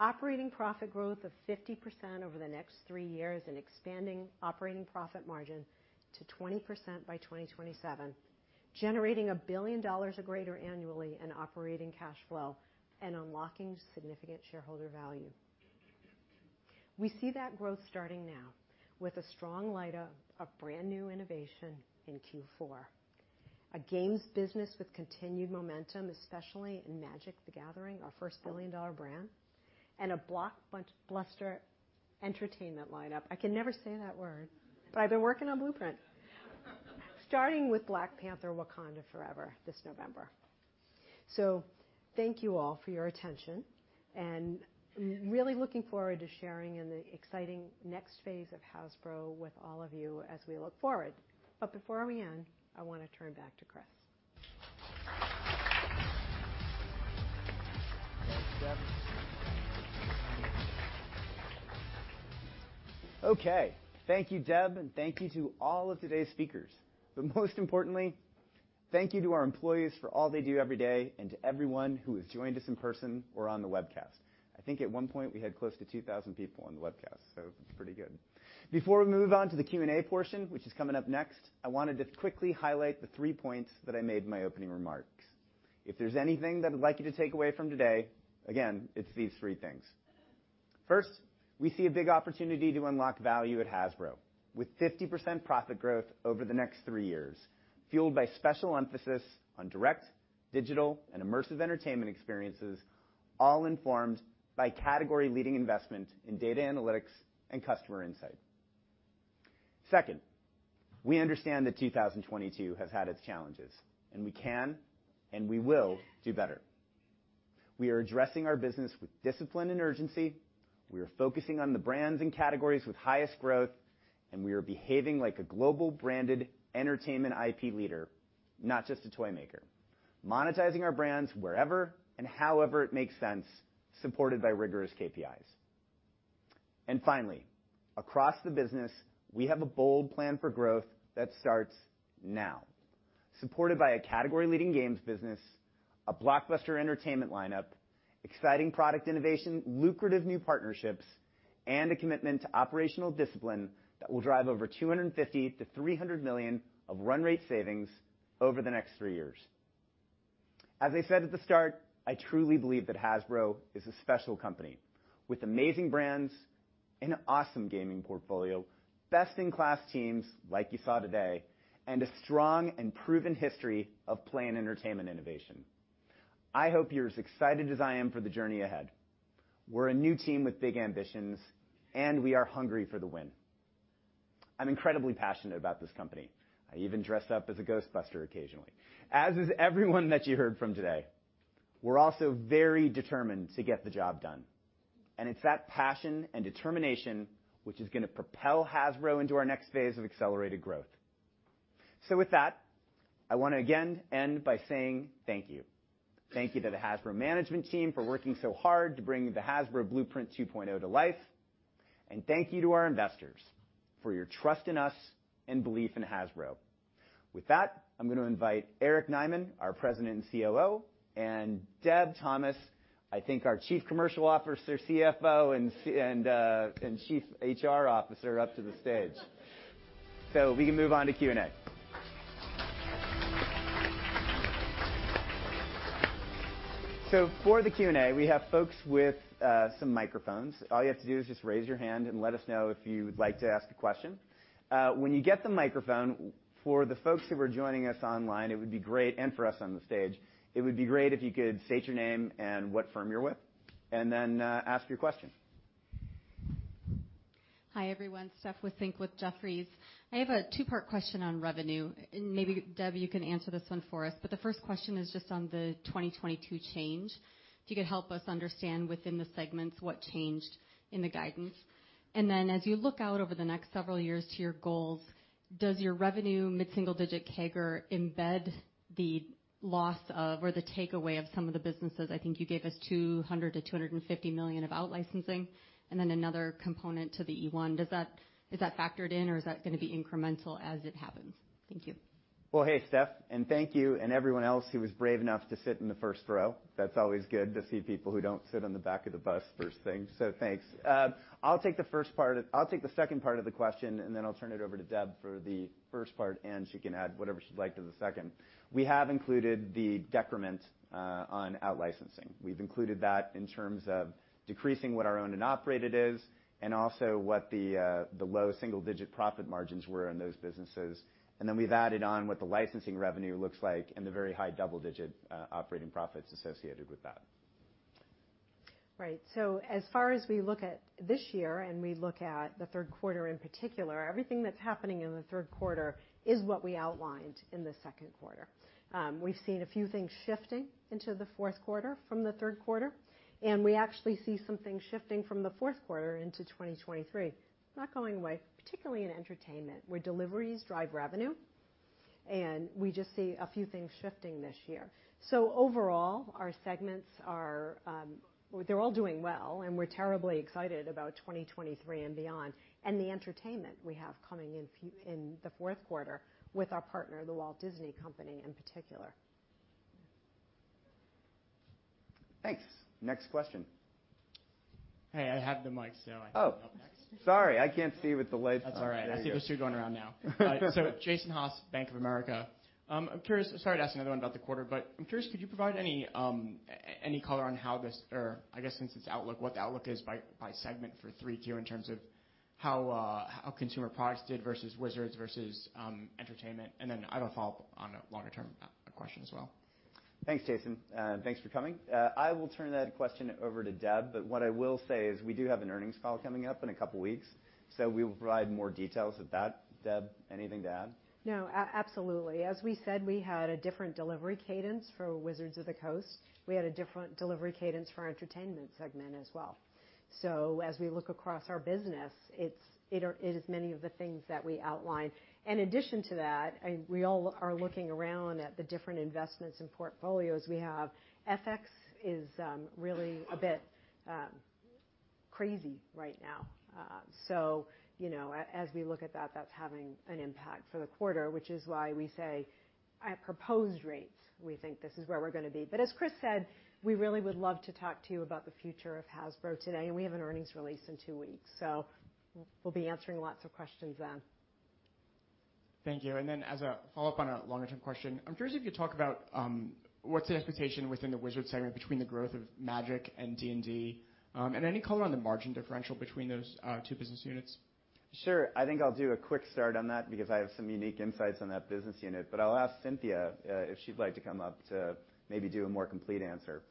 [SPEAKER 16] Operating profit growth of 50% over the next three years, and expanding operating profit margin to 20% by 2027, generating $1 billion or greater annually in operating cash flow and unlocking significant shareholder value. We see that growth starting now with a strong lineup of brand-new innovation in Q4, a games business with continued momentum, especially in Magic: The Gathering, our first billion-dollar brand, and a blockbuster entertainment lineup. I can never say that word, but I've been working on blueprint. Starting with Black Panther: Wakanda Forever this November. Thank you all for your attention, and really looking forward to sharing in the exciting next phase of Hasbro with all of you as we look forward. Before we end, I wanna turn back to Chris.
[SPEAKER 4] Thanks, Deb. Okay. Thank you, Deb, and thank you to all of today's speakers. Most importantly, thank you to our employees for all they do every day and to everyone who has joined us in person or on the webcast. I think at one point we had close to 2,000 people on the webcast, so it's pretty good. Before we move on to the Q&A portion, which is coming up next, I wanted to quickly highlight the three points that I made in my opening remarks. If there's anything that I'd like you to take away from today, again, it's these three things. First, we see a big opportunity to unlock value at Hasbro with 50% profit growth over the next three years, fueled by special emphasis on direct, digital, and immersive entertainment experiences, all informed by category-leading investment in data analytics and customer insight. Second, we understand that 2022 has had its challenges, and we can and we will do better. We are addressing our business with discipline and urgency. We are focusing on the brands and categories with highest growth, and we are behaving like a global branded entertainment IP leader, not just a toy maker. Monetizing our brands wherever and however it makes sense, supported by rigorous KPIs. Finally, across the business, we have a bold plan for growth that starts now, supported by a category-leading games business, a blockbuster entertainment lineup, exciting product innovation, lucrative new partnerships, and a commitment to operational discipline that will drive over $250 million-$300 million of run rate savings over the next three years. As I said at the start, I truly believe that Hasbro is a special company with amazing brands and an awesome gaming portfolio, best-in-class teams, like you saw today, and a strong and proven history of play and entertainment innovation. I hope you're as excited as I am for the journey ahead. We're a new team with big ambitions, and we are hungry for the win. I'm incredibly passionate about this company. I even dress up as a Ghostbuster occasionally, as is everyone that you heard from today. We're also very determined to get the job done. It's that passion and determination which is gonna propel Hasbro into our next phase of accelerated growth. With that, I wanna again end by saying thank you. Thank you to the Hasbro management team for working so hard to bring the Hasbro Blueprint 2.0 to life. Thank you to our investors for your trust in us and belief in Hasbro. With that, I'm gonna invite Eric Nyman, our President and COO, and Deb Thomas, I think our Chief Commercial Officer, CFO, and Chief HR Officer up to the stage. We can move on to Q&A. For the Q&A, we have folks with some microphones. All you have to do is just raise your hand and let us know if you would like to ask a question. When you get the microphone, for the folks who are joining us online, it would be great, and for us on the stage, it would be great if you could state your name and what firm you're with, and then ask your question.
[SPEAKER 17] Hi, everyone. Steph with Jefferies. I have a two-part question on revenue. Maybe Deb, you can answer this one for us. The first question is just on the 2022 change, if you could help us understand within the segments what changed in the guidance. Then as you look out over the next several years to your goals, does your revenue mid-single-digit CAGR embed the loss of or the takeaway of some of the businesses? I think you gave us $200 million-$250 million of out licensing, and then another component to the eOne. Does that, is that factored in or is that gonna be incremental as it happens? Thank you.
[SPEAKER 4] Well, hey, Steph. Thank you and everyone else who was brave enough to sit in the first row. That's always good to see people who don't sit on the back of the bus first thing. Thanks. I'll take the second part of the question, and then I'll turn it over to Deb for the first part, and she can add whatever she'd like to the second. We have included the decrement on out-licensing. We've included that in terms of decreasing what our owned and operated is, and also what the low single-digit% profit margins were in those businesses. Then we've added on what the licensing revenue looks like and the very high double-digit% operating profits associated with that.
[SPEAKER 16] Right. As far as we look at this year, and we look at the third quarter in particular, everything that's happening in the third quarter is what we outlined in the second quarter. We've seen a few things shifting into the fourth quarter from the third quarter, and we actually see some things shifting from the fourth quarter into 2023. Not going away, particularly in entertainment, where deliveries drive revenue, and we just see a few things shifting this year. Overall, our segments are, well, they're all doing well, and we're terribly excited about 2023 and beyond, and the entertainment we have coming in the fourth quarter with our partner, The Walt Disney Company in particular.
[SPEAKER 4] Thanks. Next question.
[SPEAKER 18] Hey, I have the mic, so I can come up next.
[SPEAKER 4] Oh, sorry. I can't see with the lights on.
[SPEAKER 18] That's all right. I see there's two going around now. Jason Haas, Bank of America. I'm curious. Sorry to ask another one about the quarter, but I'm curious, could you provide any color on how this or I guess since its outlook, what the outlook is by segment for 3Q in terms of how consumer products did versus Wizards versus entertainment? I have a follow-up on a longer term question as well.
[SPEAKER 4] Thanks, Jason. Thanks for coming. I will turn that question over to Deb, but what I will say is we do have an earnings call coming up in a couple weeks, so we will provide more details at that. Deb, anything to add?
[SPEAKER 16] No. Absolutely. As we said, we had a different delivery cadence for Wizards of the Coast. We had a different delivery cadence for our entertainment segment as well. As we look across our business, it is many of the things that we outlined. In addition to that, we all are looking around at the different investments and portfolios we have. FX is really a bit crazy right now. As we look at that's having an impact for the quarter, which is why we say at proposed rates we think this is where we're gonna be. As Chris said, we really would love to talk to you about the future of Hasbro today, and we have an earnings release in two weeks. We'll be answering lots of questions then.
[SPEAKER 18] Thank you. Then, as a follow-up on a longer-term question, I'm curious if you talk about what's the expectation within the Wizards segment between the growth of Magic and D&D, and any color on the margin differential between those two business units?
[SPEAKER 4] Sure. I think I'll do a quick start on that because I have some unique insights on that business unit. I'll ask Cynthia, if she'd like to come up to maybe do a more complete answer.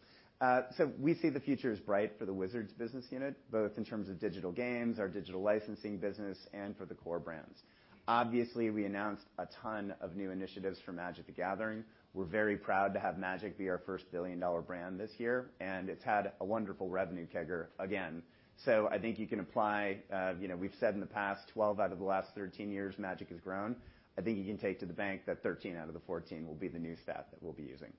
[SPEAKER 4] We see the future is bright for the Wizards business unit, both in terms of digital games, our digital licensing business, and for the core brands. Obviously, we announced a ton of new initiatives for Magic: The Gathering. We're very proud to have Magic be our first billion-dollar brand this year, and it's had a wonderful revenue CAGR again. I think you can apply, you know, we've said in the past 12 out of the last 13 years, Magic has grown. I think you can take to the bank that 13 out of the 14 will be the new stat that we'll be using.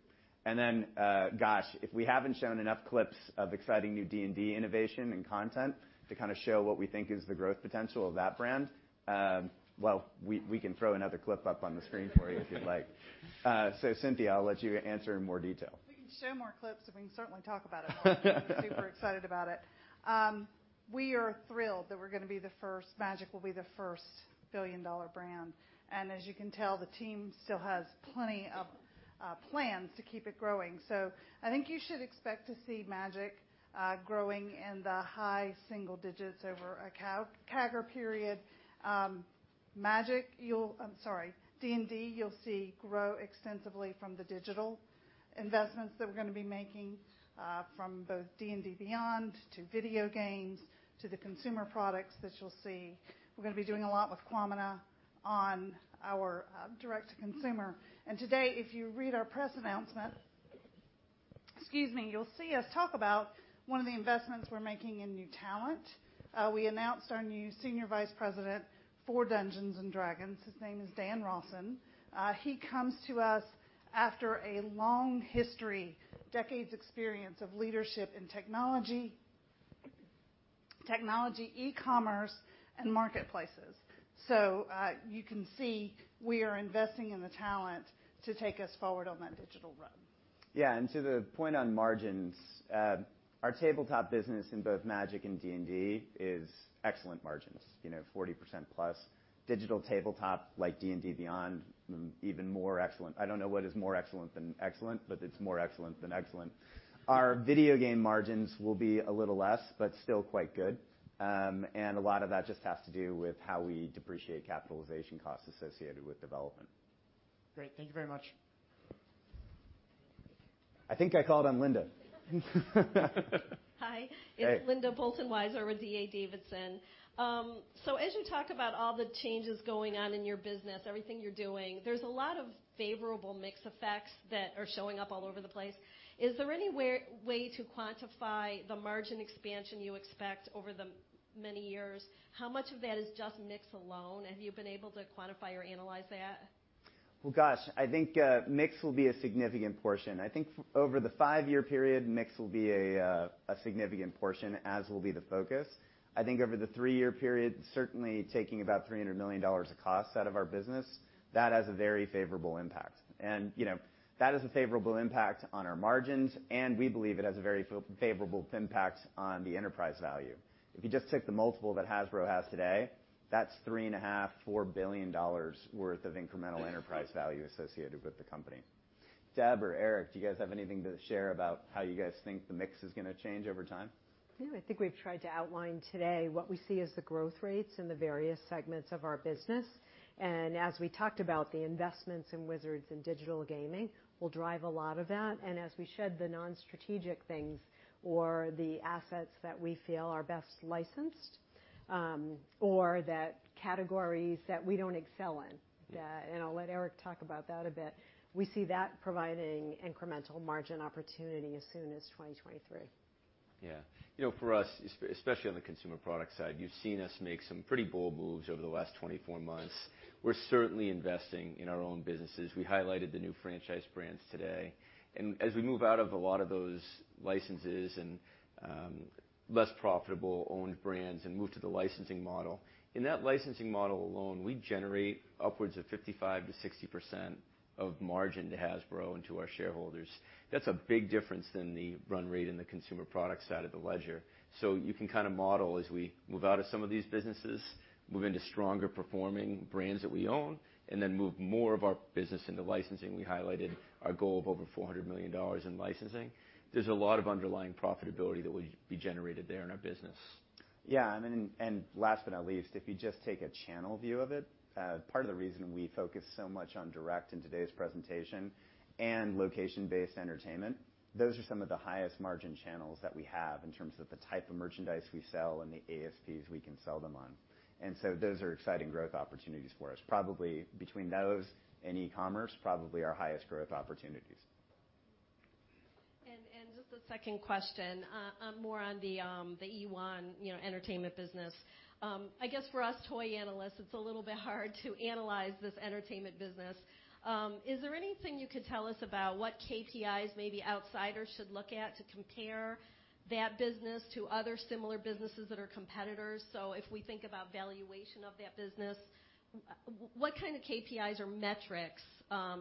[SPEAKER 4] Gosh, if we haven't shown enough clips of exciting new D&D innovation and content to kinda show what we think is the growth potential of that brand, well, we can throw another clip up on the screen for you if you'd like. Cynthia, I'll let you answer in more detail.
[SPEAKER 6] We can show more clips, and we can certainly talk about it all. We're super excited about it. We are thrilled that Magic will be the first billion-dollar brand. As you can tell, the team still has plenty of plans to keep it growing. I think you should expect to see Magic growing in the high single digits over a CAGR period. D&D, you'll see grow extensively from the digital investments that we're gonna be making.
[SPEAKER 16] From both D&D Beyond to video games, to the consumer products that you'll see. We're gonna be doing a lot with Kwamina on our direct-to-consumer. Today, if you read our press announcement, excuse me, you'll see us talk about one of the investments we're making in new talent. We announced our new Senior Vice President for Dungeons & Dragons. His name is Dan Rawson. He comes to us after a long history, decades experience of leadership in technology e-commerce and marketplaces. You can see we are investing in the talent to take us forward on that digital road.
[SPEAKER 4] Yeah. To the point on margins, our tabletop business in both Magic and D&D is excellent margins, you know, 40%+. Digital tabletop, like D&D Beyond, even more excellent. I don't know what is more excellent than excellent, but it's more excellent than excellent. Our video game margins will be a little less, but still quite good. A lot of that just has to do with how we depreciate capitalization costs associated with development.
[SPEAKER 18] Great. Thank you very much.
[SPEAKER 4] I think I called on Linda.
[SPEAKER 19] Hi.
[SPEAKER 4] Hey.
[SPEAKER 19] It's Linda Bolton Weiser with D.A. Davidson. As you talk about all the changes going on in your business, everything you're doing, there's a lot of favorable mix effects that are showing up all over the place. Is there any way to quantify the margin expansion you expect over the many years? How much of that is just mix alone? Have you been able to quantify or analyze that?
[SPEAKER 4] Well, gosh, I think mix will be a significant portion. I think over the five-year period, mix will be a significant portion, as will be the focus. I think over the three-year period, certainly taking about $300 million of costs out of our business, that has a very favorable impact. You know, that is a favorable impact on our margins, and we believe it has a very favorable impact on the enterprise value. If you just took the multiple that Hasbro has today, that's $3.5 billion-$4 billion worth of incremental enterprise value associated with the company. Deb or Eric, do you guys have anything to share about how you guys think the mix is gonna change over time?
[SPEAKER 16] Yeah. I think we've tried to outline today what we see as the growth rates in the various segments of our business. As we talked about, the investments in Wizards and digital gaming will drive a lot of that. As we shed the non-strategic things or the assets that we feel are best licensed, or the categories that we don't excel in, and I'll let Eric talk about that a bit, we see that providing incremental margin opportunity as soon as 2023.
[SPEAKER 5] Yeah. You know, for us, especially on the consumer product side, you've seen us make some pretty bold moves over the last 24 months. We're certainly investing in our own businesses. We highlighted the new franchise brands today. As we move out of a lot of those licenses and less profitable owned brands and move to the licensing model, in that licensing model alone, we generate upwards of 55%-60% of margin to Hasbro and to our shareholders. That's a big difference than the run rate in the consumer product side of the ledger. You can kind of model as we move out of some of these businesses, move into stronger performing brands that we own, and then move more of our business into licensing. We highlighted our goal of over $400 million in licensing. There's a lot of underlying profitability that will be generated there in our business.
[SPEAKER 4] Yeah. I mean, and last but not least, if you just take a channel view of it, part of the reason we focus so much on direct in today's presentation and location-based entertainment, those are some of the highest margin channels that we have in terms of the type of merchandise we sell and the ASPs we can sell them on. Those are exciting growth opportunities for us. Probably between those and e-commerce, probably our highest growth opportunities.
[SPEAKER 19] Just a second question, more on the eOne, you know, entertainment business. I guess for us toy analysts, it's a little bit hard to analyze this entertainment business. Is there anything you could tell us about what KPIs maybe outsiders should look at to compare that business to other similar businesses that are competitors? If we think about valuation of that business, what kind of KPIs or metrics?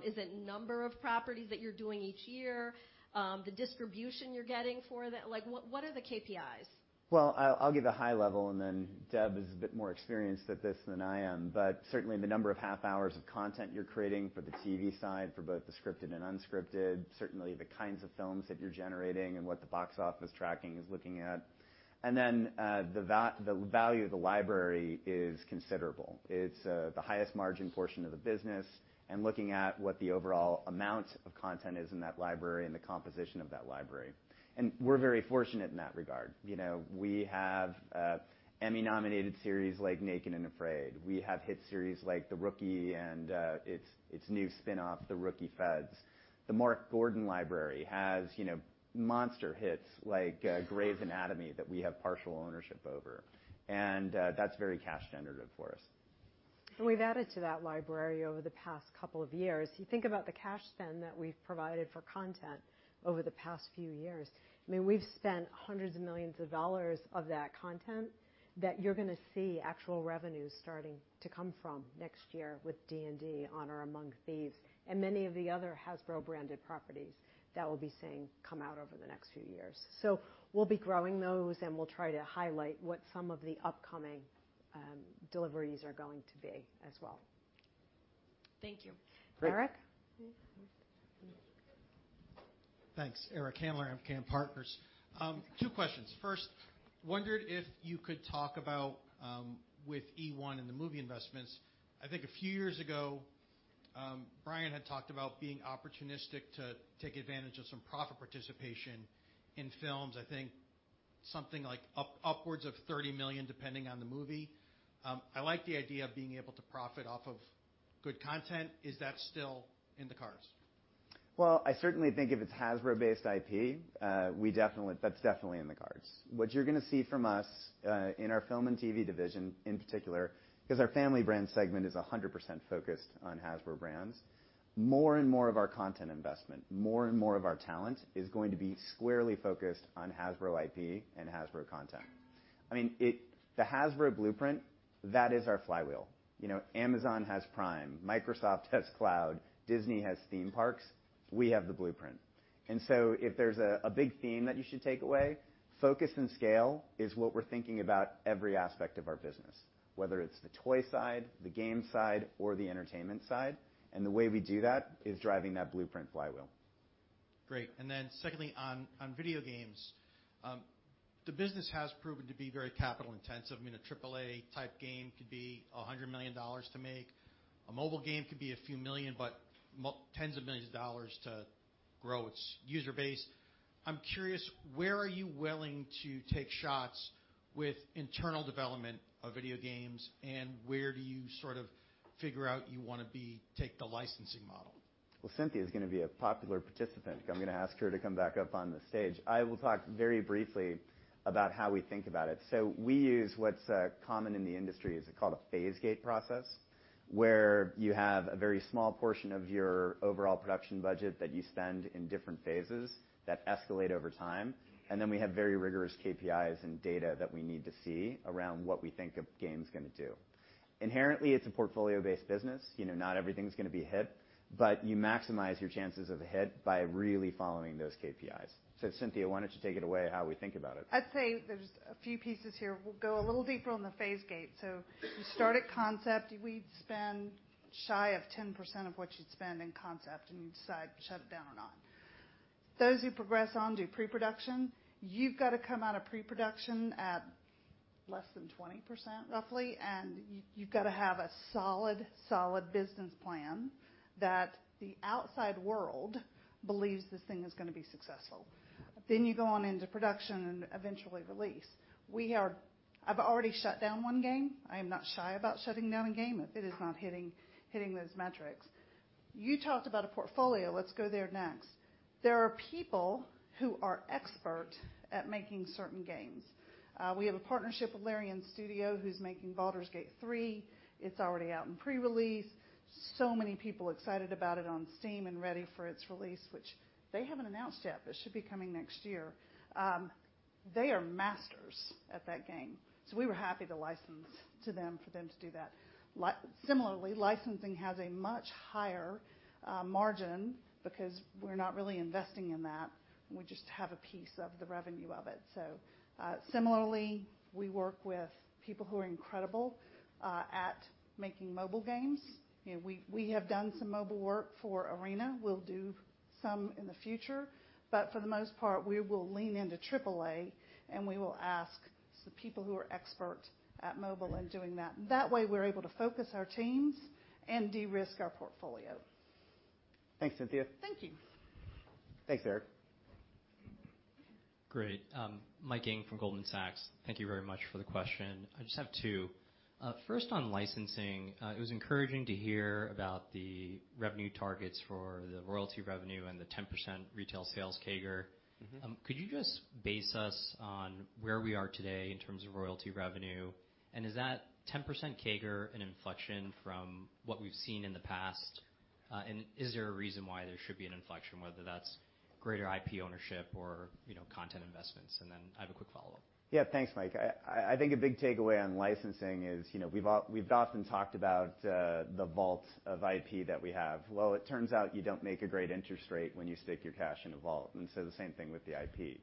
[SPEAKER 19] Is it number of properties that you're doing each year? The distribution you're getting for that? Like, what are the KPIs?
[SPEAKER 4] Well, I'll give a high level, and then Deb is a bit more experienced at this than I am. Certainly, the number of half hours of content you're creating for the TV side for both the scripted and unscripted, certainly the kinds of films that you're generating and what the box office tracking is looking at. Then, the value of the library is considerable. It's the highest margin portion of the business and looking at what the overall amount of content is in that library and the composition of that library. We're very fortunate in that regard. You know, we have Emmy-nominated series like Naked and Afraid. We have hit series like The Rookie and its new spin-off, The Rookie: Feds. The Mark Gordon Library has, you know, monster hits like Grey's Anatomy that we have partial ownership over. That's very cash generative for us.
[SPEAKER 16] We've added to that library over the past couple of years. You think about the cash spend that we've provided for content over the past few years. I mean, we've spent hundreds of millions of dollars of that content that you're gonna see actual revenues starting to come from next year with D&D: Honor Among Thieves and many of the other Hasbro-branded properties that we'll be seeing come out over the next few years. We'll be growing those, and we'll try to highlight what some of the upcoming deliveries are going to be as well.
[SPEAKER 19] Thank you.
[SPEAKER 16] Eric?
[SPEAKER 5] Great.
[SPEAKER 20] Thanks. Eric Handler, MKM Partners. Two questions. First, wondered if you could talk about with eOne and the movie investments. I think a few years ago. Brian had talked about being opportunistic to take advantage of some profit participation in films. I think something like upwards of $30 million, depending on the movie. I like the idea of being able to profit off of good content. Is that still in the cards?
[SPEAKER 4] Well, I certainly think if it's Hasbro-based IP, that's definitely in the cards. What you're gonna see from us in our film and TV division, in particular, 'cause our family brand segment is 100% focused on Hasbro brands. More and more of our content investment, more and more of our talent is going to be squarely focused on Hasbro IP and Hasbro content. I mean, the Hasbro Blueprint, that is our flywheel. You know, Amazon has Prime, Microsoft has Cloud, Disney has theme parks, we have the Blueprint. If there's a big theme that you should take away, focus and scale is what we're thinking about every aspect of our business, whether it's the toy side, the game side or the entertainment side. The way we do that is driving that Blueprint flywheel.
[SPEAKER 20] Great. Secondly, on video games. The business has proven to be very capital intensive. I mean, a AAA type game could be $100 million to make. A mobile game could be a few million, but tens of millions of dollars to grow its user base. I'm curious, where are you willing to take shots with internal development of video games, and where do you sort of figure out you wanna take the licensing model?
[SPEAKER 4] Well, Cynthia is gonna be a popular participant. I'm gonna ask her to come back up on the stage. I will talk very briefly about how we think about it. We use what's common in the industry is called a phase gate process, where you have a very small portion of your overall production budget that you spend in different phases that escalate over time. We have very rigorous KPIs and data that we need to see around what we think a game's gonna do. Inherently, it's a portfolio-based business. You know, not everything's gonna be a hit, but you maximize your chances of a hit by really following those KPIs. Cynthia, why don't you take it away how we think about it?
[SPEAKER 6] I'd say there's a few pieces here. We'll go a little deeper on the phase gate. You start at concept. We'd spend shy of 10% of what you'd spend in concept, and you decide to shut it down or not. Those who progress on do pre-production. You've got to come out of pre-production at less than 20%, roughly. You've got to have a solid business plan that the outside world believes this thing is gonna be successful. You go on into production and eventually release. I've already shut down 1 game. I am not shy about shutting down a game if it is not hitting those metrics. You talked about a portfolio. Let's go there next. There are people who are expert at making certain games. We have a partnership with Larian Studios who's making Baldur's Gate 3. It's already out in pre-release. Many people excited about it on Steam and ready for its release, which they haven't announced yet, but should be coming next year. They are masters at that game, so we were happy to license to them for them to do that. Similarly, licensing has a much higher margin because we're not really investing in that. We just have a piece of the revenue of it. Similarly, we work with people who are incredible at making mobile games. You know, we have done some mobile work for Arena. We'll do some in the future. For the most part, we will lean into triple-A, and we will ask the people who are expert at mobile and doing that. That way, we're able to focus our teams and de-risk our portfolio.
[SPEAKER 4] Thanks, Cynthia.
[SPEAKER 6] Thank you.
[SPEAKER 4] Thanks, Eric.
[SPEAKER 21] Great. Mike Ng from Goldman Sachs. Thank you very much for the question. I just have two. First on licensing, it was encouraging to hear about the revenue targets for the royalty revenue and the 10% retail sales CAGR.
[SPEAKER 4] Mm-hmm.
[SPEAKER 21] Could you just brief us on where we are today in terms of royalty revenue? Is that 10% CAGR an inflection from what we've seen in the past? Is there a reason why there should be an inflection, whether that's greater IP ownership or, you know, content investments? I have a quick follow-up.
[SPEAKER 4] Yeah. Thanks, Mike. I think a big takeaway on licensing is, you know, we've often talked about the vaults of IP that we have. Well, it turns out you don't make a great interest rate when you stick your cash in a vault, and the same thing with the IP.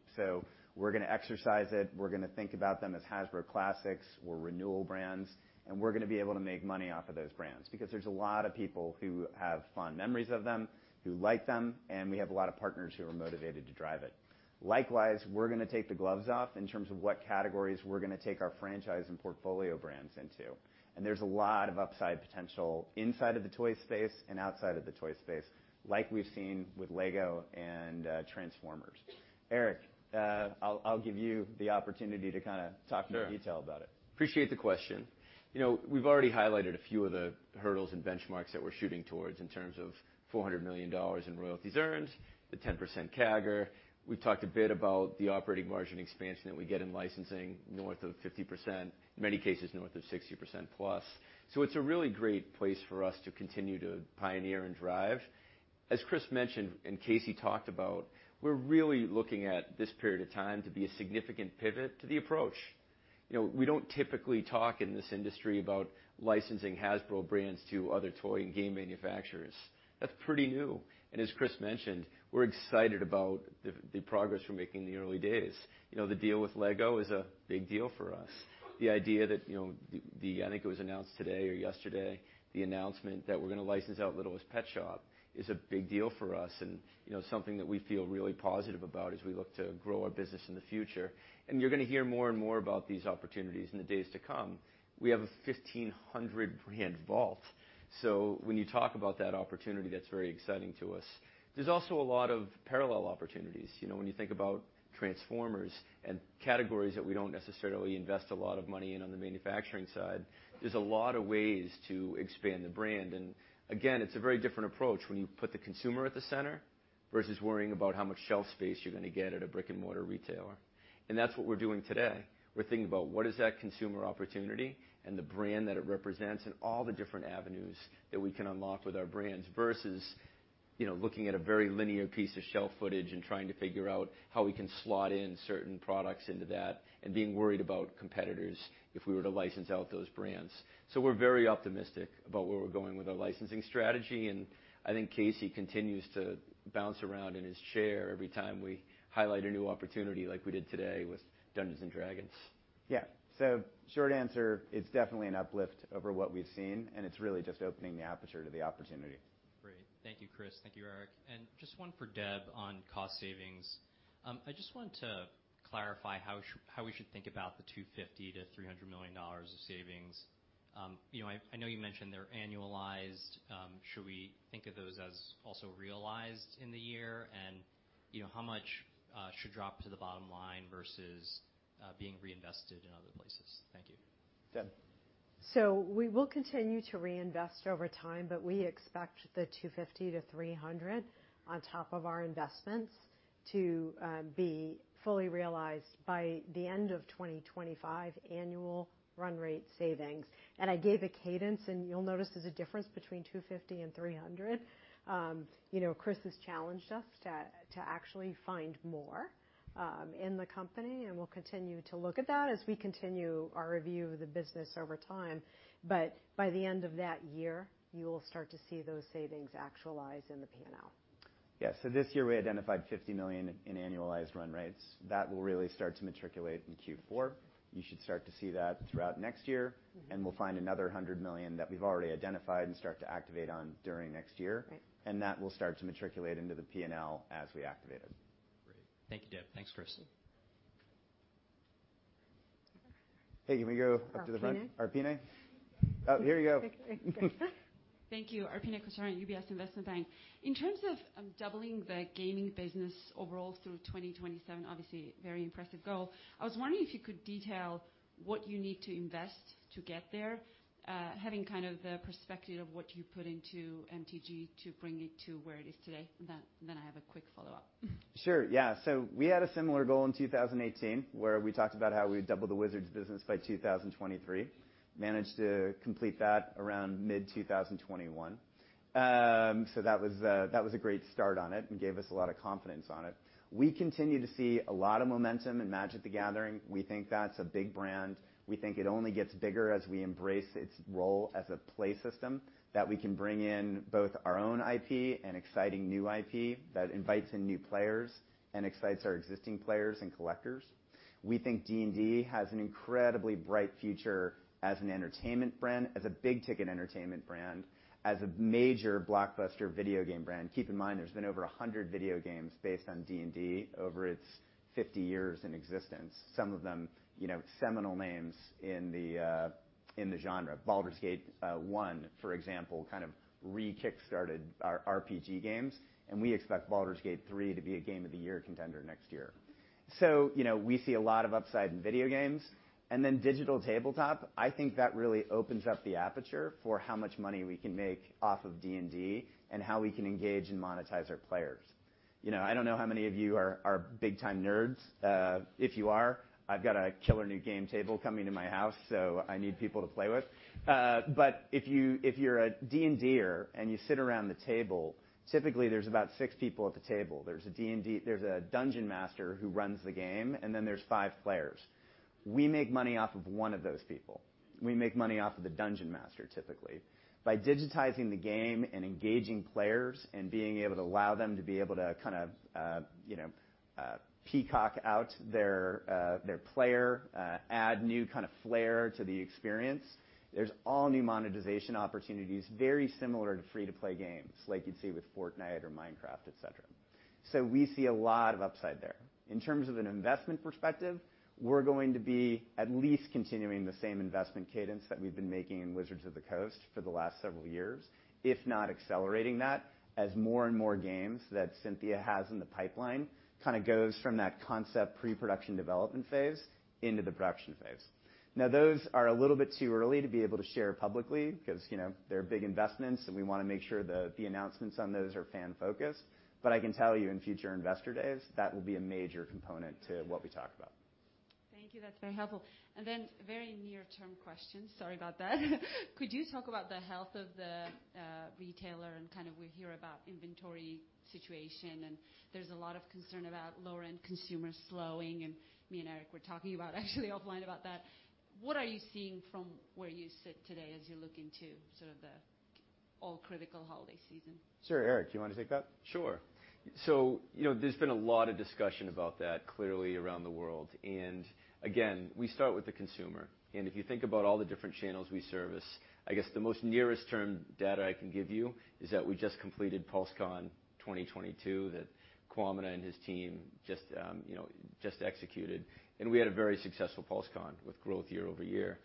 [SPEAKER 4] We're gonna exercise it. We're gonna think about them as Hasbro classics or renewal brands, and we're gonna be able to make money off of those brands because there's a lot of people who have fond memories of them, who like them, and we have a lot of partners who are motivated to drive it. Likewise, we're gonna take the gloves off in terms of what categories we're gonna take our franchise and portfolio brands into. There's a lot of upside potential inside of the toy space and outside of the toy space, like we've seen with LEGO and Transformers. Eric, I'll give you the opportunity to kinda talk-
[SPEAKER 5] Sure.
[SPEAKER 4] in detail about it.
[SPEAKER 5] Appreciate the question. You know, we've already highlighted a few of the hurdles and benchmarks that we're shooting towards in terms of $400 million in royalties earned, the 10% CAGR. We've talked a bit about the operating margin expansion that we get in licensing, north of 50%, in many cases, north of 60%+. So it's a really great place for us to continue to pioneer and drive. As Chris mentioned and Casey talked about, we're really looking at this period of time to be a significant pivot to the approach. You know, we don't typically talk in this industry about licensing Hasbro brands to other toy and game manufacturers. That's pretty new. As Chris mentioned, we're excited about the progress we're making in the early days. You know, the deal with LEGO is a big deal for us. The idea that, you know, I think it was announced today or yesterday, the announcement that we're gonna license out Littlest Pet Shop is a big deal for us and, you know, something that we feel really positive about as we look to grow our business in the future. You're gonna hear more and more about these opportunities in the days to come. We have a 1,500 brand vault. So when you talk about that opportunity, that's very exciting to us. There's also a lot of parallel opportunities. You know, when you think about Transformers and categories that we don't necessarily invest a lot of money in on the manufacturing side, there's a lot of ways to expand the brand. Again, it's a very different approach when you put the consumer at the center versus worrying about how much shelf space you're gonna get at a brick-and-mortar retailer. That's what we're doing today. We're thinking about what is that consumer opportunity and the brand that it represents and all the different avenues that we can unlock with our brands versus, you know, looking at a very linear piece of shelf footage and trying to figure out how we can slot in certain products into that and being worried about competitors if we were to license out those brands. We're very optimistic about where we're going with our licensing strategy, and I think Casey continues to bounce around in his chair every time we highlight a new opportunity like we did today with Dungeons & Dragons.
[SPEAKER 4] Yeah. Short answer, it's definitely an uplift over what we've seen, and it's really just opening the aperture to the opportunity.
[SPEAKER 21] Great. Thank you, Chris. Thank you, Eric. Just one for Deb on cost savings. I just want to clarify how we should think about the $250 million-$300 million of savings. You know, I know you mentioned they're annualized. Should we think of those as also realized in the year? You know, how much should drop to the bottom line versus being reinvested in other places? Thank you.
[SPEAKER 4] Deb.
[SPEAKER 21] We will continue to reinvest over time, but we expect the $250 million-$300 million on top of our investments to be fully realized by the end of 2025 annual run rate savings. I gave the cadence, and you'll notice there's a difference between $250 million and $300 million. You know, Chris has challenged us to actually find more in the company, and we'll continue to look at that as we continue our review of the business over time. By the end of that year, you'll start to see those savings actualize in the P&L.
[SPEAKER 4] Yeah. This year, we identified $50 million in annualized run rates. That will really start to materialize in Q4. You should start to see that throughout next year.
[SPEAKER 21] Mm-hmm.
[SPEAKER 4] We'll find another $100 million that we've already identified and start to activate on during next year.
[SPEAKER 21] Right.
[SPEAKER 4] That will start to materialize into the P&L as we activate it.
[SPEAKER 21] Great. Thank you, Deb. Thanks, Chris.
[SPEAKER 4] Hey, can we go up to the front?
[SPEAKER 22] Arpine.
[SPEAKER 4] Arpine. Oh, here you go.
[SPEAKER 22] Thank you. Arpine Kocharian, UBS Investment Bank. In terms of doubling the gaming business overall through 2027, obviously very impressive goal. I was wondering if you could detail what you need to invest to get there, having kind of the perspective of what you put into MTG to bring it to where it is today. Then I have a quick follow-up.
[SPEAKER 4] Sure, yeah. We had a similar goal in 2018, where we talked about how we'd double the Wizards business by 2023. Managed to complete that around mid 2021. That was a great start on it and gave us a lot of confidence on it. We continue to see a lot of momentum in Magic: The Gathering. We think that's a big brand. We think it only gets bigger as we embrace its role as a play system, that we can bring in both our own IP and exciting new IP that invites in new players and excites our existing players and collectors. We think D&D has an incredibly bright future as an entertainment brand, as a big-ticket entertainment brand, as a major blockbuster video game brand. Keep in mind, there's been over 100 video games based on D&D over its 50 years in existence. Some of them, you know, seminal names in the genre. Baldur's Gate 1, for example, kind of re-kickstarted our RPG games, and we expect Baldur's Gate 3 to be a game of the year contender next year. You know, we see a lot of upside in video games. Digital tabletop, I think that really opens up the aperture for how much money we can make off of D&D and how we can engage and monetize our players. You know, I don't know how many of you are big-time nerds. If you are, I've got a killer new game table coming to my house, so I need people to play with. If you're a D&Der and you sit around the table, typically there's about six people at the table. There's a dungeon master who runs the game, and then there's five players. We make money off of one of those people. We make money off of the dungeon master, typically. By digitizing the game and engaging players and being able to allow them to be able to kind of, you know, peacock out their their player, add new kind of flair to the experience, there's all new monetization opportunities very similar to free-to-play games like you'd see with Fortnite or Minecraft, et cetera. We see a lot of upside there. In terms of an investment perspective, we're going to be at least continuing the same investment cadence that we've been making in Wizards of the Coast for the last several years, if not accelerating that, as more and more games that Cynthia has in the pipeline kinda goes from that concept pre-production development phase into the production phase. Now, those are a little bit too early to be able to share publicly because, you know, they're big investments, and we wanna make sure the announcements on those are fan-focused. I can tell you in future investor days, that will be a major component to what we talk about.
[SPEAKER 22] Thank you. That's very helpful. Very near-term question. Sorry about that. Could you talk about the health of the retailer and kind of we hear about inventory situation, and there's a lot of concern about lower-end consumer slowing, and me and Eric were talking about actually offline about that. What are you seeing from where you sit today as you look into sort of the-
[SPEAKER 16] All critical holiday season.
[SPEAKER 4] Sure. Eric, you want to take that?
[SPEAKER 5] Sure. You know, there's been a lot of discussion about that clearly around the world. Again, we start with the consumer. If you think about all the different channels we service, I guess the most nearest term data I can give you is that we just completed PulseCon 2022 that Kwamina and his team just, you know, just executed. We had a very successful PulseCon with growth year-over-year.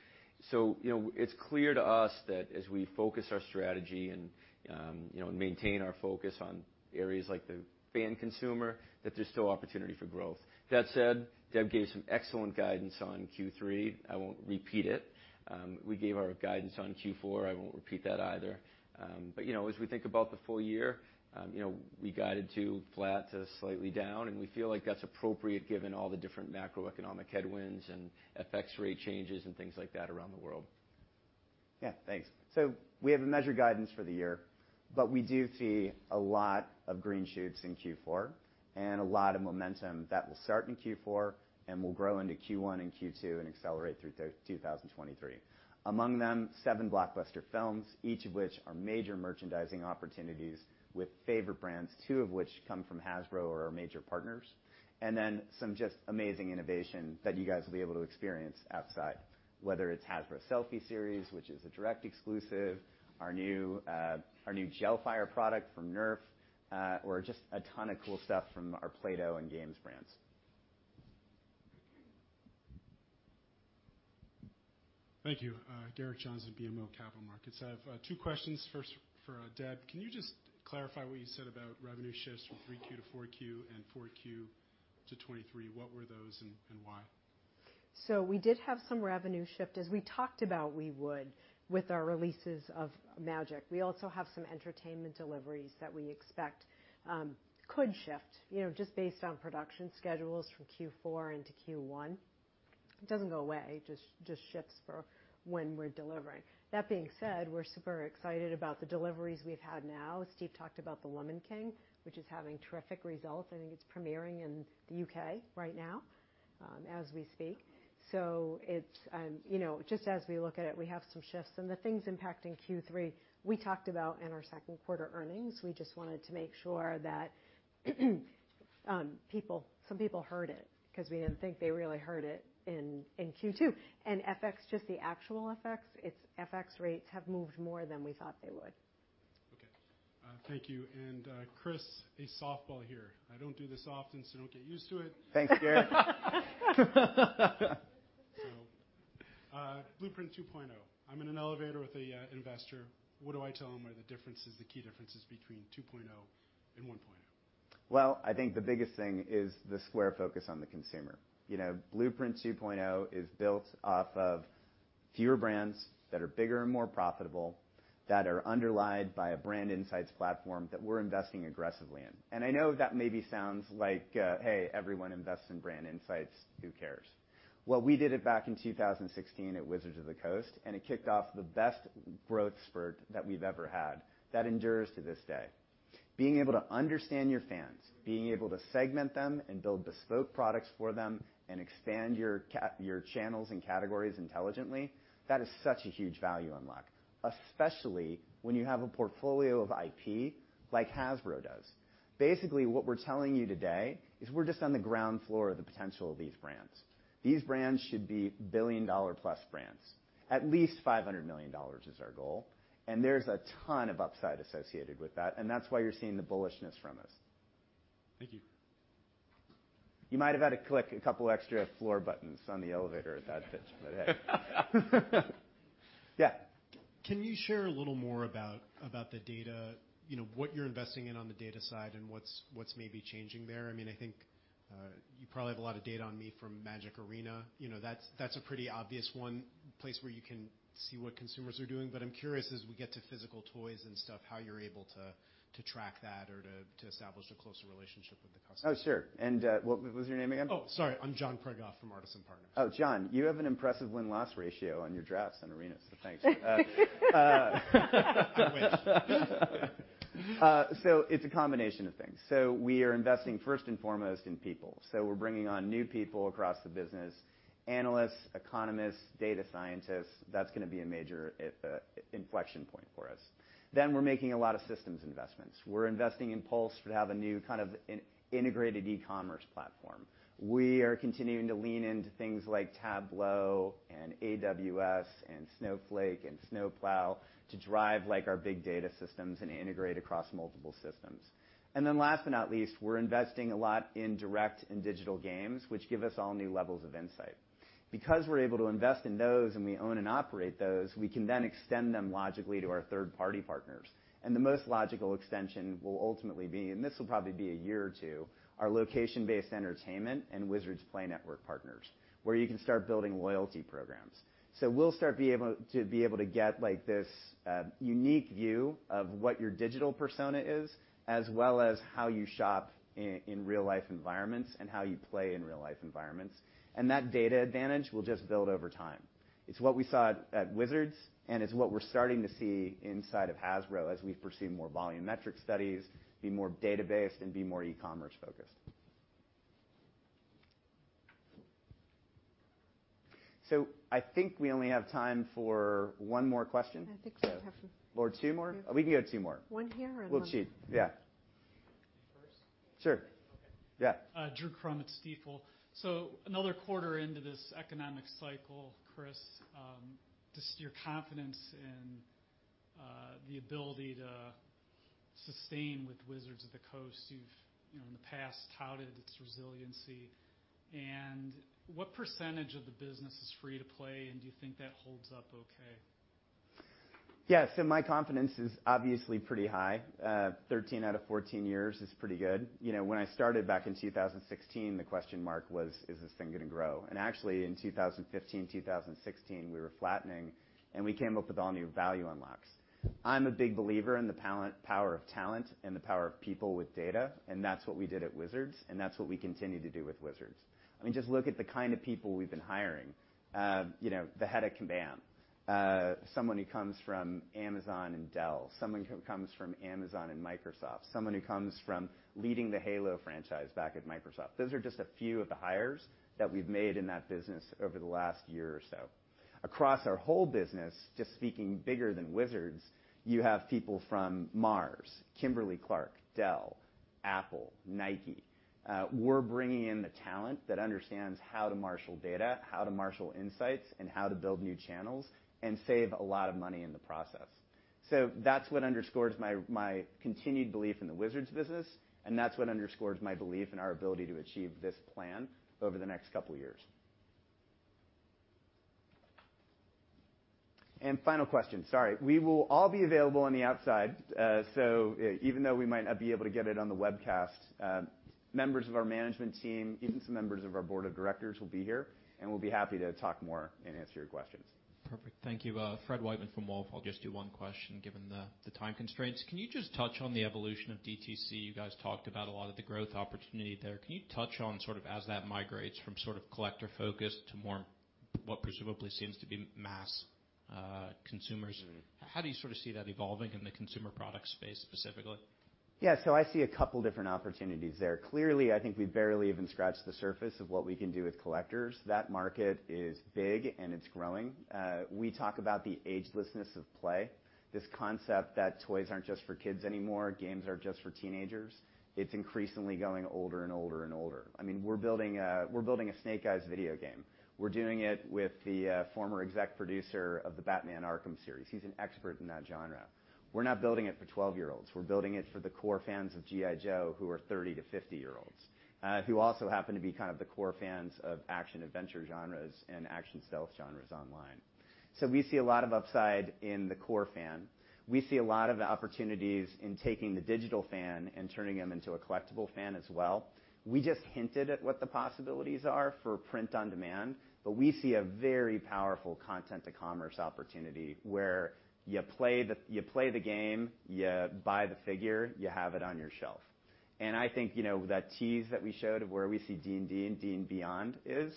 [SPEAKER 5] You know, it's clear to us that as we focus our strategy and, you know, maintain our focus on areas like the fan consumer, that there's still opportunity for growth. That said, Deb gave some excellent guidance on Q3. I won't repeat it. We gave our guidance on Q4. I won't repeat that either. You know, as we think about the full year, you know, we guided to flat to slightly down, and we feel like that's appropriate given all the different macroeconomic headwinds and FX rate changes and things like that around the world. We have measured guidance for the year, but we do see a lot of green shoots in Q4 and a lot of momentum that will start in Q4 and will grow into Q1 and Q2 and accelerate through 2023. Among them, seven blockbuster films, each of which are major merchandising opportunities with favorite brands, two of which come from Hasbro or our major partners, and then some just amazing innovation that you guys will be able to experience outside, whether it's Hasbro Selfie Series, which is a direct exclusive, our new Gelfire product from NERF, or just a ton of cool stuff from our Play-Doh and Games brands.
[SPEAKER 23] Thank you. Gerrick Johnson, BMO Capital Markets. I have two questions. First for Deb. Can you just clarify what you said about revenue shifts from 3Q to 4Q and 4Q to 2023? What were those and why?
[SPEAKER 16] We did have some revenue shift as we talked about we would with our releases of Magic. We also have some entertainment deliveries that we expect could shift, you know, just based on production schedules from Q4 into Q1. It doesn't go away, it just shifts for when we're delivering. That being said, we're super excited about the deliveries we've had now. Steve talked about The Woman King, which is having terrific results. I think it's premiering in the UK right now, as we speak. It's, you know, just as we look at it, we have some shifts. The things impacting Q3, we talked about in our second quarter earnings. We just wanted to make sure that people, some people heard it because we didn't think they really heard it in Q2. FX, just the actual FX, it's FX rates have moved more than we thought they would.
[SPEAKER 23] Okay. Thank you. Chris, a softball here. I don't do this often, so don't get used to it.
[SPEAKER 4] Thanks, Gerrick.
[SPEAKER 23] Blueprint 2.0. I'm in an elevator with an investor. What do I tell them are the differences, the key differences between 2.0 and 1.0?
[SPEAKER 4] Well, I think the biggest thing is the sharp focus on the consumer. You know, Blueprint 2.0 is built off of fewer brands that are bigger and more profitable, that are underlied by a Brand Insights Platform that we're investing aggressively in. I know that maybe sounds like, "Hey, everyone invests in brand insights. Who cares?" Well, we did it back in 2016 at Wizards of the Coast, and it kicked off the best growth spurt that we've ever had. That endures to this day. Being able to understand your fans, being able to segment them and build bespoke products for them and expand your channels and categories intelligently, that is such a huge value unlock, especially when you have a portfolio of IP like Hasbro does. Basically, what we're telling you today is we're just on the ground floor of the potential of these brands. These brands should be billion-dollar-plus brands. At least $500 million is our goal, and there's a ton of upside associated with that, and that's why you're seeing the bullishness from us.
[SPEAKER 23] Thank you.
[SPEAKER 4] You might have had to click a couple extra floor buttons on the elevator at that pitch, but hey. Yeah.
[SPEAKER 24] Can you share a little more about the data, you know, what you're investing in on the data side and what's maybe changing there? I mean, I think you probably have a lot of data on me from Magic Arena. You know, that's a pretty obvious one place where you can see what consumers are doing. But I'm curious as we get to physical toys and stuff, how you're able to track that or to establish a closer relationship with the customer.
[SPEAKER 4] Oh, sure. What was your name again?
[SPEAKER 24] Oh, sorry. I'm John Prigoff from Artisan Partners.
[SPEAKER 4] Oh, John, you have an impressive win-loss ratio on your drafts in Arena, so thanks.
[SPEAKER 24] I wish.
[SPEAKER 4] It's a combination of things. We are investing first and foremost in people. We're bringing on new people across the business, analysts, economists, data scientists. That's gonna be a major inflection point for us. We're making a lot of systems investments. We're investing in Pulse to have a new kind of integrated e-commerce platform. We are continuing to lean into things like Tableau and AWS and Snowflake and Snowplow to drive, like, our big data systems and integrate across multiple systems. Last but not least, we're investing a lot in direct and digital games, which give us all new levels of insight. Because we're able to invest in those and we own and operate those, we can then extend them logically to our third-party partners. The most logical extension will ultimately be, and this will probably be a year or two, our location-based entertainment and Wizards Play Network partners, where you can start building loyalty programs. We'll start to be able to get, like, this unique view of what your digital persona is, as well as how you shop in real-life environments and how you play in real-life environments. That data advantage will just build over time. It's what we saw at Wizards, and it's what we're starting to see inside of Hasbro as we pursue more volumetric studies, be more data-based, and be more e-commerce focused. I think we only have time for one more question.
[SPEAKER 1] I think so.
[SPEAKER 4] Two more? We can go two more.
[SPEAKER 1] One here and one.
[SPEAKER 4] We'll cheat. Yeah.
[SPEAKER 25] Me first?
[SPEAKER 4] Sure.
[SPEAKER 25] Okay.
[SPEAKER 4] Yeah.
[SPEAKER 25] Drew Crum at Stifel. Another quarter into this economic cycle, Chris, just your confidence in the ability to sustain with Wizards of the Coast. You've, you know, in the past touted its resiliency. What percentage of the business is free-to-play, and do you think that holds up okay?
[SPEAKER 4] Yeah. My confidence is obviously pretty high. 13 out of 14 years is pretty good. You know, when I started back in 2016, the question mark was, "Is this thing gonna grow?" Actually, in 2015, 2016, we were flattening, and we came up with all new value unlocks. I'm a big believer in the power of talent and the power of people with data, and that's what we did at Wizards, and that's what we continue to do with Wizards. I mean, just look at the kind of people we've been hiring. You know, the head of Kabam, someone who comes from Amazon and Dell, someone who comes from Amazon and Microsoft, someone who comes from leading the Halo franchise back at Microsoft. Those are just a few of the hires that we've made in that business over the last year or so. Across our whole business, just speaking bigger than Wizards, you have people from Mars, Kimberly-Clark, Dell, Apple, Nike. We're bringing in the talent that understands how to marshal data, how to marshal insights, and how to build new channels and save a lot of money in the process. That's what underscores my continued belief in the Wizards business, and that's what underscores my belief in our ability to achieve this plan over the next couple years. Final question. Sorry. We will all be available on the outside. Even though we might not be able to get it on the webcast, members of our management team, even some members of our board of directors, will be here, and we'll be happy to talk more and answer your questions.
[SPEAKER 26] Perfect. Thank you. Fred Wightman from Wolfe Research. I'll just do one question, given the time constraints. Can you just touch on the evolution of DTC? You guys talked about a lot of the growth opportunity there. Can you touch on sort of as that migrates from sort of collector focus to more what presumably seems to be mass consumers?
[SPEAKER 4] Mm-hmm.
[SPEAKER 26] How do you sort of see that evolving in the consumer product space specifically?
[SPEAKER 4] Yeah. I see a couple different opportunities there. Clearly, I think we've barely even scratched the surface of what we can do with collectors. That market is big, and it's growing. We talk about the agelessness of play, this concept that toys aren't just for kids anymore, games aren't just for teenagers. It's increasingly going older and older and older. I mean, we're building a Snake Eyes video game. We're doing it with the former executive producer of the Batman: Arkham series. He's an expert in that genre. We're not building it for 12-year-olds. We're building it for the core fans of G.I. Joe who are 30- to 50-year-olds, who also happen to be kind of the core fans of action adventure genres and action stealth genres online. We see a lot of upside in the core fan. We see a lot of opportunities in taking the digital fan and turning them into a collectible fan as well. We just hinted at what the possibilities are for print on demand, but we see a very powerful content to commerce opportunity where you play the game, you buy the figure, you have it on your shelf. I think, you know, that tease that we showed of where we see D&D and D&D Beyond is,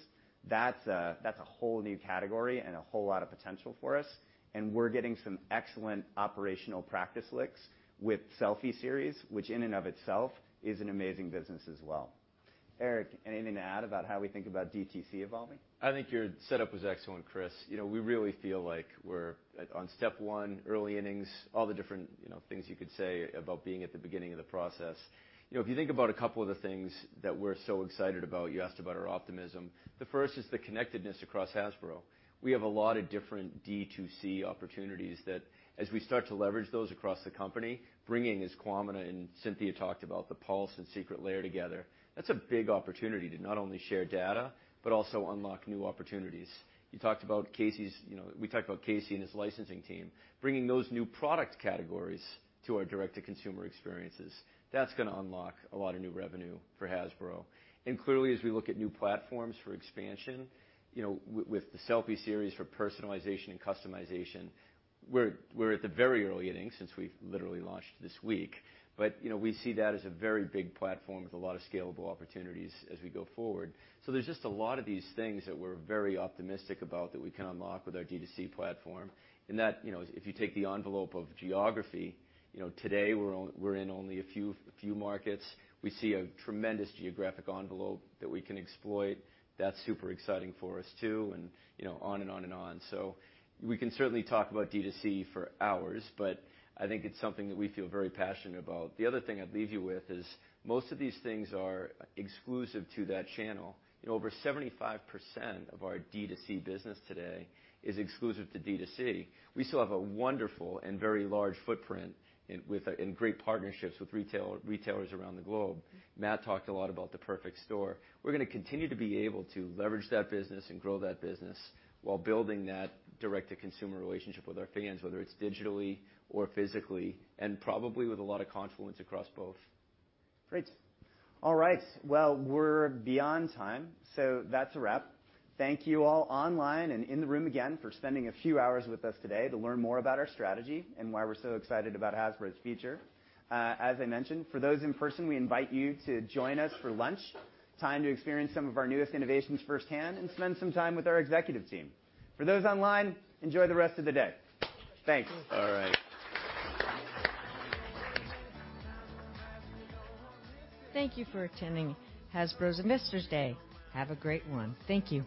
[SPEAKER 4] that's a whole new category and a whole lot of potential for us, and we're getting some excellent operational practice licks with Selfie Series, which in and of itself is an amazing business as well. Eric, anything to add about how we think about DTC evolving?
[SPEAKER 5] I think your setup was excellent, Chris. You know, we really feel like we're on step one, early innings, all the different, you know, things you could say about being at the beginning of the process. You know, if you think about a couple of the things that we're so excited about, you asked about our optimism, the first is the connectedness across Hasbro. We have a lot of different D2C opportunities that as we start to leverage those across the company, bringing, as Kwamina and Cynthia talked about, the Pulse and Secret Lair together, that's a big opportunity to not only share data but also unlock new opportunities. You talked about Casey's, you know, we talked about Casey and his licensing team, bringing those new product categories to our direct-to-consumer experiences. That's gonna unlock a lot of new revenue for Hasbro. Clearly, as we look at new platforms for expansion, you know, with the Selfie Series for personalization and customization, we're at the very early innings since we've literally launched this week. You know, we see that as a very big platform with a lot of scalable opportunities as we go forward. There's just a lot of these things that we're very optimistic about that we can unlock with our D2C platform and that, you know, if you take the envelope of geography, you know, today we're in only a few markets. We see a tremendous geographic envelope that we can exploit. That's super exciting for us too, and, you know, on and on and on. We can certainly talk about D2C for hours, but I think it's something that we feel very passionate about. The other thing I'd leave you with is most of these things are exclusive to that channel and over 75% of our D2C business today is exclusive to D2C. We still have a wonderful and very large footprint and great partnerships with retailers around the globe. Matt talked a lot about the Perfect Store. We're gonna continue to be able to leverage that business and grow that business while building that direct-to-consumer relationship with our fans, whether it's digitally or physically, and probably with a lot of confluence across both.
[SPEAKER 4] Great. All right. Well, we're beyond time, so that's a wrap. Thank you all online and in the room again for spending a few hours with us today to learn more about our strategy and why we're so excited about Hasbro's future. As I mentioned, for those in person, we invite you to join us for lunch time to experience some of our newest innovations firsthand and spend some time with our executive team. For those online, enjoy the rest of the day. Thanks.
[SPEAKER 5] All right.
[SPEAKER 1] Thank you for attending Hasbro Investor Day. Have a great one. Thank you.